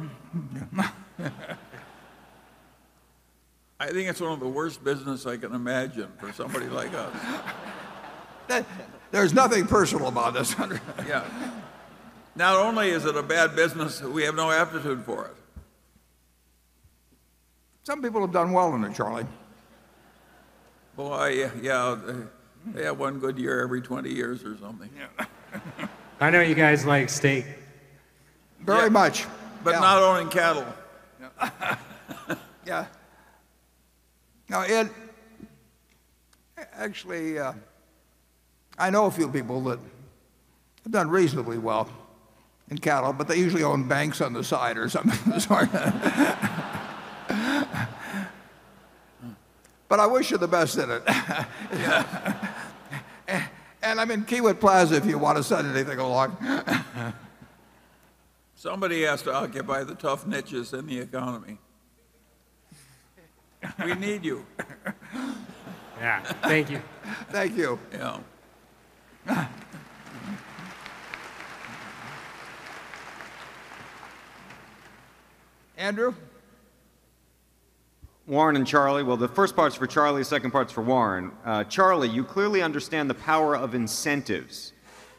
I think it's one of the worst business I can imagine for somebody like us. There's nothing personal about this. Yeah. Not only is it a bad business, we have no aptitude for it. Some people have done well in it, Charlie. Boy, yeah. They have one good year every 20 years or something. Yeah. I know you guys like steak. Very much. Not owning cattle. Yeah. Actually, I know a few people that have done reasonably well in cattle, but they usually own banks on the side or something of the sort. I wish you the best in it. Yeah. I'm in Kiewit Plaza if you want to sell anything along. Somebody has to occupy the tough niches in the economy. We need you. Yeah. Thank you. Thank you. Yeah. Andrew? Warren and Charlie. Well, the first part's for Charlie, second part's for Warren. Charlie, you clearly understand the power of incentives.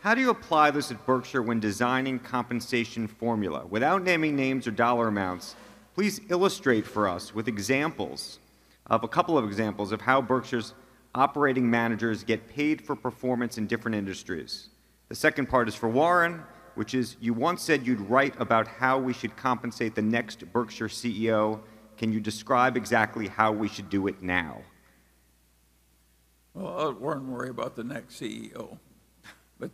How do you apply this at Berkshire when designing compensation formula? Without naming names or dollar amounts, please illustrate for us with a couple of examples of how Berkshire's operating managers get paid for performance in different industries. The second part is for Warren, which is, you once said you'd write about how we should compensate the next Berkshire CEO. Can you describe exactly how we should do it now? Well, I wouldn't worry about the next CEO. When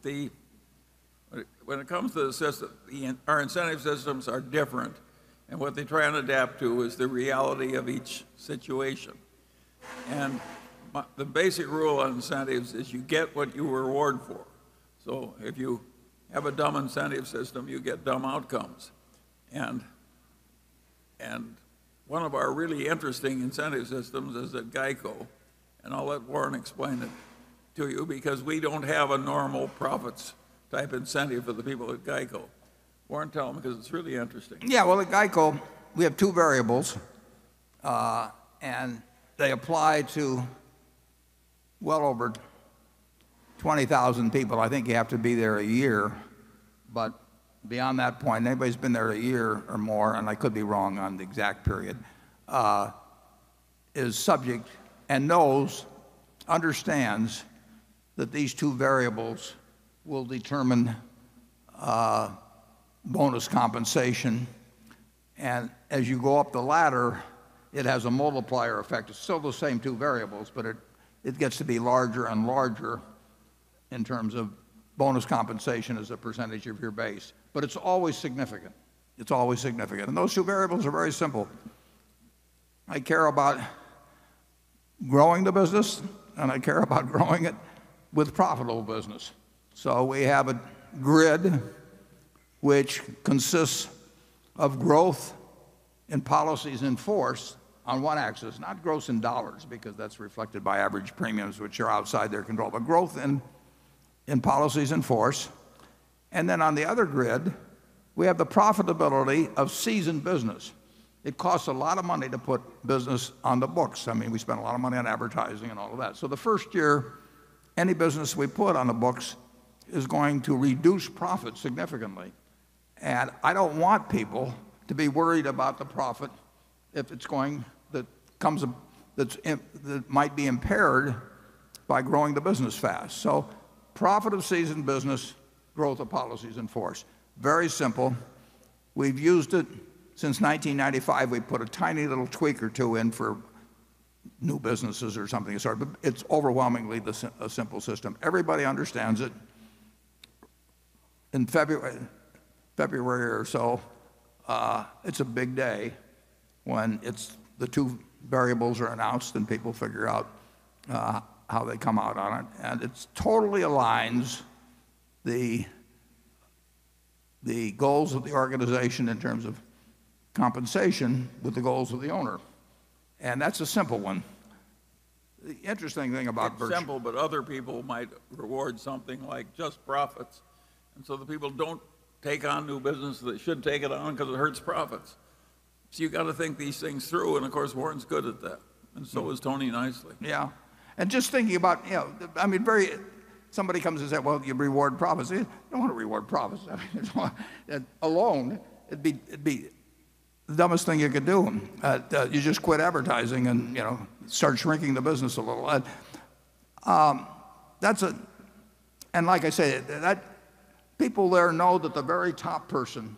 it comes to the system, our incentive systems are different, what they try and adapt to is the reality of each situation. The basic rule on incentives is you get what you reward for. If you have a dumb incentive system, you get dumb outcomes. One of our really interesting incentive systems is at GEICO, I'll let Warren explain it to you because we don't have a normal profits type incentive for the people at GEICO. Warren, tell him because it's really interesting. Yeah, well, at GEICO, we have two variables, and they apply to well over 20,000 people. I think you have to be there a year, beyond that point, anybody who's been there a year or more, I could be wrong on the exact period, is subject and knows, understands, that these two variables will determine bonus compensation. As you go up the ladder, it has a multiplier effect. It's still those same two variables, it gets to be larger and larger in terms of bonus compensation as a percentage of your base. It's always significant. It's always significant. Those two variables are very simple. I care about growing the business, and I care about growing it with profitable business. We have a grid Which consists of growth in policies in force on one axis, not growth in dollars because that's reflected by average premiums which are outside their control, but growth in policies in force. Then on the other grid, we have the profitability of seasoned business. It costs a lot of money to put business on the books. We spend a lot of money on advertising and all of that. The first year, any business we put on the books is going to reduce profit significantly. I don't want people to be worried about the profit that might be impaired by growing the business fast. Profit of seasoned business, growth of policies in force. Very simple. We've used it since 1995. We put a tiny little tweak or two in for new businesses or something, but it's overwhelmingly a simple system. Everybody understands it. In February or so, it's a big day when the two variables are announced and people figure out how they come out on it. It totally aligns the goals of the organization in terms of compensation with the goals of the owner. That's a simple one. The interesting thing about Berkshire. It's simple, other people might reward something like just profits, and so the people don't take on new business they should take on because it hurts profits. You got to think these things through, and of course, Warren's good at that, and so is Tony Nicely. Yeah. Somebody comes and say, "Well, you reward profits." You don't want to reward profits. Alone, it'd be the dumbest thing you could do. You just quit advertising and start shrinking the business a little. Like I say, people there know that the very top person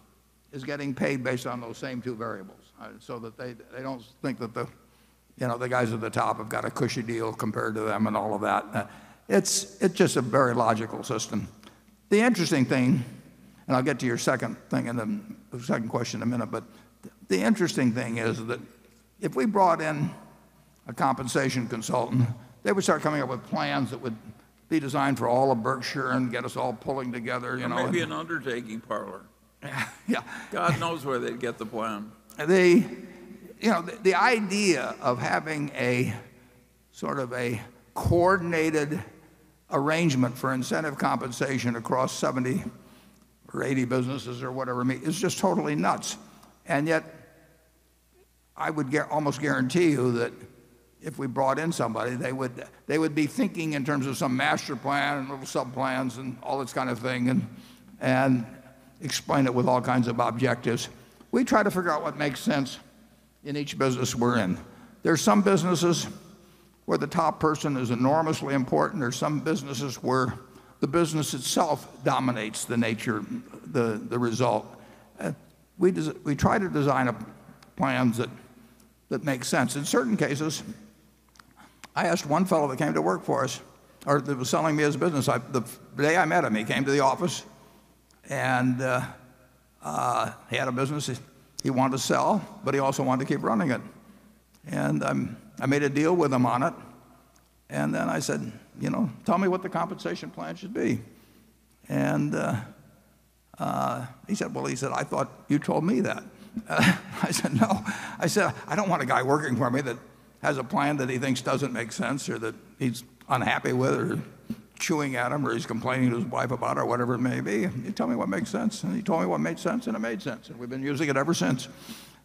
is getting paid based on those same two variables, so that they don't think that the guys at the top have got a cushy deal compared to them and all of that. It's just a very logical system. The interesting thing, I'll get to your second question in a minute, the interesting thing is that if we brought in a compensation consultant, they would start coming up with plans that would be designed for all of Berkshire and get us all pulling together. Maybe an undertaking parlor. Yeah. God knows where they'd get the plan. The idea of having a coordinated arrangement for incentive compensation across 70 or 80 businesses or whatever means is just totally nuts. Yet, I would almost guarantee you that if we brought in somebody, they would be thinking in terms of some master plan and little sub-plans and all this kind of thing, and explain it with all kinds of objectives. We try to figure out what makes sense in each business we're in. There are some businesses where the top person is enormously important. There are some businesses where the business itself dominates the nature, the result. We try to design plans that make sense. In certain cases, I asked one fellow that came to work for us or that was selling me his business. The day I met him, he came to the office and he had a business he wanted to sell, but he also wanted to keep running it. I made a deal with him on it, then I said, "Tell me what the compensation plan should be." He said, "Well," he said, "I thought you told me that." I said, "No." I said, "I don't want a guy working for me that has a plan that he thinks doesn't make sense, or that he's unhappy with, or chewing at him, or he's complaining to his wife about, or whatever it may be. You tell me what makes sense." He told me what made sense, and it made sense. We've been using it ever since.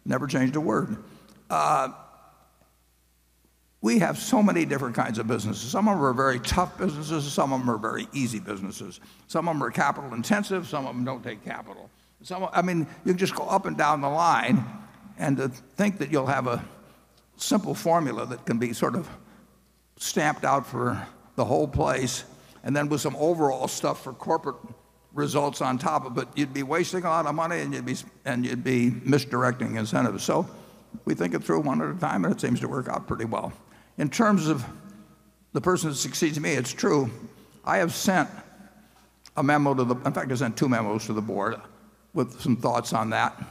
Never changed a word. We have so many different kinds of businesses. Some of them are very tough businesses, some of them are very easy businesses. Some of them are capital-intensive, some of them don't take capital. You just go up and down the line, to think that you'll have a simple formula that can be stamped out for the whole place, then with some overall stuff for corporate results on top of it, you'd be wasting a lot of money and you'd be misdirecting incentives. We think it through one at a time, it seems to work out pretty well. In terms of the person that succeeds me, it's true. I have sent a memo, in fact, I sent two memos to the board with some thoughts on that.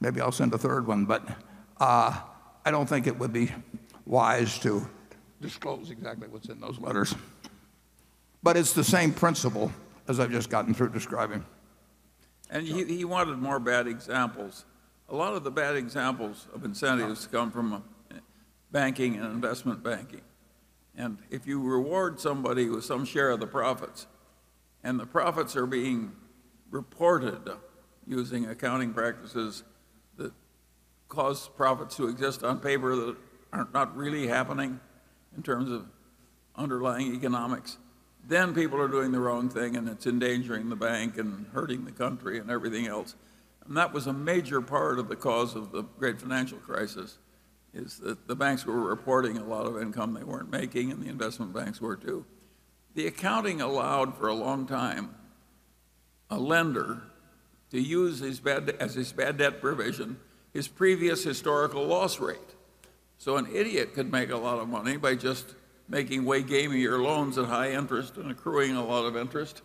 Maybe I'll send a third one, I don't think it would be wise to disclose exactly what's in those letters. It's the same principle as I've just gotten through describing. He wanted more bad examples. A lot of the bad examples of incentives come from banking and investment banking. If you reward somebody with some share of the profits, and the profits are being reported using accounting practices that cause profits to exist on paper that are not really happening in terms of underlying economics, then people are doing the wrong thing, and it's endangering the bank and hurting the country and everything else. That was a major part of the cause of the Great Financial Crisis, is that the banks were reporting a lot of income they weren't making, and the investment banks were, too. The accounting allowed for a long time a lender to use as his bad debt provision his previous historical loss rate. An idiot could make a lot of money by just making way gamier loans at high interest and accruing a lot of interest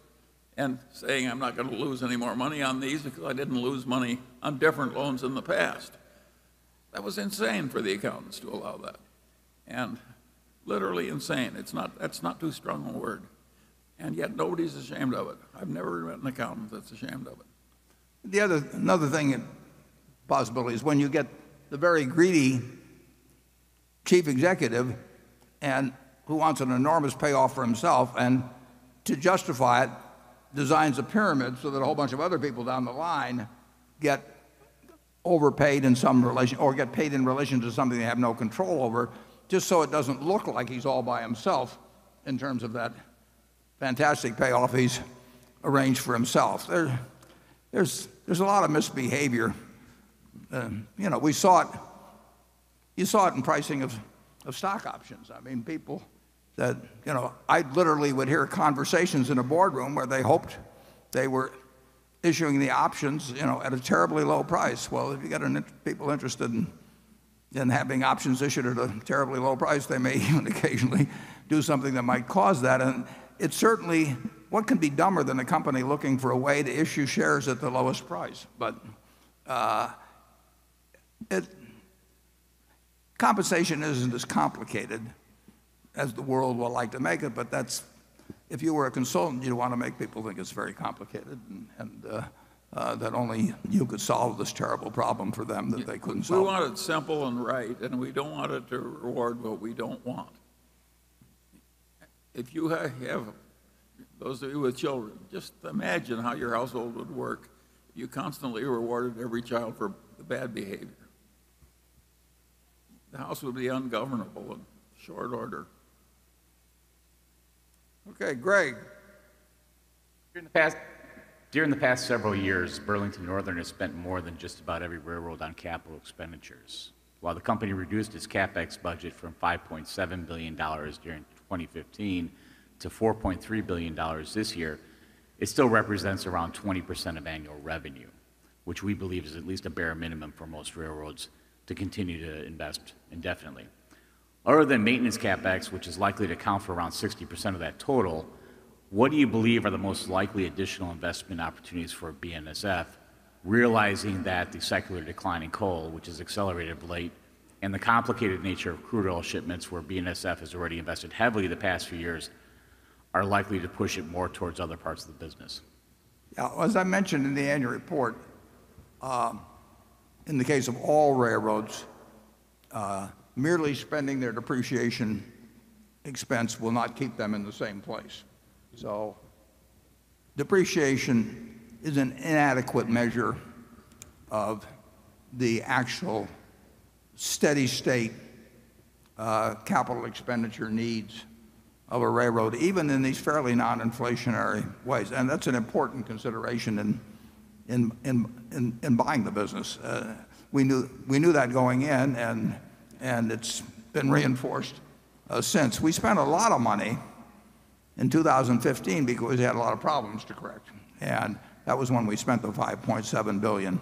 and saying, "I'm not going to lose any more money on these because I didn't lose money on different loans in the past." That was insane for the accountants to allow that, and literally insane. That's not too strong a word. Yet nobody's ashamed of it. I've never met an accountant that's ashamed of it. Another thing and possibility is when you get the very greedy chief executive who wants an enormous payoff for himself, and to justify it, designs a pyramid so that a whole bunch of other people down the line get overpaid in some relation or get paid in relation to something they have no control over, just so it doesn't look like he's all by himself in terms of that fantastic payoff he's arranged for himself. There's a lot of misbehavior. You saw it in pricing of stock options. I literally would hear conversations in a boardroom where they hoped they were issuing the options at a terribly low price. Well, if you got people interested in having options issued at a terribly low price, they may even occasionally do something that might cause that. What can be dumber than a company looking for a way to issue shares at the lowest price? Compensation isn't as complicated as the world would like to make it, but if you were a consultant, you'd want to make people think it's very complicated, and that only you could solve this terrible problem for them that they couldn't solve. We want it simple and right. We don't want it to reward what we don't want. Those of you with children, just imagine how your household would work if you constantly rewarded every child for the bad behavior. The house would be ungovernable in short order. Okay, Greg. During the past several years, Burlington Northern has spent more than just about every railroad on capital expenditures. While the company reduced its CapEx budget from $5.7 billion during 2015 to $4.3 billion this year, it still represents around 20% of annual revenue, which we believe is at least a bare minimum for most railroads to continue to invest indefinitely. Other than maintenance CapEx, which is likely to account for around 60% of that total, what do you believe are the most likely additional investment opportunities for BNSF, realizing that the secular decline in coal, which has accelerated of late, and the complicated nature of crude oil shipments, where BNSF has already invested heavily the past few years, are likely to push it more towards other parts of the business? As I mentioned in the annual report, in the case of all railroads, merely spending their depreciation expense will not keep them in the same place. Depreciation is an inadequate measure of the actual steady state capital expenditure needs of a railroad, even in these fairly non-inflationary ways. That's an important consideration in buying the business. We knew that going in. It's been reinforced since. We spent a lot of money in 2015 because we had a lot of problems to correct. That was when we spent the $5.7 billion.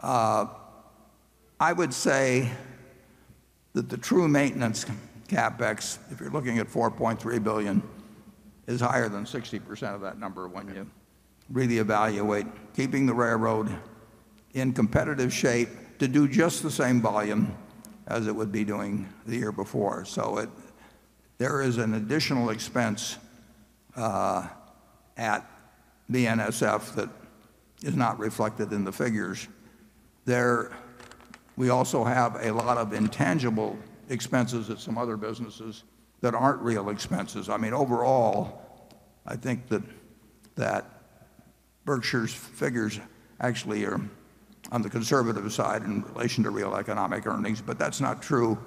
I would say that the true maintenance CapEx, if you're looking at $4.3 billion, is higher than 60% of that number when you really evaluate keeping the railroad in competitive shape to do just the same volume as it would be doing the year before. There is an additional expense at BNSF that is not reflected in the figures. We also have a lot of intangible expenses at some other businesses that aren't real expenses. Overall, I think that Berkshire's figures actually are on the conservative side in relation to real economic earnings, but that's not true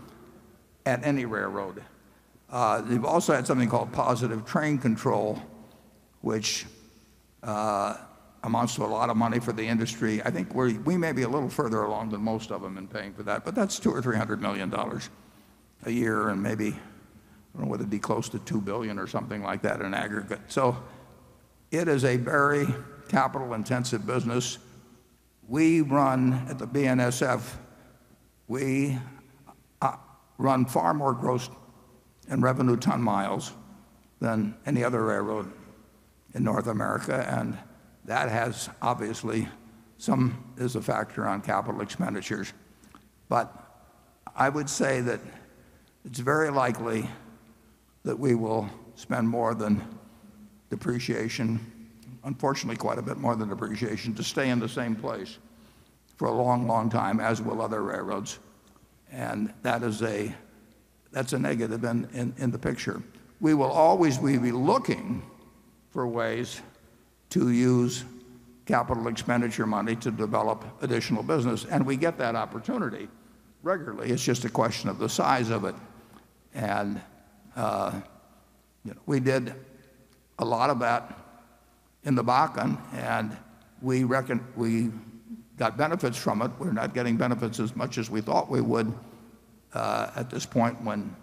at any railroad. They've also had something called Positive Train Control, which amounts to a lot of money for the industry. I think we may be a little further along than most of them in paying for that, but that's $200 million or $300 million a year and maybe, I don't know whether it'd be close to $2 billion or something like that in aggregate. It is a very capital-intensive business. At the BNSF, we run far more gross in revenue ton miles than any other railroad in North America, that obviously is a factor on capital expenditures. I would say that it's very likely that we will spend more than depreciation, unfortunately, quite a bit more than depreciation to stay in the same place for a long, long time, as will other railroads, that's a negative in the picture. We will always be looking for ways to use capital expenditure money to develop additional business, and we get that opportunity regularly. It's just a question of the size of it. We did a lot of that in the Bakken, and we got benefits from it. We're not getting benefits as much as we thought we would at this point when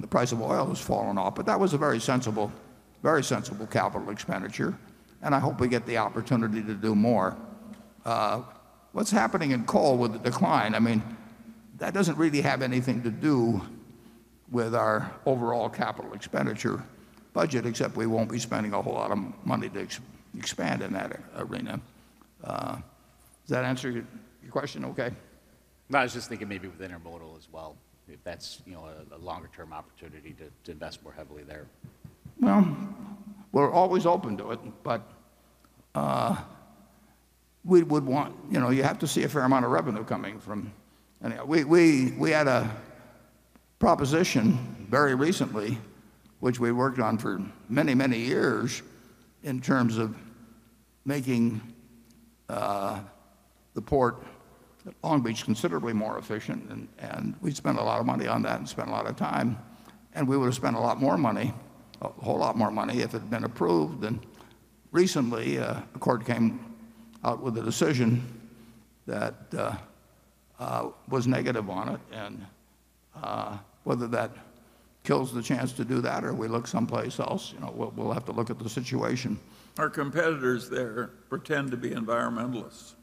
the price of oil has fallen off. That was a very sensible capital expenditure, and I hope we get the opportunity to do more. What's happening in coal with the decline, that doesn't really have anything to do with our overall capital expenditure budget, except we won't be spending a whole lot of money to expand in that arena. Does that answer your question okay? No, I was just thinking maybe with Intermodal as well, if that's a longer-term opportunity to invest more heavily there. We're always open to it, but you have to see a fair amount of revenue coming from. We had a proposition very recently, which we worked on for many, many years, in terms of making the port at Long Beach considerably more efficient, and we'd spent a lot of money on that and spent a lot of time, and we would've spent a whole lot more money if it had been approved. Recently, a court came out with a decision that was negative on it. Whether that kills the chance to do that or we look someplace else, we'll have to look at the situation. Our competitors there pretend to be environmentalists.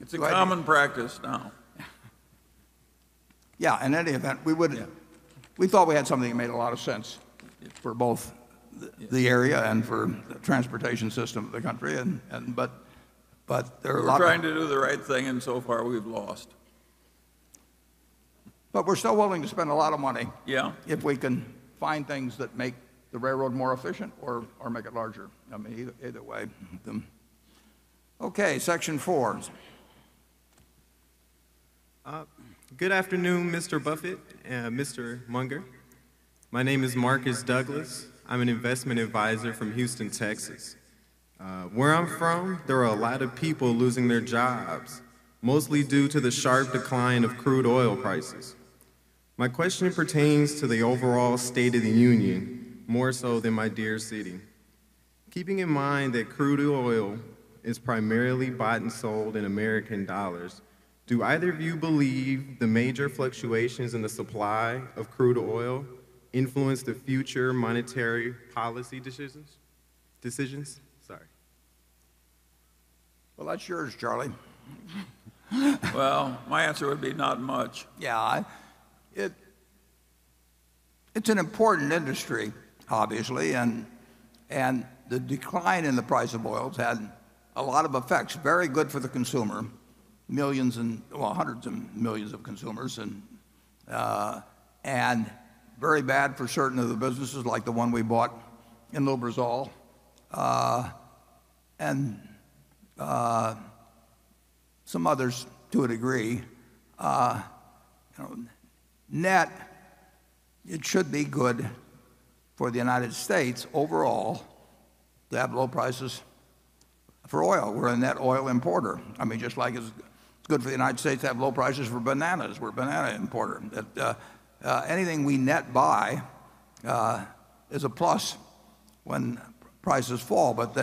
It's a common practice now. In any event, we thought we had something that made a lot of sense for both the area and for the transportation system of the country. We're trying to do the right thing, so far we've lost. We're still willing to spend a lot of money. Yeah If we can find things that make the railroad more efficient or make it larger, either way. Okay, section four. Good afternoon, Mr. Buffett and Mr. Munger. My name is Marcus Douglas. I'm an investment advisor from Houston, Texas. Where I'm from, there are a lot of people losing their jobs, mostly due to the sharp decline of crude oil prices. My question pertains to the overall state of the union, more so than my dear city. Keeping in mind that crude oil is primarily bought and sold in American dollars, do either of you believe the major fluctuations in the supply of crude oil influence the future monetary policy decisions? Sorry. Well, that's yours, Charlie. Well, my answer would be not much. Yeah. It's an important industry, obviously, and the decline in the price of oil has had a lot of effects. Very good for the consumer, hundreds of millions of consumers, and very bad for certain of the businesses like the one we bought in Lubrizol, and some others to a degree. Net, it should be good for the U.S. overall to have low prices for oil. We're a net oil importer. Just like it's good for the U.S. to have low prices for bananas. We're a banana importer. Anything we net buy is a plus when prices fall, but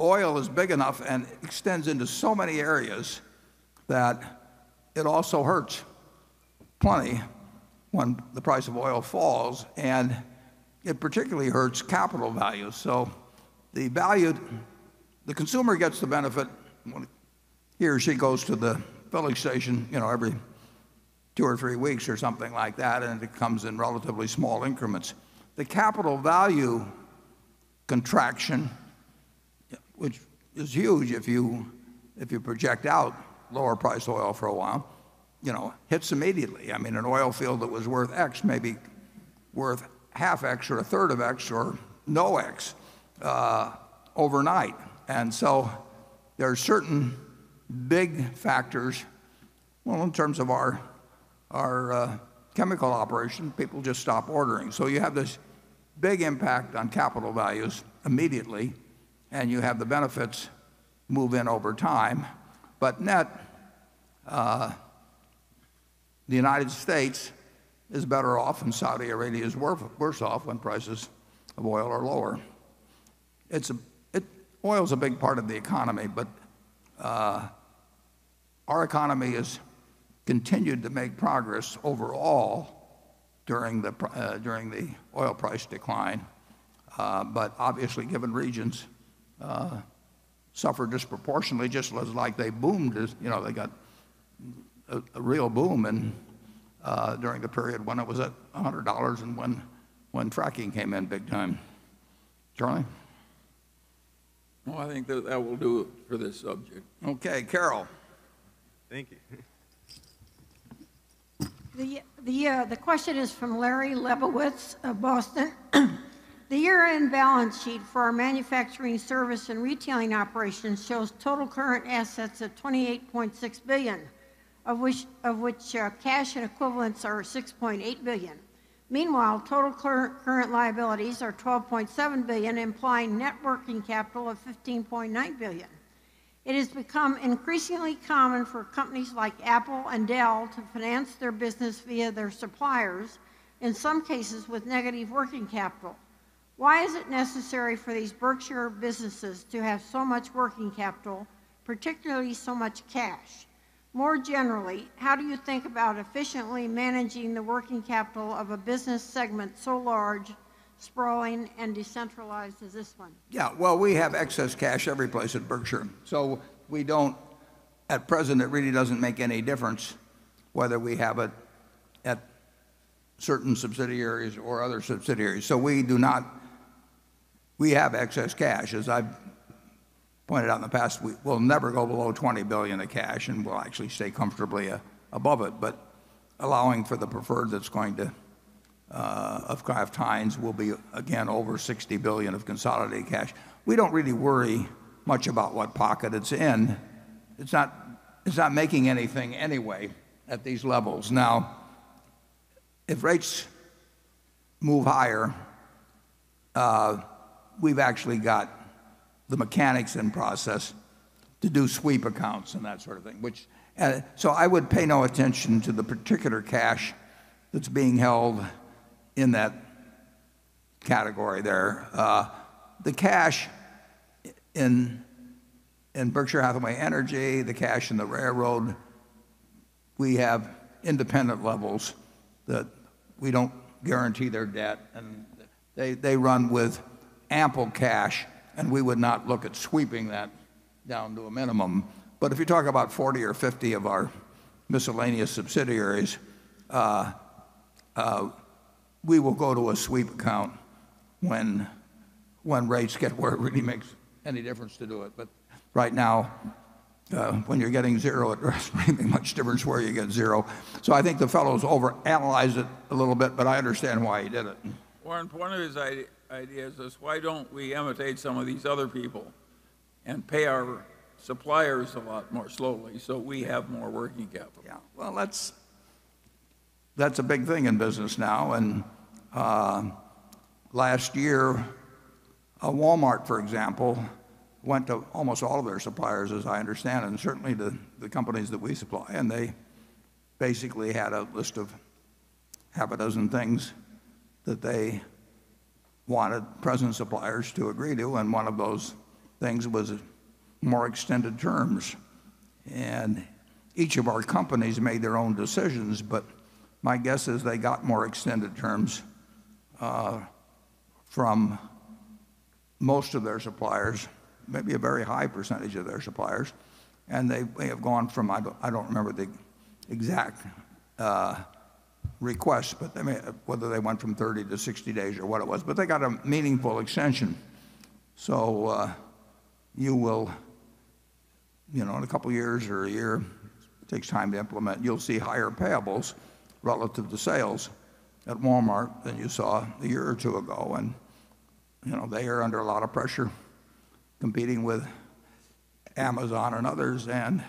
oil is big enough and extends into so many areas that it also hurts plenty when the price of oil falls, and it particularly hurts capital values. The consumer gets the benefit when he or she goes to the filling station every two or three weeks, or something like that, and it comes in relatively small increments. The capital value contraction, which is huge if you project out lower price oil for a while, hits immediately. An oil field that was worth X may be worth half X or a third of X or no X overnight. There are certain big factors, well, in terms of our chemical operation, people just stop ordering. You have this big impact on capital values immediately, and you have the benefits move in over time. Net, the U.S. is better off, and Saudi Arabia is worse off when prices of oil are lower. Oil's a big part of the economy, but our economy has continued to make progress overall during the oil price decline. Obviously, given regions suffer disproportionately just as like they boomed. They got a real boom during the period when it was at $100 and when fracking came in big time. Charlie? Well, I think that that will do for this subject. Okay, Carol. Thank you. The question is from Larry Leibowitz of Boston. The year-end balance sheet for our manufacturing, service and retailing operations shows total current assets of $28.6 billion, of which cash and equivalents are $6.8 billion. Meanwhile, total current liabilities are $12.7 billion, implying net working capital of $15.9 billion. It has become increasingly common for companies like Apple and Dell to finance their business via their suppliers, in some cases with negative working capital. Why is it necessary for these Berkshire businesses to have so much working capital, particularly so much cash? More generally, how do you think about efficiently managing the working capital of a business segment so large, sprawling, and decentralized as this one? Yeah. Well, we have excess cash every place at Berkshire. At present, it really doesn't make any difference whether we have it at certain subsidiaries or other subsidiaries. We have excess cash. As I've pointed out in the past, we will never go below $20 billion of cash, and we'll actually stay comfortably above it. Allowing for the preferred that's going to will be, again, over $60 billion of consolidated cash. We don't really worry much about what pocket it's in. It's not making anything anyway at these levels. If rates move higher, we've actually got the mechanics in process to do sweep accounts and that sort of thing. I would pay no attention to the particular cash that's being held in that category there. The cash in Berkshire Hathaway Energy, the cash in the railroad, we have independent levels that we don't guarantee their debt, and they run with ample cash, and we would not look at sweeping that down to a minimum. If you talk about 40 or 50 of our miscellaneous subsidiaries, we will go to a sweep account when rates get where it really makes any difference to do it. Right now, when you're getting zero, it doesn't make much difference where you get zero. I think the fellow's overanalyzed it a little bit, but I understand why he did it. Warren, one of his ideas is why don't we imitate some of these other people and pay our suppliers a lot more slowly so we have more working capital? Yeah. Well, that's a big thing in business now. Last year, Walmart, for example, went to almost all of their suppliers, as I understand it, and certainly the companies that we supply. They basically had a list of half a dozen things that they wanted present suppliers to agree to, and one of those things was more extended terms. Each of our companies made their own decisions, but my guess is they got more extended terms from most of their suppliers, maybe a very high percentage of their suppliers. They have gone from, I don't remember the exact request, but whether they went from 30 to 60 days or what it was, but they got a meaningful extension. You will, in a couple of years or a year, it takes time to implement, you'll see higher payables relative to sales at Walmart than you saw a year or two ago. They are under a lot of pressure competing with Amazon and others, and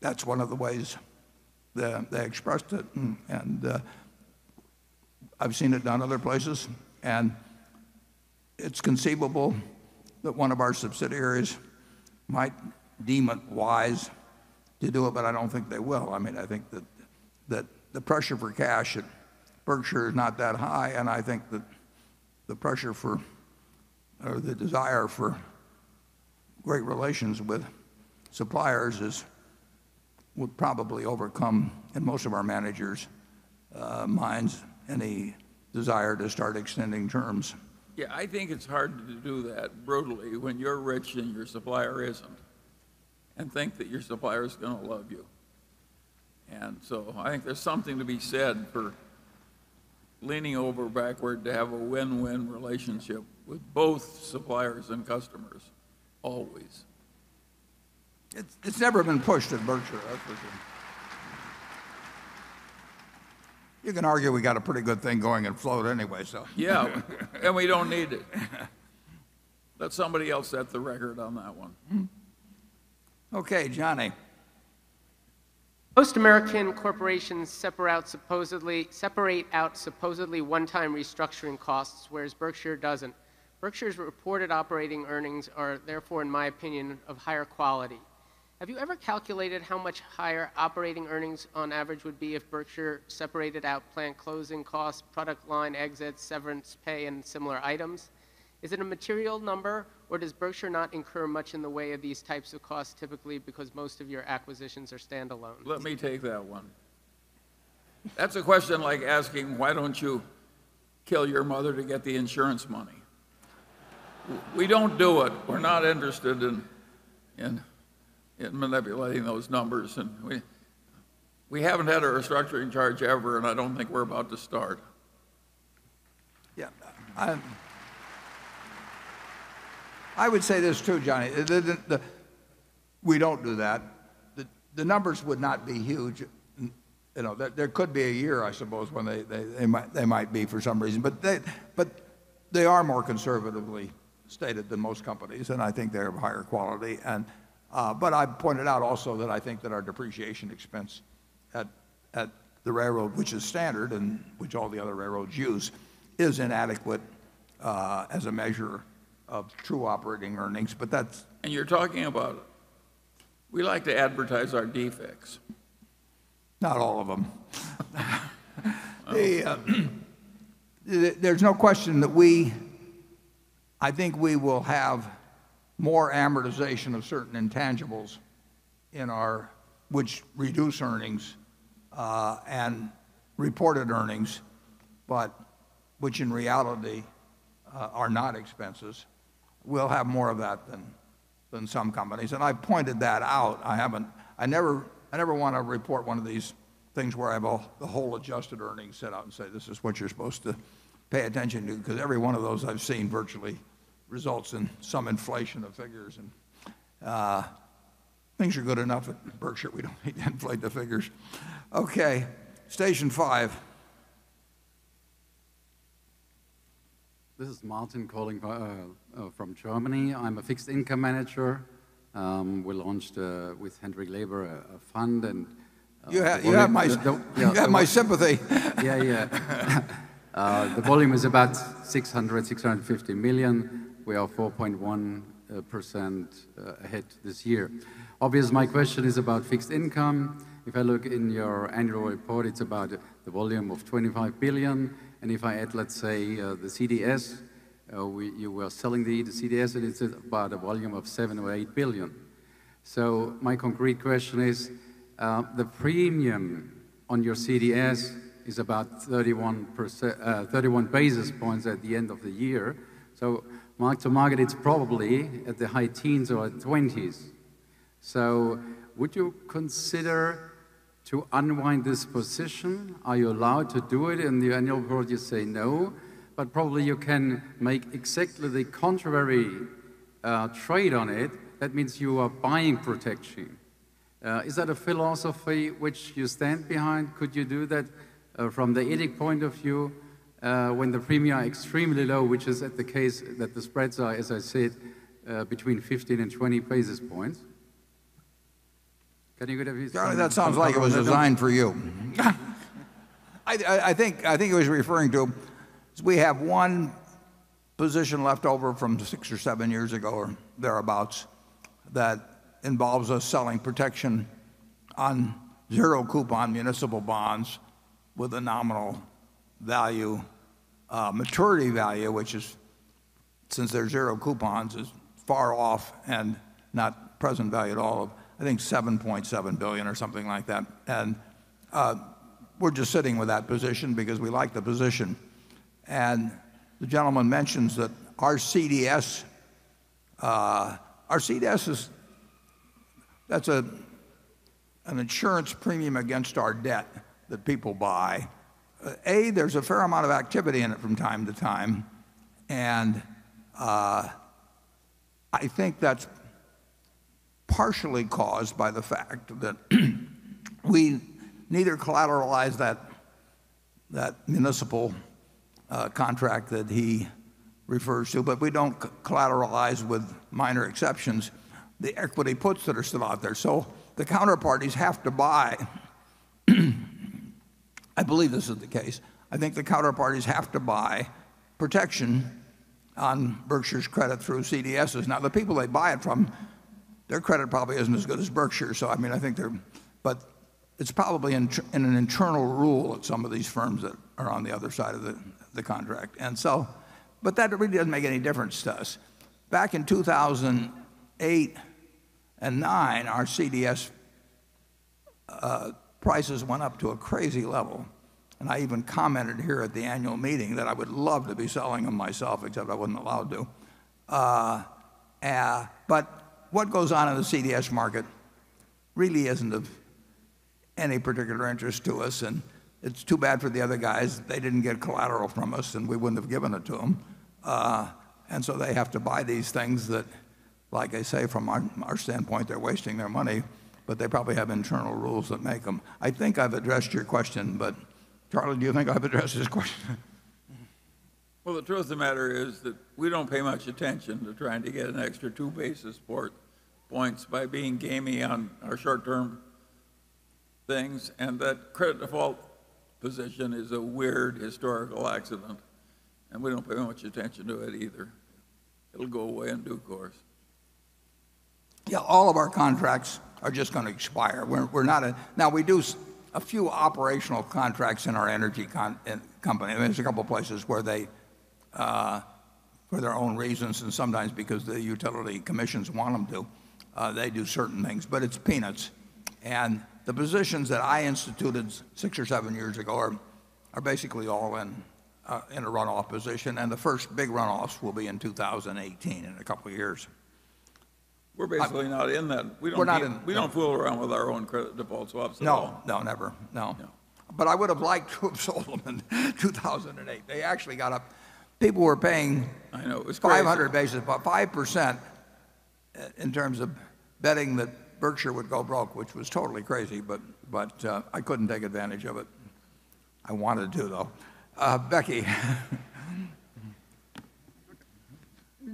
that's one of the ways they expressed it. I've seen it done other places. It's conceivable that one of our subsidiaries might deem it wise to do it, but I don't think they will. I think that the pressure for cash at Berkshire is not that high, and I think that the pressure for, or the desire for great relations with suppliers would probably overcome, in most of our managers' minds, any desire to start extending terms. Yeah, I think it's hard to do that brutally when you're rich and your supplier isn't, and think that your supplier's going to love you. I think there's something to be said for leaning over backward to have a win-win relationship with both suppliers and customers always. It's never been pushed at Berkshire, that's for sure. You can argue we got a pretty good thing going in float anyway. Yeah. We don't need it. Let somebody else set the record on that one. Okay, Johnny. Most American corporations separate out supposedly one-time restructuring costs, whereas Berkshire doesn't. Berkshire's reported operating earnings are therefore, in my opinion, of higher quality. Have you ever calculated how much higher operating earnings on average would be if Berkshire separated out plant closing costs, product line exits, severance pay, and similar items? Is it a material number, or does Berkshire not incur much in the way of these types of costs, typically because most of your acquisitions are standalone? Let me take that one. That's a question like asking, "Why don't you kill your mother to get the insurance money?" We don't do it. We're not interested in manipulating those numbers. We haven't had a restructuring charge ever, and I don't think we're about to start. Yeah. I would say this too, Johnny. We don't do that. The numbers would not be huge. There could be a year, I suppose, when they might be for some reason. They are more conservatively stated than most companies, and I think they're of higher quality. I pointed out also that I think that our depreciation expense at the railroad, which is standard, and which all the other railroads use, is inadequate as a measure of true operating earnings. You're talking about, we like to advertise our defects. Not all of them. Oh. There's no question that I think we will have more amortization of certain intangibles, which reduce earnings and reported earnings, but which in reality are not expenses, we'll have more of that than some companies. I pointed that out. I never want to report one of these things where I have the whole adjusted earnings set out and say, "This is what you're supposed to pay attention to," because every one of those I've seen virtually results in some inflation of figures. Things are good enough at Berkshire, we don't need to inflate the figures. Okay, station five. This is Martin calling from Germany. I'm a fixed income manager. We launched with Hendrik Leber, a fund. You have my sympathy. Yeah. The volume is about $600 million-$650 million. We are 4.1% ahead this year. Obviously, my question is about fixed income. If I look in your annual report, it's about the volume of $25 billion. If I add, let's say, the CDS, you were selling the CDS, it's about a volume of $7 billion or $8 billion. My concrete question is, the premium on your CDS is about 31 basis points at the end of the year. Mark to market, it's probably at the high teens or 20s. Would you consider to unwind this position? Are you allowed to do it? In the annual report, you say no, probably you can make exactly the contrary trade on it. That means you are buying protection. Is that a philosophy which you stand behind? Could you do that from the epic point of view, when the premium are extremely low, which is the case that the spreads are, as I said, between 15 and 20 basis points? Can you give- Charlie, that sounds like it was designed for you. I think he was referring to, we have one position left over from six or seven years ago, or thereabouts, that involves us selling protection on zero coupon municipal bonds with a nominal maturity value, which is, since they're zero coupons, is far off and not present value at all of, I think, $7.7 billion or something like that. We're just sitting with that position because we like the position. The gentleman mentions that our CDS is an insurance premium against our debt that people buy. There's a fair amount of activity in it from time to time, and I think that's partially caused by the fact that we neither collateralize that municipal contract that he refers to, we don't collateralize, with minor exceptions, the equity puts that are still out there. The counterparties have to buy protection on Berkshire's credit through CDSs. The people they buy it from, their credit probably isn't as good as Berkshire's. It's probably in an internal rule at some of these firms that are on the other side of the contract. That really doesn't make any difference to us. Back in 2008 and 2009, our CDS prices went up to a crazy level, I even commented here at the annual meeting that I would love to be selling them myself except I wasn't allowed to. What goes on in the CDS market really isn't of any particular interest to us, and it's too bad for the other guys that they didn't get collateral from us, and we wouldn't have given it to them. They have to buy these things that, like I say, from our standpoint, they're wasting their money, they probably have internal rules that make them. I think I've addressed your question, Charlie, do you think I've addressed his question? The truth of the matter is that we don't pay much attention to trying to get an extra two basis points by being gamey on our short-term things, that credit default position is a weird historical accident, we don't pay much attention to it either. It'll go away in due course. All of our contracts are just going to expire. We do a few operational contracts in our energy company, there's a couple of places where they for their own reasons, sometimes because the utility commissions want them to, they do certain things, it's peanuts. The positions that I instituted six or seven years ago are basically all in a runoff position, the first big runoffs will be in 2018, in a couple of years. We're basically not in that. We're not in- We don't fool around with our own credit default swaps at all. No. Never. No. No. I would have liked to have sold them in 2008. They actually got up. People were paying. I know. It was crazy. 500 basis, 5% in terms of betting that Berkshire would go broke, which was totally crazy, but I couldn't take advantage of it. I wanted to, though. Becky.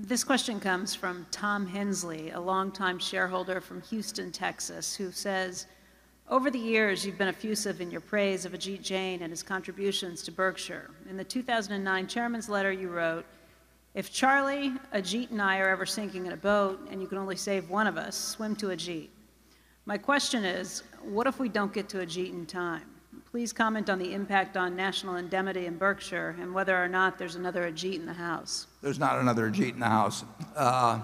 This question comes from Tom Hensley, a longtime shareholder from Houston, Texas, who says, "Over the years, you've been effusive in your praise of Ajit Jain and his contributions to Berkshire. In the 2009 chairman's letter, you wrote, 'If Charlie, Ajit, and I are ever sinking in a boat and you can only save one of us, swim to Ajit.' My question is, what if we don't get to Ajit in time? Please comment on the impact on National Indemnity and Berkshire, and whether or not there's another Ajit in the house. There's not another Ajit in the house. I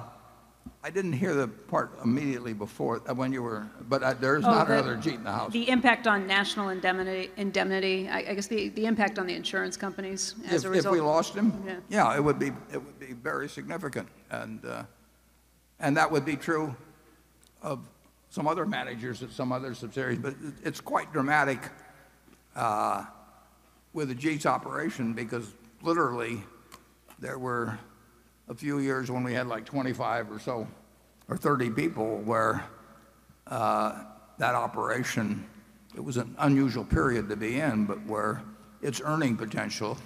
didn't hear the part immediately before when you were, but there is not another Ajit in the house. The impact on National Indemnity. I guess the impact on the insurance companies as a result. If we lost him? Yeah. Yeah, it would be very significant. That would be true of some other managers at some other subsidiaries. It's quite dramatic with Ajit's operation because literally there were a few years when we had 25 or so, or 30 people where that operation, it was an unusual period to be in, but where its earning potential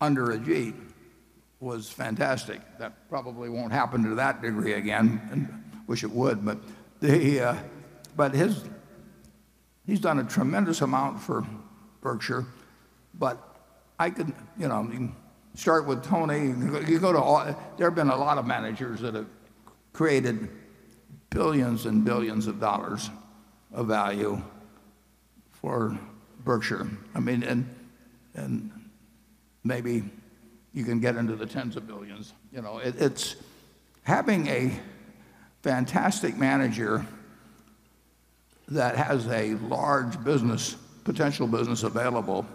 under Ajit was fantastic. That probably won't happen to that degree again. Wish it would. He's done a tremendous amount for Berkshire. I could start with Tony. There have been a lot of managers that have created billions and billions of dollars of value for Berkshire. Maybe you can get into the tens of billions. Having a fantastic manager that has a large potential business available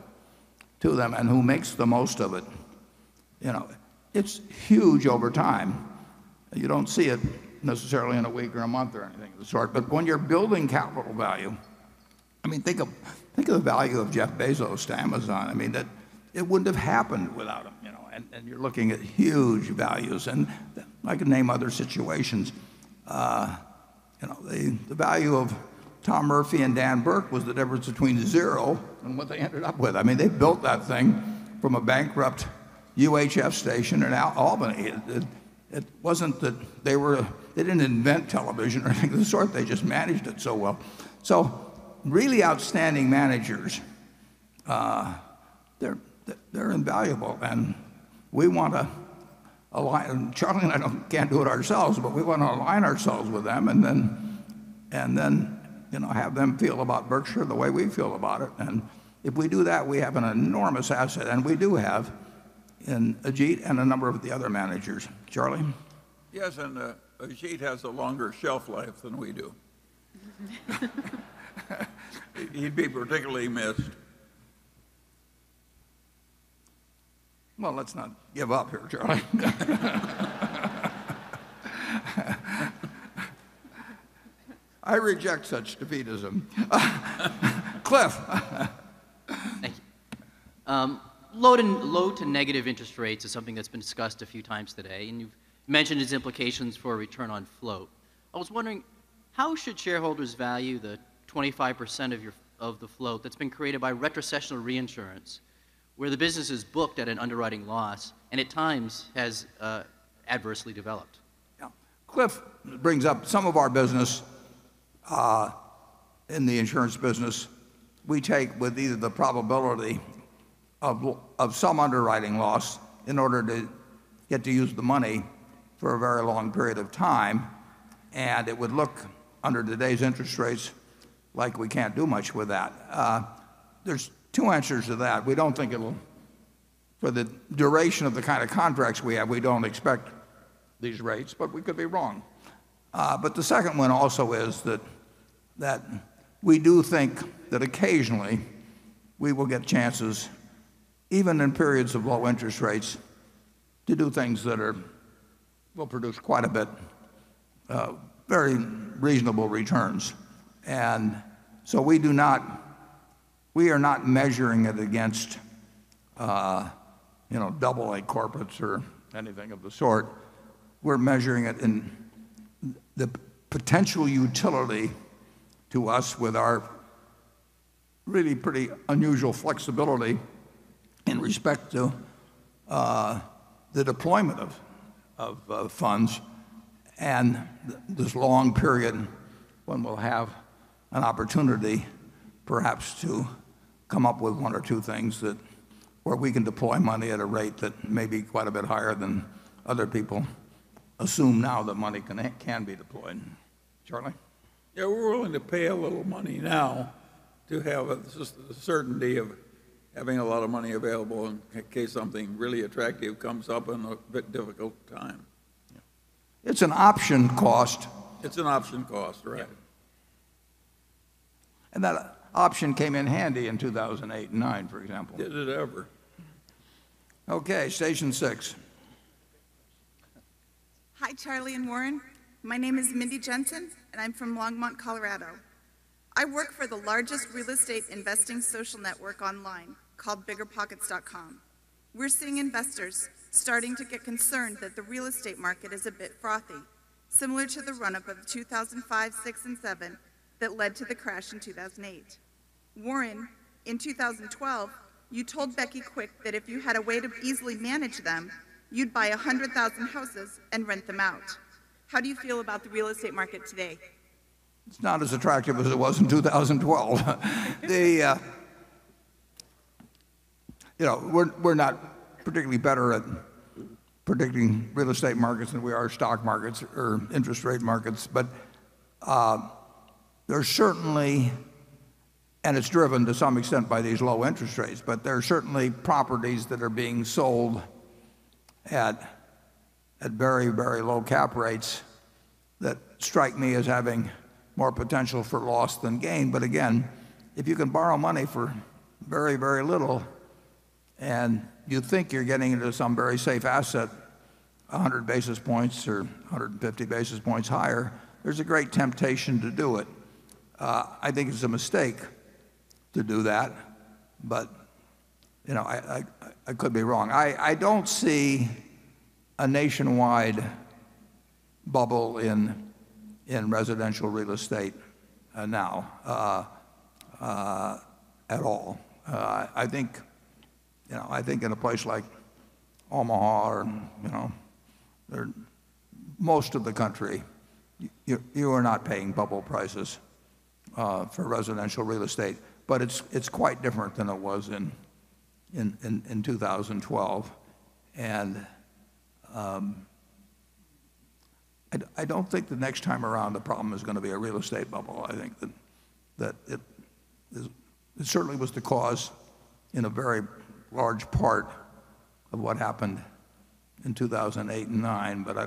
to them and who makes the most of it's huge over time. You don't see it necessarily in a week or a month or anything of the sort. When you're building capital value, think of the value of Jeff Bezos to Amazon. It wouldn't have happened without him, and you're looking at huge values. I could name other situations. The value of Tom Murphy and Dan Burke was the difference between zero and what they ended up with. They built that thing from a bankrupt UHF station in Albany. They didn't invent television or anything of the sort, they just managed it so well. Really outstanding managers, they're invaluable, and Charlie and I can't do it ourselves, but we want to align ourselves with them, and then have them feel about Berkshire the way we feel about it. If we do that, we have an enormous asset. We do have in Ajit and a number of the other managers. Charlie? Yes, Ajit has a longer shelf life than we do. He'd be particularly missed. Let's not give up here, Charlie. I reject such defeatism. Cliff. Thank you. Low to negative interest rates is something that's been discussed a few times today, and you've mentioned its implications for a return on float. I was wondering, how should shareholders value the 25% of the float that's been created by retrocessional reinsurance, where the business is booked at an underwriting loss and at times has adversely developed? Yeah. Cliff brings up some of our business in the insurance business, we take with either the probability of some underwriting loss in order to get to use the money for a very long period of time. It would look, under today's interest rates, like we can't do much with that. There's two answers to that. For the duration of the kind of contracts we have, we don't expect these rates, but we could be wrong. The second one also is that we do think that occasionally we will get chances, even in periods of low interest rates, to do things that will produce quite a bit of very reasonable returns. We are not measuring it against double A corporates or anything of the sort. We're measuring it in the potential utility to us with our really pretty unusual flexibility in respect to the deployment of funds and this long period when we'll have an opportunity, perhaps, to come up with one or two things where we can deploy money at a rate that may be quite a bit higher than other people assume now that money can be deployed. Charlie? Yeah, we're willing to pay a little money now to have the certainty of having a lot of money available in case something really attractive comes up in a bit difficult time. Yeah. It's an option cost. It's an option cost, right. Yeah. That option came in handy in 2008 and 2009, for example. Did it ever. Okay. Station 6. Hi, Charlie and Warren. My name is Mindy Jensen, and I am from Longmont, Colorado. I work for the largest real estate investing social network online called BiggerPockets. We are seeing investors starting to get concerned that the real estate market is a bit frothy, similar to the run-up of 2005, 2006, and 2007 that led to the crash in 2008. Warren, in 2012, you told Becky Quick that if you had a way to easily manage them, you would buy 100,000 houses and rent them out. How do you feel about the real estate market today? It is not as attractive as it was in 2012. We are not particularly better at predicting real estate markets than we are stock markets or interest rate markets. It is driven to some extent by these low interest rates. There are certainly properties that are being sold at very low cap rates that strike me as having more potential for loss than gain. Again, if you can borrow money for very little and you think you are getting into some very safe asset, 100 basis points or 150 basis points higher, there is a great temptation to do it. I think it is a mistake to do that, but I could be wrong. I do not see a nationwide bubble in residential real estate now, at all. I think in a place like Omaha or most of the country, you are not paying bubble prices for residential real estate, but it's quite different than it was in 2012. I don't think the next time around the problem is going to be a real estate bubble. I think that it certainly was the cause in a very large part of what happened in 2008 and 2009, but I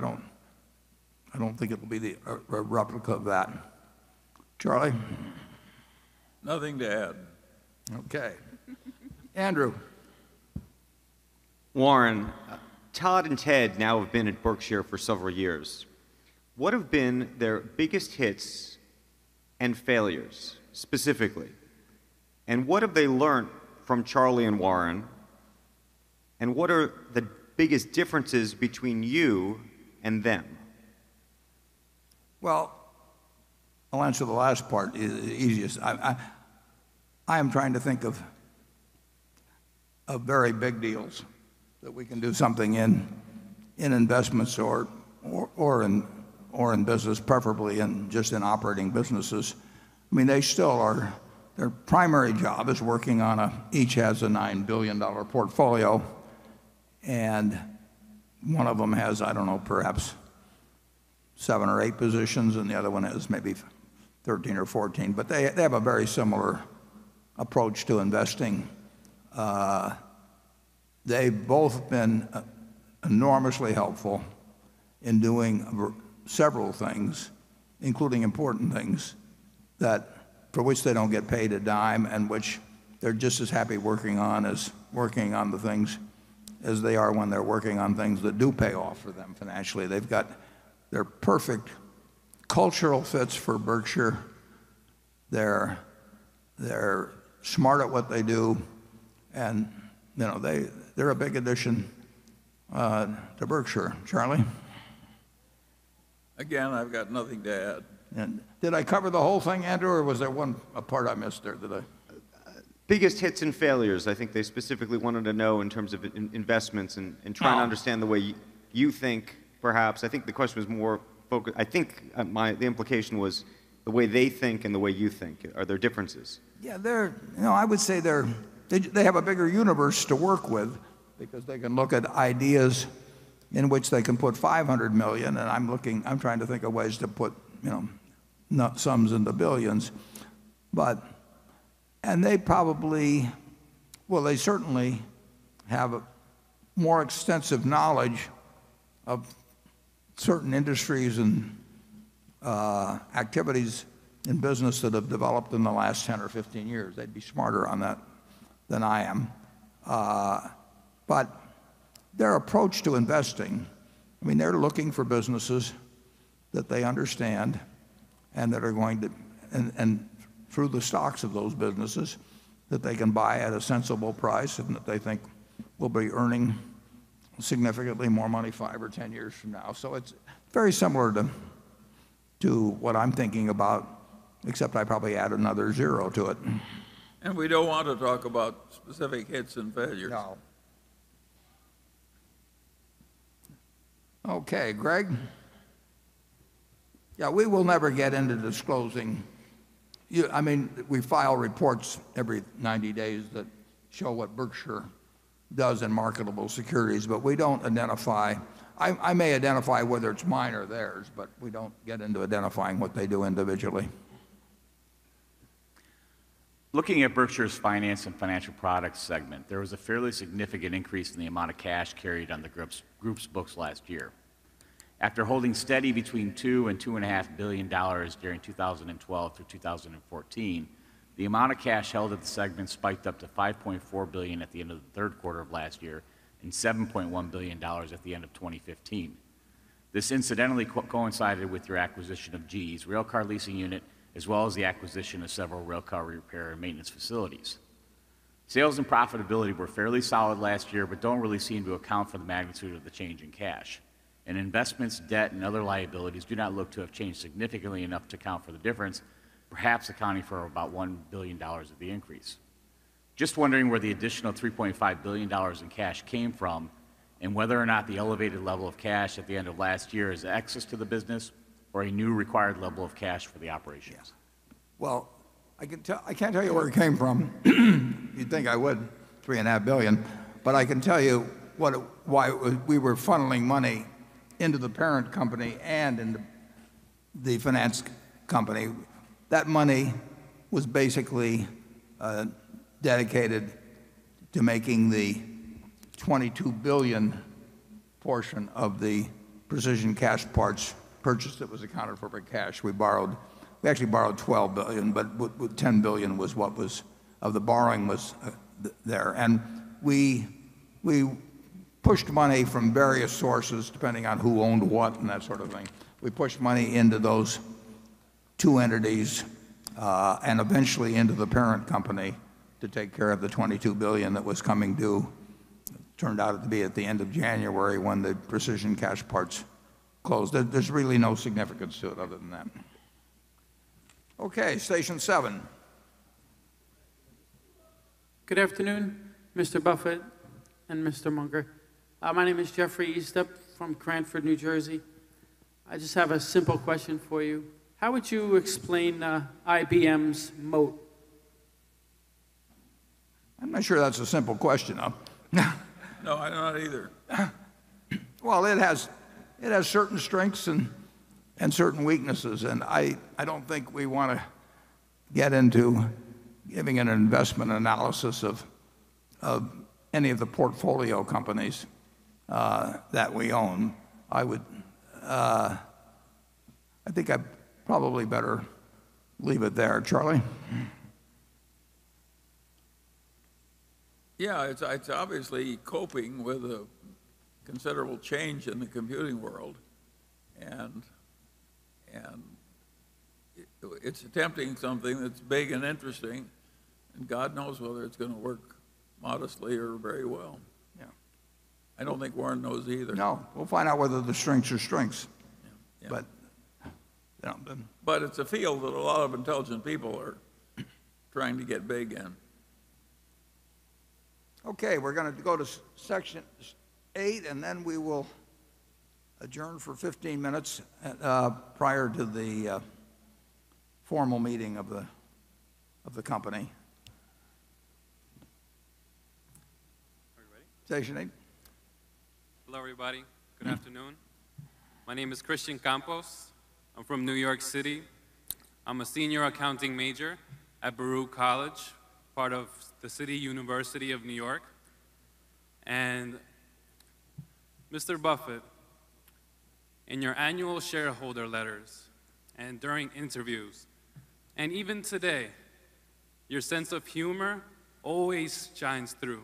don't think it will be a replica of that. Charlie? Nothing to add. Okay. Andrew. Warren, Todd and Ted now have been at Berkshire for several years. What have been their biggest hits and failures, specifically? What have they learned from Charlie and Warren, and what are the biggest differences between you and them? I'll answer the last part easiest. I am trying to think of a very big deals that we can do something in investments or in business, preferably just in operating businesses. Each has a $9 billion portfolio, and one of them has, I don't know, perhaps seven or eight positions, and the other one has maybe 13 or 14. They have a very similar approach to investing. They've both been enormously helpful in doing several things, including important things, for which they don't get paid a dime and which they're just as happy working on as they are when they're working on things that do pay off for them financially. They're perfect cultural fits for Berkshire. They're smart at what they do, and they're a big addition to Berkshire. Charlie? Again, I've got nothing to add. Did I cover the whole thing, Andrew, or was there a part I missed there? Biggest hits and failures. I think they specifically wanted to know in terms of investments. Oh trying to understand the way you think, perhaps. I think the implication was the way they think and the way you think. Are there differences? Yeah. I would say they have a bigger universe to work with because they can look at ideas in which they can put $500 million, I'm trying to think of ways to put sums in the $ billions. They certainly have a more extensive knowledge of certain industries and activities and business that have developed in the last 10 or 15 years. They'd be smarter on that than I am. Their approach to investing, they're looking for businesses that they understand and through the stocks of those businesses, that they can buy at a sensible price and that they think will be earning significantly more money five or 10 years from now. It's very similar to what I'm thinking about, except I probably add another zero to it. We don't want to talk about specific hits and failures. No. Okay, Greg. Yeah, we will never get into disclosing. We file reports every 90 days that show what Berkshire does in marketable securities, we don't identify. I may identify whether it's mine or theirs, we don't get into identifying what they do individually. Looking at Berkshire's finance and financial products segment, there was a fairly significant increase in the amount of cash carried on the group's books last year. After holding steady between $2 billion and $2.5 billion during 2012 through 2014, the amount of cash held at the segment spiked up to $5.4 billion at the end of the third quarter of last year and $7.1 billion at the end of 2015. This incidentally coincided with your acquisition of GE's rail car leasing unit, as well as the acquisition of several rail car repair and maintenance facilities. Sales and profitability were fairly solid last year but don't really seem to account for the magnitude of the change in cash. Investments, debt, and other liabilities do not look to have changed significantly enough to account for the difference, perhaps accounting for about $1 billion of the increase. Just wondering where the additional $3.5 billion in cash came from, whether or not the elevated level of cash at the end of last year is excess to the business or a new required level of cash for the operations. Well, I can't tell you where it came from. You'd think I would, $3.5 billion, but I can tell you why we were funneling money into the parent company and into the finance company. That money was basically dedicated to making the $22 billion portion of the Precision Castparts purchase that was accounted for by cash we borrowed. We actually borrowed $12 billion, but $10 billion of the borrowing was there. We pushed money from various sources, depending on who owned what and that sort of thing. We pushed money into those two entities, and eventually into the parent company to take care of the $22 billion that was coming due. It turned out to be at the end of January when the Precision Castparts closed. There's really no significance to it other than that. Okay, station seven. Good afternoon, Mr. Buffett and Mr. Munger. My name is Jeffrey Eastup from Cranford, New Jersey. I just have a simple question for you. How would you explain IBM's moat? I'm not sure that's a simple question. No, not either. Well, it has certain strengths and certain weaknesses, and I don't think we want to get into giving an investment analysis of any of the portfolio companies that we own. I think I'd probably better leave it there. Charlie? Yeah, it's obviously coping with a considerable change in the computing world, and it's attempting something that's big and interesting, and God knows whether it's going to work modestly or very well. Yeah. I don't think Warren knows either. No. We'll find out whether the strengths are strengths. Yeah. Yeah. It's a field that a lot of intelligent people are trying to get big in. Okay, we're going to go to section eight, and then we will adjourn for 15 minutes prior to the formal meeting of the company. Are we ready? Station eight. Hello, everybody. Good afternoon. My name is Christian Campos. I'm from New York City. I'm a senior accounting major at Baruch College, part of the City University of New York. Mr. Buffett, in your annual shareholder letters and during interviews, and even today, your sense of humor always shines through.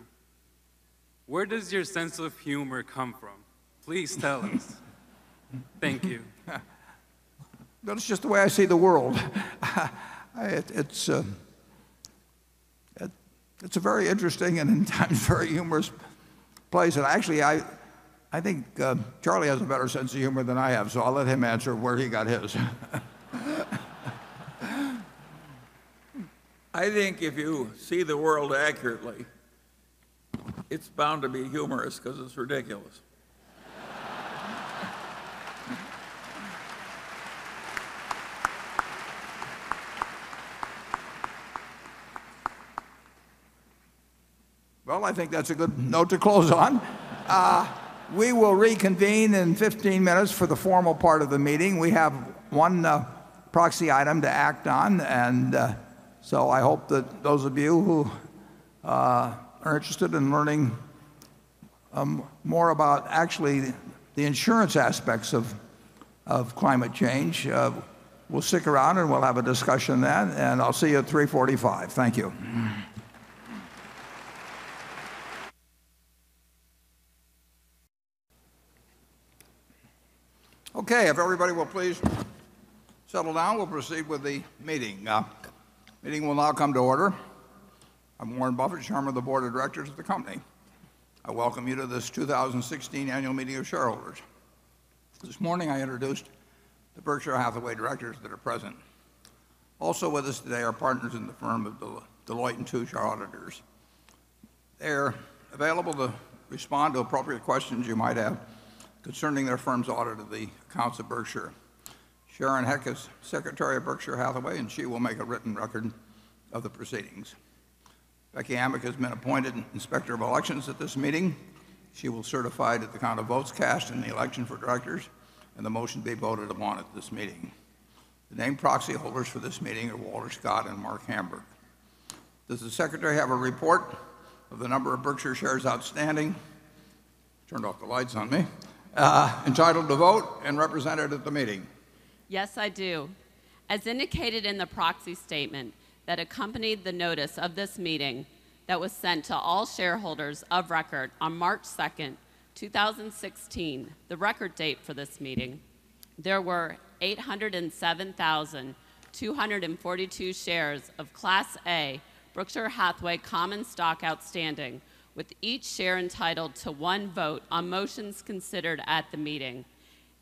Where does your sense of humor come from? Please tell us. Thank you. That's just the way I see the world. It's a very interesting and in times very humorous place. Actually, I think Charlie has a better sense of humor than I have, so I'll let him answer where he got his. I think if you see the world accurately, it's bound to be humorous because it's ridiculous. Well, I think that's a good note to close on. We will reconvene in 15 minutes for the formal part of the meeting. We have one proxy item to act on. I hope that those of you who are interested in learning more about actually the insurance aspects of climate change will stick around, and we'll have a discussion then, and I'll see you at 3:45 P.M. Thank you. Okay, if everybody will please settle down, we'll proceed with the meeting. The meeting will now come to order. I'm Warren Buffett, chairman of the board of directors of the company. I welcome you to this 2016 annual meeting of shareholders. This morning, I introduced the Berkshire Hathaway directors that are present. Also with us today are partners in the firm of Deloitte & Touche, our auditors. They're available to respond to appropriate questions you might have concerning their firm's audit of the accounts of Berkshire. Sharon Heck is secretary of Berkshire Hathaway, and she will make a written record of the proceedings. Becky Amick has been appointed inspector of elections at this meeting. She will certify the count of votes cast in the election for directors and the motions they voted upon at this meeting. The named proxy holders for this meeting are Walter Scott and Mark Hamburg. Does the secretary have a report of the number of Berkshire shares outstanding? Turned off the lights on me. Entitled to vote and represented at the meeting. Yes, I do. As indicated in the proxy statement that accompanied the notice of this meeting that was sent to all shareholders of record on March 2nd, 2016, the record date for this meeting, there were 807,242 shares of Class A Berkshire Hathaway common stock outstanding, with each share entitled to one vote on motions considered at the meeting,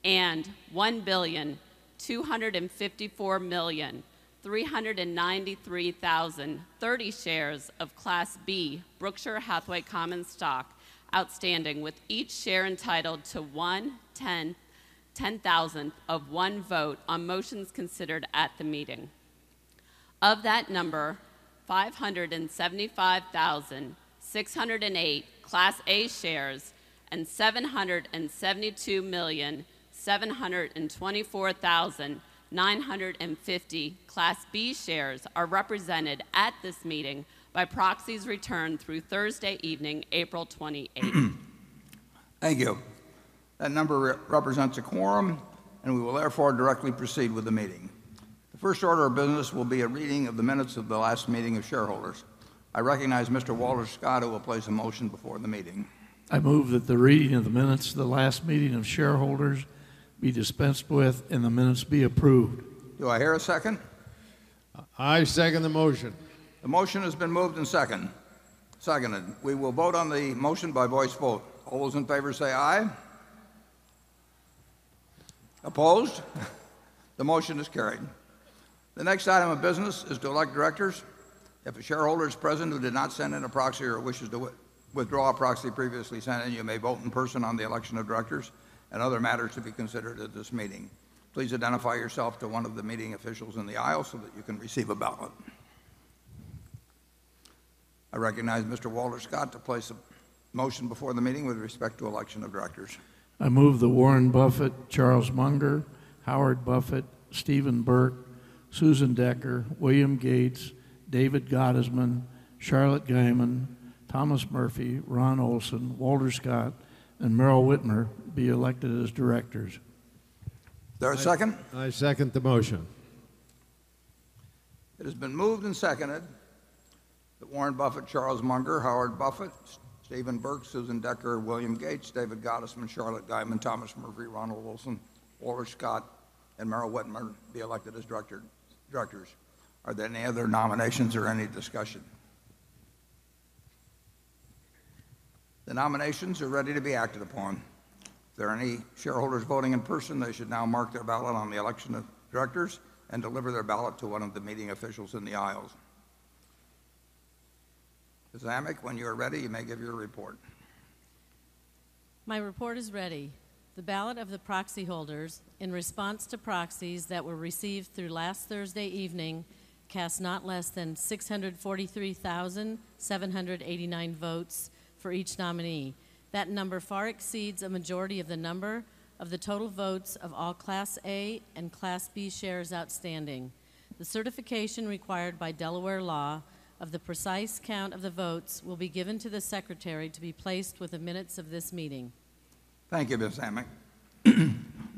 and 1,254,393,030 shares of Class B Berkshire Hathaway common stock outstanding, with each share entitled to one ten thousandth of one vote on motions considered at the meeting. Of that number, 575,608 Class A shares and 772,724,950 Class B shares are represented at this meeting by proxies returned through Thursday evening, April 28th. Thank you. That number represents a quorum, and we will therefore directly proceed with the meeting. The first order of business will be a reading of the minutes of the last meeting of shareholders. I recognize Mr. Walter Scott, who will place a motion before the meeting. I move that the reading of the minutes to the last meeting of shareholders be dispensed with, and the minutes be approved. Do I hear a second? I second the motion. The motion has been moved and seconded. We will vote on the motion by voice vote. All those in favor say aye. Opposed? The motion is carried. The next item of business is to elect directors. If a shareholder is present who did not send in a proxy or wishes to withdraw a proxy previously sent in, you may vote in person on the election of directors and other matters to be considered at this meeting. Please identify yourself to one of the meeting officials in the aisle so that you can receive a ballot. I recognize Mr. Walter Scott to place a motion before the meeting with respect to election of directors. I move that Warren Buffett, Charles Munger, Howard Buffett, Steven Burke, Susan Decker, William Gates, David Gottesman, Charlotte Guyman, Thomas Murphy, Ron Olson, Walter Scott, and Meryl Witmer be elected as directors. Is there a second? I second the motion. It has been moved and seconded that Warren Buffett, Charles Munger, Howard Buffett, Steven Burke, Susan Decker, William Gates, David Gottesman, Charlotte Guyman, Thomas Murphy, Ronald Olson, Walter Scott, and Meryl Witmer be elected as directors. Are there any other nominations or any discussion? The nominations are ready to be acted upon. If there are any shareholders voting in person, they should now mark their ballot on the election of directors and deliver their ballot to one of the meeting officials in the aisles. Ms. Amick, when you are ready, you may give your report. My report is ready. The ballot of the proxy holders in response to proxies that were received through last Thursday evening cast not less than 643,789 votes for each nominee. That number far exceeds a majority of the number of the total votes of all Class A and Class B shares outstanding. The certification required by Delaware law of the precise count of the votes will be given to the secretary to be placed with the minutes of this meeting. Thank you, Ms. Zamick.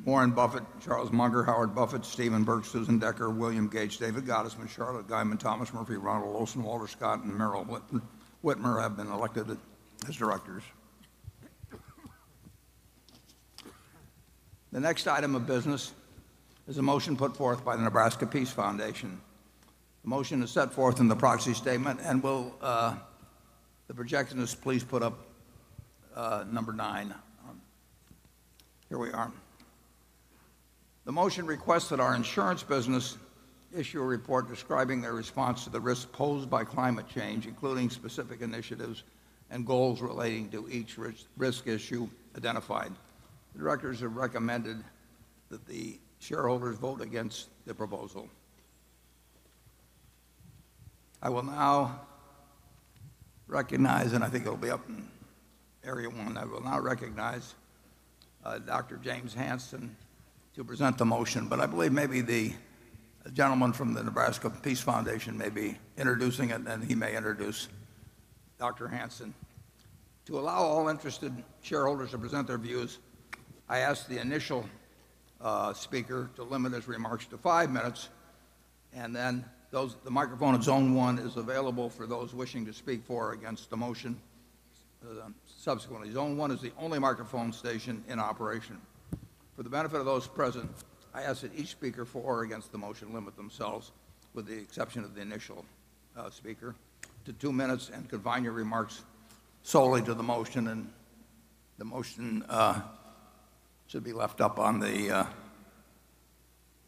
Warren Buffett, Charles Munger, Howard Buffett, Steven Burke, Susan Decker, William Gates, David Gottesman, Charlotte Guyman, Thomas Murphy, Ronald Olson, Walter Scott, and Meryl Witmer have been elected as directors. The next item of business is a motion put forth by the Nebraska Peace Foundation. The motion is set forth in the proxy statement. The projectionist, please put up number nine. Here we are. The motion requests that our insurance business issue a report describing their response to the risk posed by climate change, including specific initiatives and goals relating to each risk issue identified. The directors have recommended that the shareholders vote against the proposal. I will now recognize, and I think it will be up in area one, I will now recognize Dr. James Hansen to present the motion. I believe maybe the gentleman from the Nebraska Peace Foundation may be introducing it, then he may introduce Dr. Hansen. To allow all interested shareholders to present their views, I ask the initial speaker to limit his remarks to 5 minutes, then the microphone in zone 1 is available for those wishing to speak for or against the motion subsequently. Zone 1 is the only microphone station in operation. For the benefit of those present, I ask that each speaker, for or against the motion, limit themselves, with the exception of the initial speaker, to 2 minutes and confine your remarks solely to the motion. The motion should be left up on the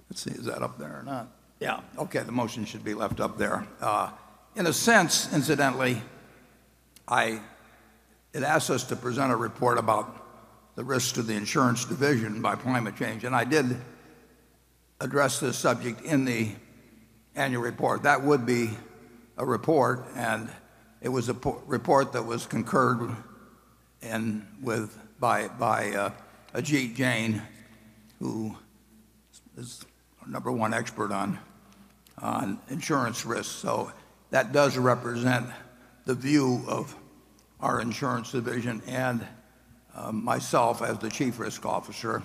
Let's see. Is that up there or not? Yeah. Okay. The motion should be left up there. In a sense, incidentally, it asks us to present a report about the risks to the insurance division by climate change, and I did address this subject in the annual report. That would be a report, and it was a report that was concurred in by Ajit Jain, who is our number 1 expert on insurance risk. That does represent the view of our insurance division and myself as the chief risk officer.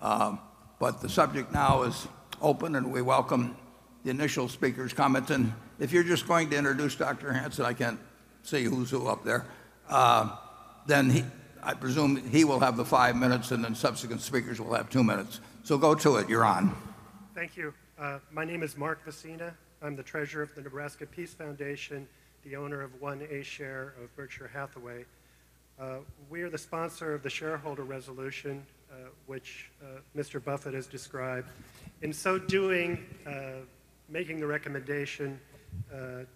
The subject now is open, and we welcome the initial speaker's comments. If you're just going to introduce Dr. Hansen, I can't see who's who up there, then I presume he will have the 5 minutes, and then subsequent speakers will have 2 minutes. Go to it. You're on. Thank you. My name is Mark Vasina. I'm the treasurer of the Nebraska Peace Foundation, the owner of one A share of Berkshire Hathaway. We are the sponsor of the shareholder resolution, which Mr. Buffett has described. In so doing, making the recommendation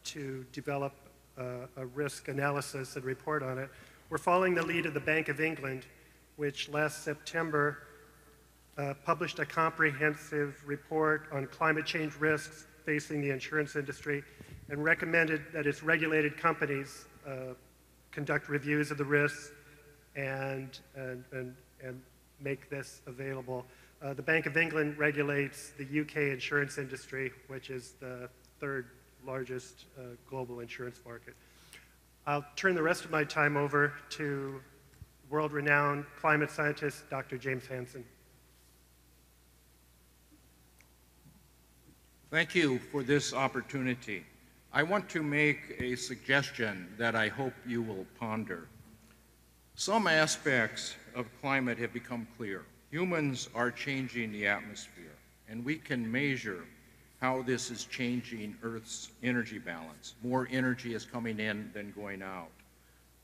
to develop a risk analysis and report on it, we're following the lead of the Bank of England, which last September published a comprehensive report on climate change risks facing the insurance industry and recommended that its regulated companies conduct reviews of the risks and make this available. The Bank of England regulates the U.K. insurance industry, which is the third-largest global insurance market. I'll turn the rest of my time over to world-renowned climate scientist, Dr. James Hansen. Thank you for this opportunity. I want to make a suggestion that I hope you will ponder. Some aspects of climate have become clear. Humans are changing the atmosphere, and we can measure how this is changing Earth's energy balance. More energy is coming in than going out.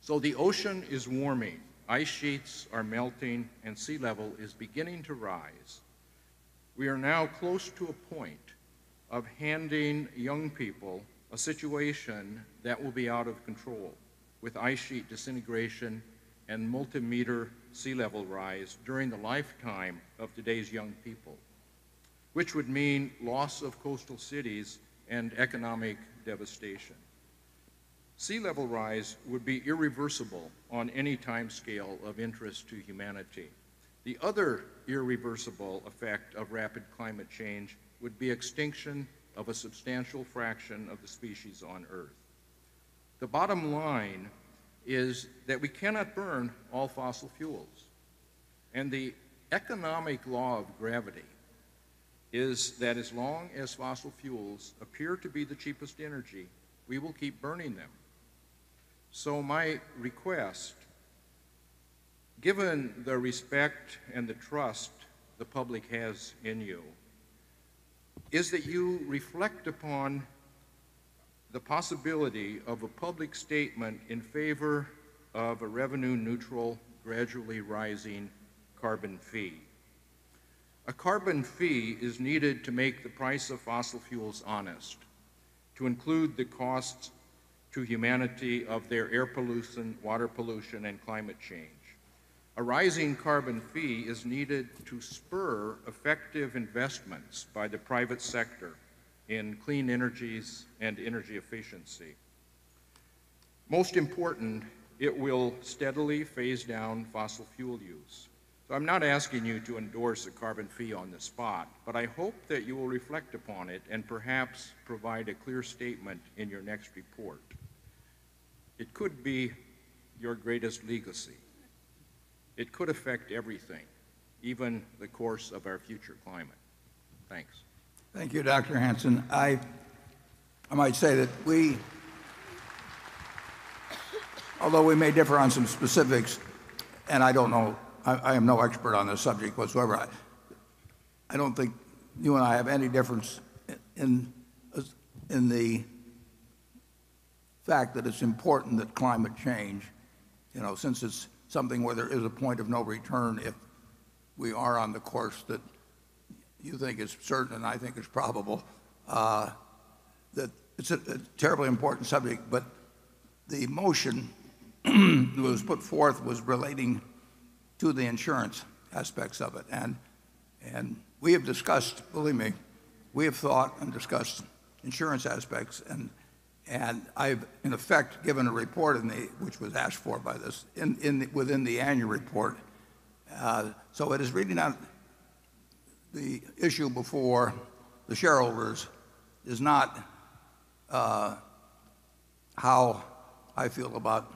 The ocean is warming, ice sheets are melting, and sea level is beginning to rise. We are now close to a point of handing young people a situation that will be out of control with ice sheet disintegration and multi-meter sea level rise during the lifetime of today's young people, which would mean loss of coastal cities and economic devastation. Sea level rise would be irreversible on any timescale of interest to humanity. The other irreversible effect of rapid climate change would be extinction of a substantial fraction of the species on Earth. My request, given the respect and the trust the public has in you, is that you reflect upon the possibility of a public statement in favor of a revenue-neutral, gradually rising carbon fee. A carbon fee is needed to make the price of fossil fuels honest, to include the costs to humanity of their air pollution, water pollution, and climate change. A rising carbon fee is needed to spur effective investments by the private sector in clean energies and energy efficiency. Most important, it will steadily phase down fossil fuel use. I'm not asking you to endorse a carbon fee on the spot, I hope that you will reflect upon it and perhaps provide a clear statement in your next report. It could be your greatest legacy. It could affect everything, even the course of our future climate. Thanks. Thank you, Dr. Hansen. I might say that although we may differ on some specifics, I am no expert on this subject whatsoever, I don't think you and I have any difference in the fact that it's important that climate change, since it's something where there is a point of no return if we are on the course that you think is certain and I think is probable, that it's a terribly important subject. The motion that was put forth was relating to the insurance aspects of it. Believe me, we have thought and discussed insurance aspects, and I've, in effect, given a report, which was asked for by this, within the annual report. The issue before the shareholders is not how I feel about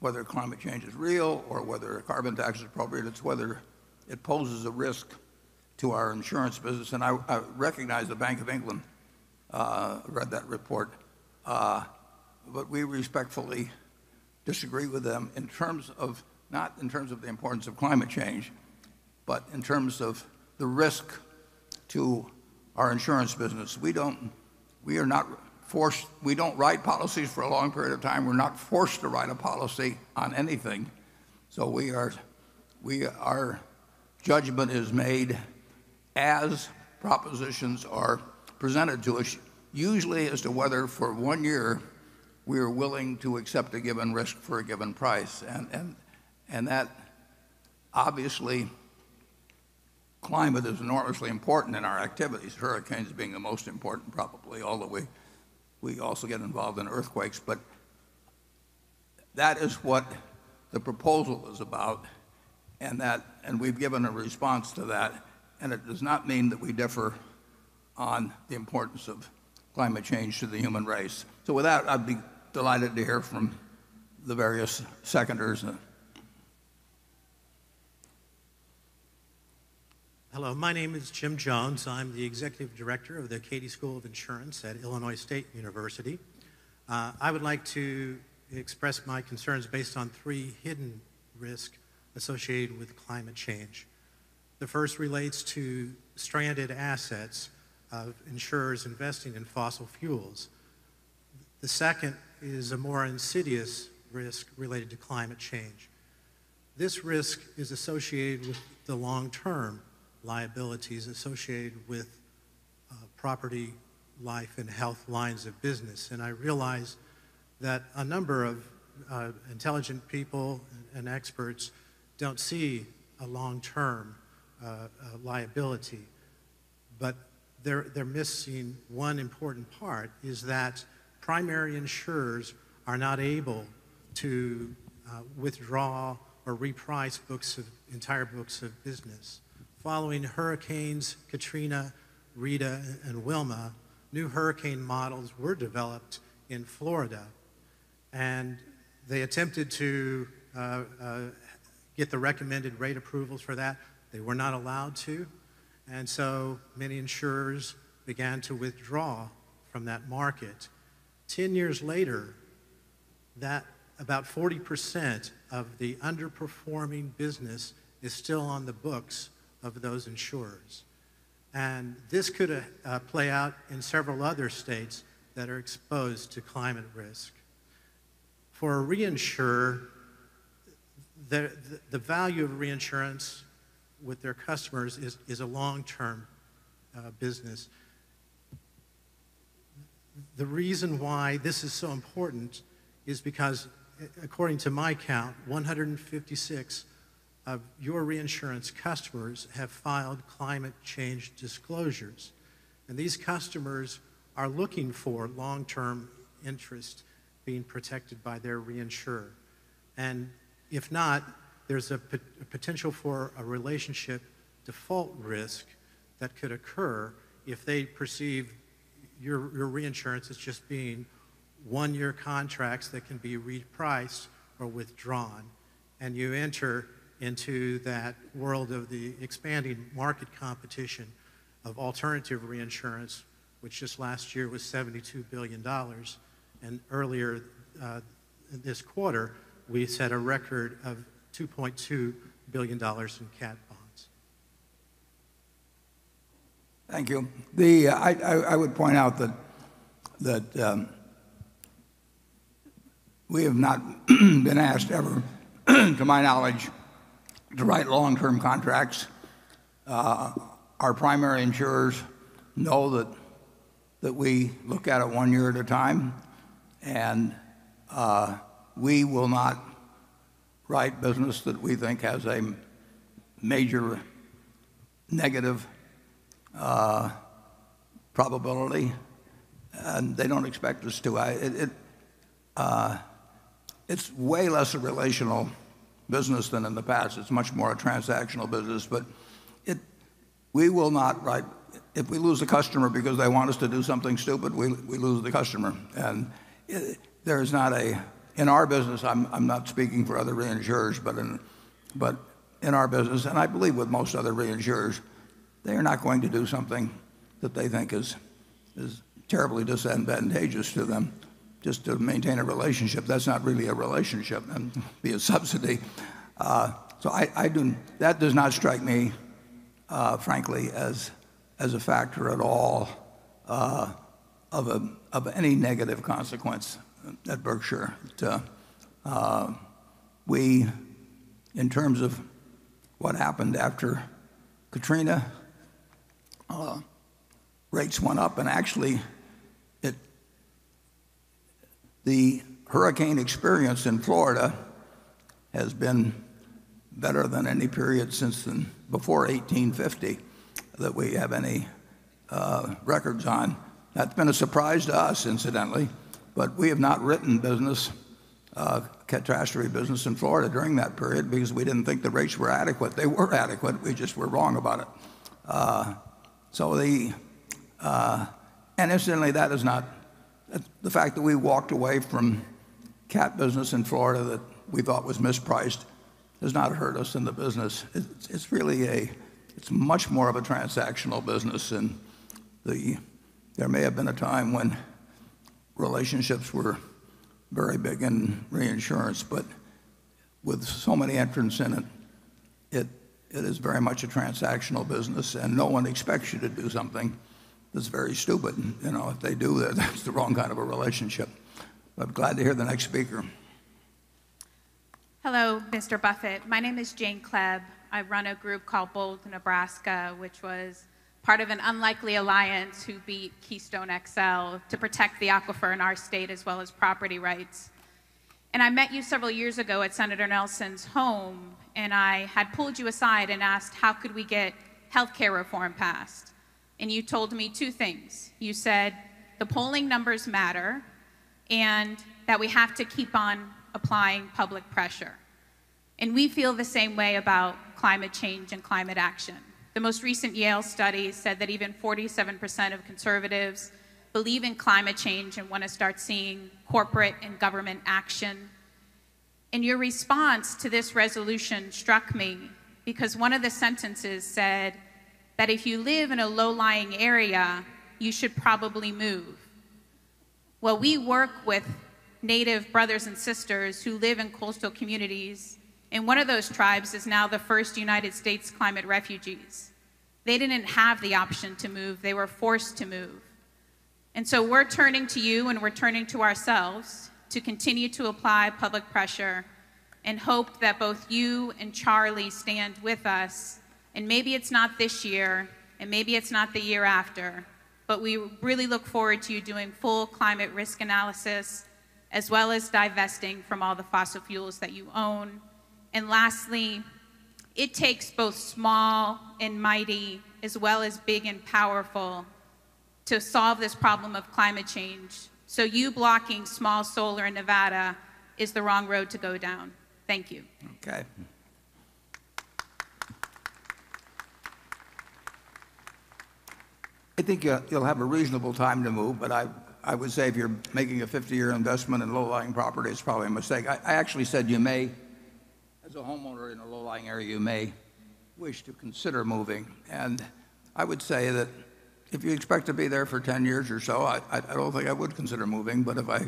whether climate change is real or whether a carbon tax is appropriate. It's whether it poses a risk to our insurance business. I recognize the Bank of England read that report. We respectfully disagree with them, not in terms of the importance of climate change, but in terms of the risk to our insurance business. We don't write policies for a long period of time. We're not forced to write a policy on anything. Our judgment is made as propositions are presented to us, usually as to whether for one year we are willing to accept a given risk for a given price. Obviously, climate is enormously important in our activities, hurricanes being the most important probably, although we also get involved in earthquakes. That is what the proposal is about, and we've given a response to that, and it does not mean that we differ on the importance of climate change to the human race. With that, I'd be delighted to hear from the various seconders. Hello. My name is Jim Jones. I'm the Executive Director of the Katie School of Insurance at Illinois State University. I would like to express my concerns based on three hidden risks associated with climate change. The first relates to stranded assets of insurers investing in fossil fuels. The second is a more insidious risk related to climate change. This risk is associated with the long-term liabilities associated with property, life, and health lines of business. I realize that a number of intelligent people and experts don't see a long-term liability. They're missing one important part, is that primary insurers are not able to withdraw or reprice entire books of business. Following hurricanes Katrina, Rita, and Wilma, new hurricane models were developed in Florida, and they attempted to get the recommended rate approvals for that. They were not allowed to, so many insurers began to withdraw from that market. 10 years later, about 40% of the underperforming business is still on the books of those insurers. This could play out in several other states that are exposed to climate risk. For a reinsurer, the value of reinsurance with their customers is a long-term business. The reason why this is so important is because, according to my count, 156 of your reinsurance customers have filed climate change disclosures, and these customers are looking for long-term interest being protected by their reinsurer. If not, there's a potential for a relationship default risk that could occur if they perceive your reinsurance as just being one-year contracts that can be repriced or withdrawn, and you enter into that world of the expanding market competition of alternative reinsurance, which just last year was $72 billion. Earlier this quarter, we set a record of $2.2 billion in cat bonds. Thank you. I would point out that we have not been asked ever to my knowledge to write long-term contracts. Our primary insurers know that we look at it one year at a time, and we will not write business that we think has a major negative probability. They don't expect us to. It's way less a relational business than in the past. It's much more a transactional business. If we lose a customer because they want us to do something stupid, we lose the customer. In our business, I'm not speaking for other reinsurers, but in our business, and I believe with most other reinsurers, they are not going to do something that they think is terribly disadvantageous to them just to maintain a relationship. That's not really a relationship. That'd be a subsidy. That does not strike me frankly, as a factor at all of any negative consequence at Berkshire. In terms of what happened after Katrina, rates went up, actually, the hurricane experience in Florida has been better than any period since before 1850 that we have any records on. That's been a surprise to us incidentally, we have not written catastrophe business in Florida during that period because we didn't think the rates were adequate. They were adequate, we just were wrong about it. Incidentally, the fact that we walked away from cat business in Florida that we thought was mispriced has not hurt us in the business. It's much more of a transactional business and there may have been a time when relationships were very big in reinsurance, but with so many entrants in it is very much a transactional business and no one expects you to do something that's very stupid. If they do, then that's the wrong kind of a relationship. Glad to hear the next speaker. Hello, Mr. Buffett. My name is Jane Kleeb. I run a group called Bold Nebraska, which was part of an unlikely alliance who beat Keystone XL to protect the aquifer in our state as well as property rights. I met you several years ago at Senator Nelson's home, and I had pulled you aside and asked how could we get healthcare reform passed. You told me two things. You said, "The polling numbers matter," and that we have to keep on applying public pressure. We feel the same way about climate change and climate action. The most recent Yale study said that even 47% of conservatives believe in climate change and want to start seeing corporate and government action. Your response to this resolution struck me because one of the sentences said that if you live in a low-lying area, you should probably move. Well, we work with Native brothers and sisters who live in coastal communities, and one of those tribes is now the first United States climate refugees. They didn't have the option to move. They were forced to move. We're turning to you and we're turning to ourselves to continue to apply public pressure and hope that both you and Charlie stand with us. Maybe it's not this year, and maybe it's not the year after, but we really look forward to you doing full climate risk analysis, as well as divesting from all the fossil fuels that you own. Lastly, it takes both small and mighty, as well as big and powerful, to solve this problem of climate change. You blocking small solar in Nevada is the wrong road to go down. Thank you. Okay. I think you'll have a reasonable time to move, but I would say if you're making a 50-year investment in low-lying property, it's probably a mistake. I actually said you may, as a homeowner in a low-lying area, you may wish to consider moving. I would say that if you expect to be there for 10 years or so, I don't think I would consider moving, but if I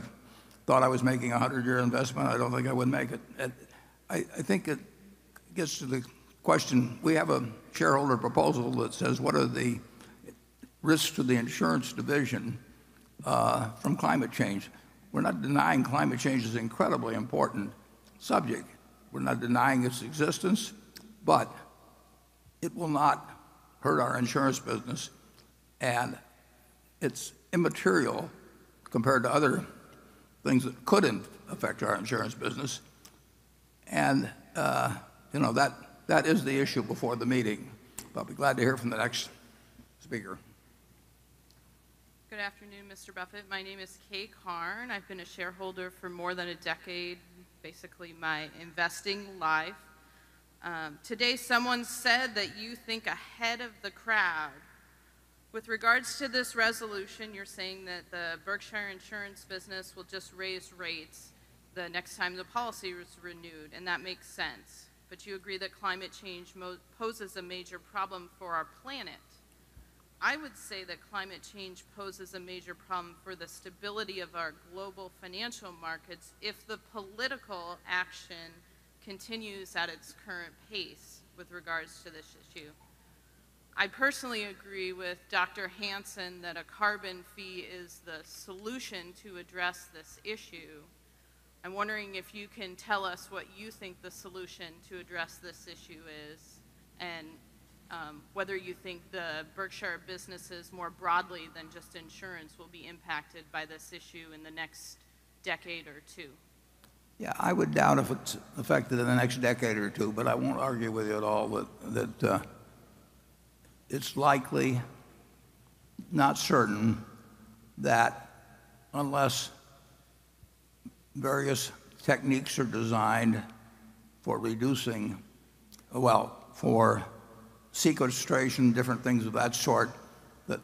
thought I was making a 100-year investment, I don't think I wouldn't make it. I think it gets to the question, we have a shareholder proposal that says, what are the risks to the insurance division from climate change? We're not denying climate change is an incredibly important subject. We're not denying its existence, but it will not hurt our insurance business, and it's immaterial compared to other things that could affect our insurance business. That is the issue before the meeting. I'll be glad to hear from the next speaker. Good afternoon, Mr. Buffett. My name is Kay Karn. I've been a shareholder for more than a decade, basically my investing life. Today someone said that you think ahead of the crowd. With regards to this resolution, you're saying that the Berkshire insurance business will just raise rates the next time the policy is renewed, that makes sense. You agree that climate change poses a major problem for our planet. I would say that climate change poses a major problem for the stability of our global financial markets if the political action continues at its current pace with regards to this issue. I personally agree with Dr. Hansen that a carbon fee is the solution to address this issue. I'm wondering if you can tell us what you think the solution to address this issue is, and whether you think the Berkshire businesses more broadly than just insurance will be impacted by this issue in the next decade or two. I would doubt if it's affected in the next decade or two, but I won't argue with you at all that it's likely, not certain, that unless various techniques are designed for reducing Well, for sequestration, different things of that sort, that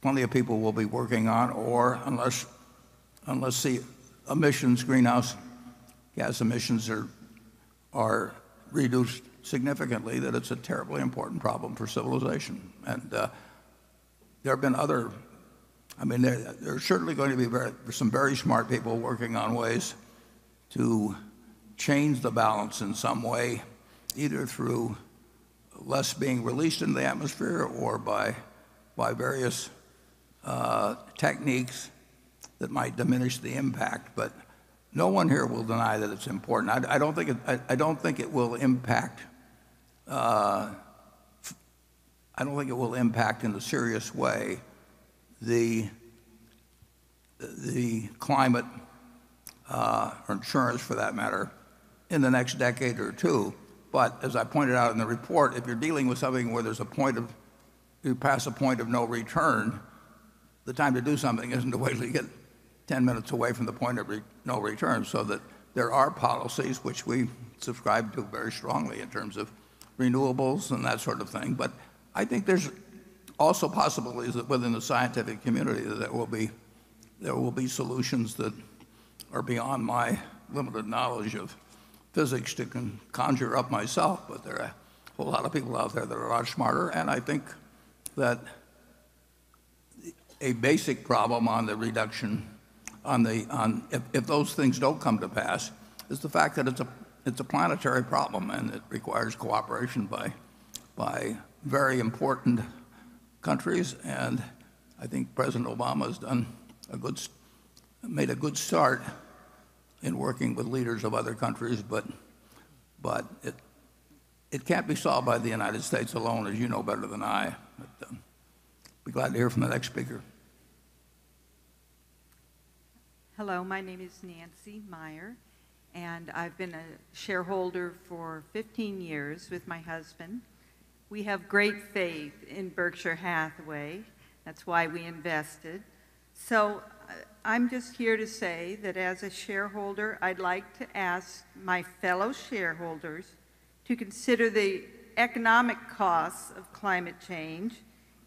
plenty of people will be working on, or unless the emissions, greenhouse gas emissions, are reduced significantly, that it's a terribly important problem for civilization. There are certainly going to be some very smart people working on ways to change the balance in some way, either through less being released into the atmosphere or by various techniques that might diminish the impact, but no one here will deny that it's important. I don't think it will impact in a serious way the climate insurance, for that matter, in the next decade or two. As I pointed out in the report, if you're dealing with something where you pass a point of no return, the time to do something isn't to wait until you get 10 minutes away from the point of no return. That there are policies which we subscribe to very strongly in terms of renewables and that sort of thing. I think there's also possibilities within the scientific community that there will be solutions that are beyond my limited knowledge of physics to conjure up myself, but there are a whole lot of people out there that are a lot smarter. I think that a basic problem on the reduction, if those things don't come to pass, is the fact that it's a planetary problem, and it requires cooperation by very important countries, and I think President Obama's made a good start in working with leaders of other countries, but it can't be solved by the United States alone, as you know better than I. Be glad to hear from the next speaker. Hello, my name is Nancy Meyer. I've been a shareholder for 15 years with my husband. We have great faith in Berkshire Hathaway. That's why we invested. I'm just here to say that as a shareholder, I'd like to ask my fellow shareholders to consider the economic costs of climate change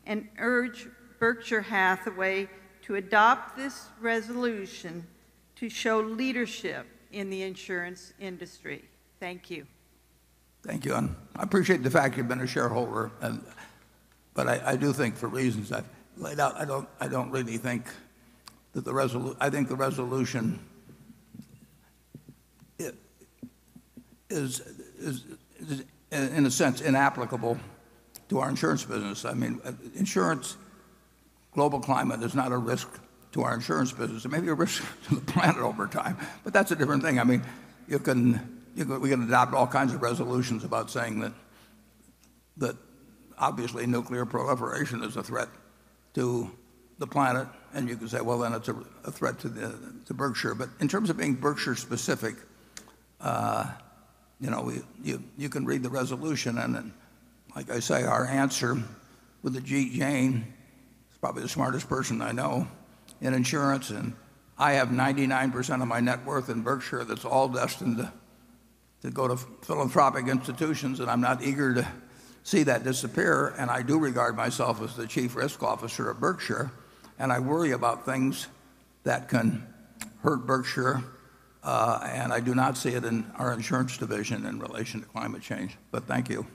and urge Berkshire Hathaway to adopt this resolution to show leadership in the insurance industry. Thank you. Thank you. I appreciate the fact you've been a shareholder. I do think for reasons I've laid out, I think the resolution is, in a sense, inapplicable to our insurance business. Insurance, global climate is not a risk to our insurance business. It may be a risk to the planet over time, that's a different thing. We can adopt all kinds of resolutions about saying that obviously nuclear proliferation is a threat to the planet, and you can say, "Well, then it's a threat to Berkshire." In terms of being Berkshire specific, you can read the resolution, then, like I say, our answer with Ajit Jain, who's probably the smartest person I know in insurance. I have 99% of my net worth in Berkshire that's all destined to go to philanthropic institutions, and I'm not eager to see that disappear. I do regard myself as the chief risk officer of Berkshire, and I worry about things that can hurt Berkshire. I do not see it in our insurance division in relation to climate change, thank you.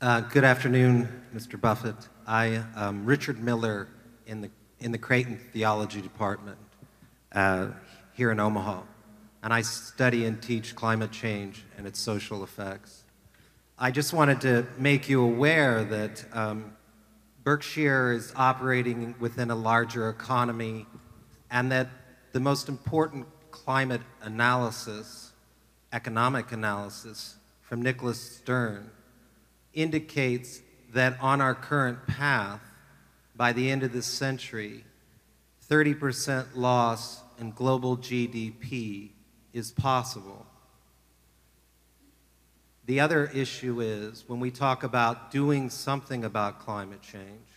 Good afternoon, Mr. Buffett. I am Richard Miller in the Creighton Theology Department here in Omaha, and I study and teach climate change and its social effects. I just wanted to make you aware that Berkshire is operating within a larger economy, that the most important climate analysis, economic analysis from Nicholas Stern indicates that on our current path, by the end of this century, 30% loss in global GDP is possible. The other issue is when we talk about doing something about climate change,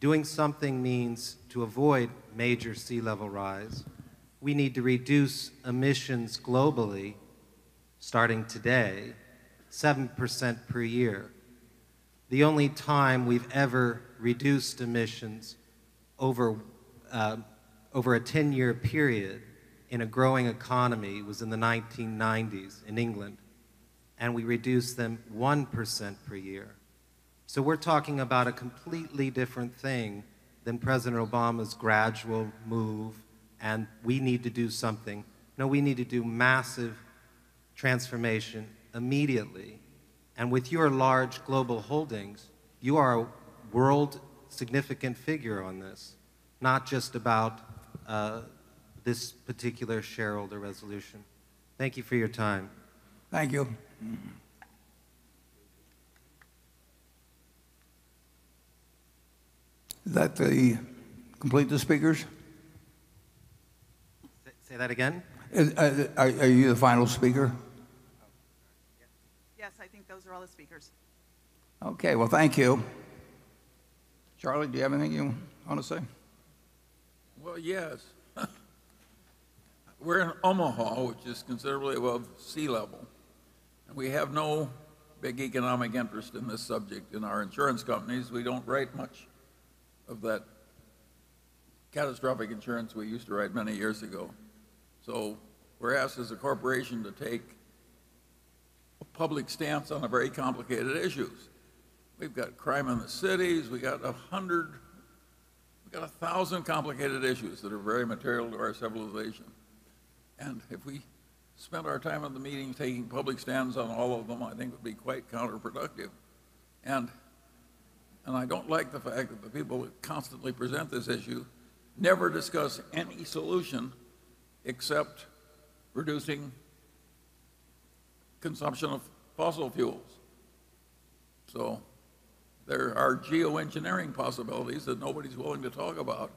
doing something means to avoid major sea level rise. We need to reduce emissions globally, starting today, 7% per year. The only time we've ever reduced emissions over a 10-year period in a growing economy was in the 1990s in England, and we reduced them 1% per year. We're talking about a completely different thing than President Obama's gradual move. We need to do something. No, we need to do massive transformation immediately. With your large global holdings, you are a world significant figure on this, not just about this particular shareholder resolution. Thank you for your time. Thank you. Is that the complete the speakers? Say that again. Are you the final speaker? Oh. Yeah. Yes. I think those are all the speakers. Okay. Well, thank you. Charlie, do you have anything you want to say? Well, yes. We're in Omaha, which is considerably above sea level, and we have no big economic interest in this subject. In our insurance companies, we don't write much of that catastrophic insurance we used to write many years ago. We're asked as a corporation to take a public stance on very complicated issues. We've got crime in the cities. We've got 1,000 complicated issues that are very material to our civilization. If we spend our time in the meeting taking public stands on all of them, I think it would be quite counterproductive. I don't like the fact that the people that constantly present this issue never discuss any solution except reducing consumption of fossil fuels. There are geoengineering possibilities that nobody's willing to talk about,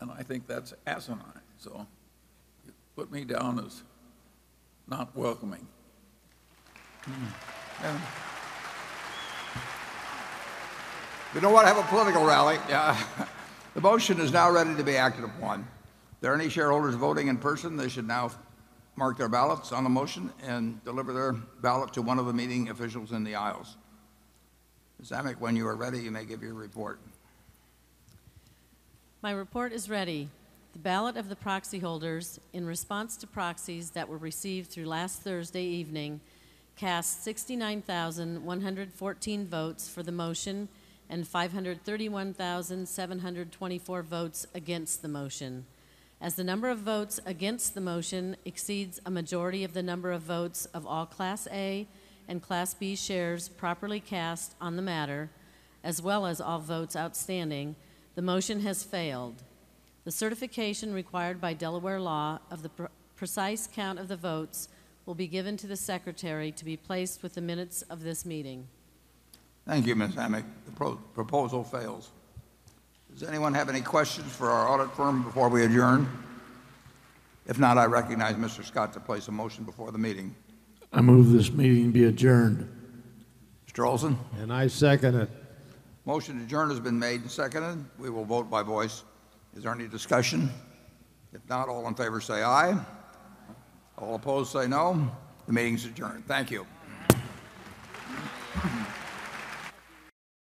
and I think that's asinine. Put me down as not welcoming. You know what? Have a political rally. The motion is now ready to be acted upon. If there are any shareholders voting in person, they should now mark their ballots on the motion and deliver their ballot to one of the meeting officials in the aisles. Ms. Amick, when you are ready, you may give your report. My report is ready. The ballot of the proxy holders in response to proxies that were received through last Thursday evening cast 69,114 votes for the motion and 531,724 votes against the motion. As the number of votes against the motion exceeds a majority of the number of votes of all Class A and Class B shares properly cast on the matter, as well as all votes outstanding, the motion has failed. The certification required by Delaware law of the precise count of the votes will be given to the secretary to be placed with the minutes of this meeting. Thank you, Ms. Hammack. The proposal fails. Does anyone have any questions for our audit firm before we adjourn? If not, I recognize Mr. Scott to place a motion before the meeting. I move this meeting be adjourned. Mr. Olson? I second it. Motion to adjourn has been made and seconded. We will vote by voice. Is there any discussion? If not, all in favor say aye. Aye. All opposed say no. The meeting's adjourned. Thank you.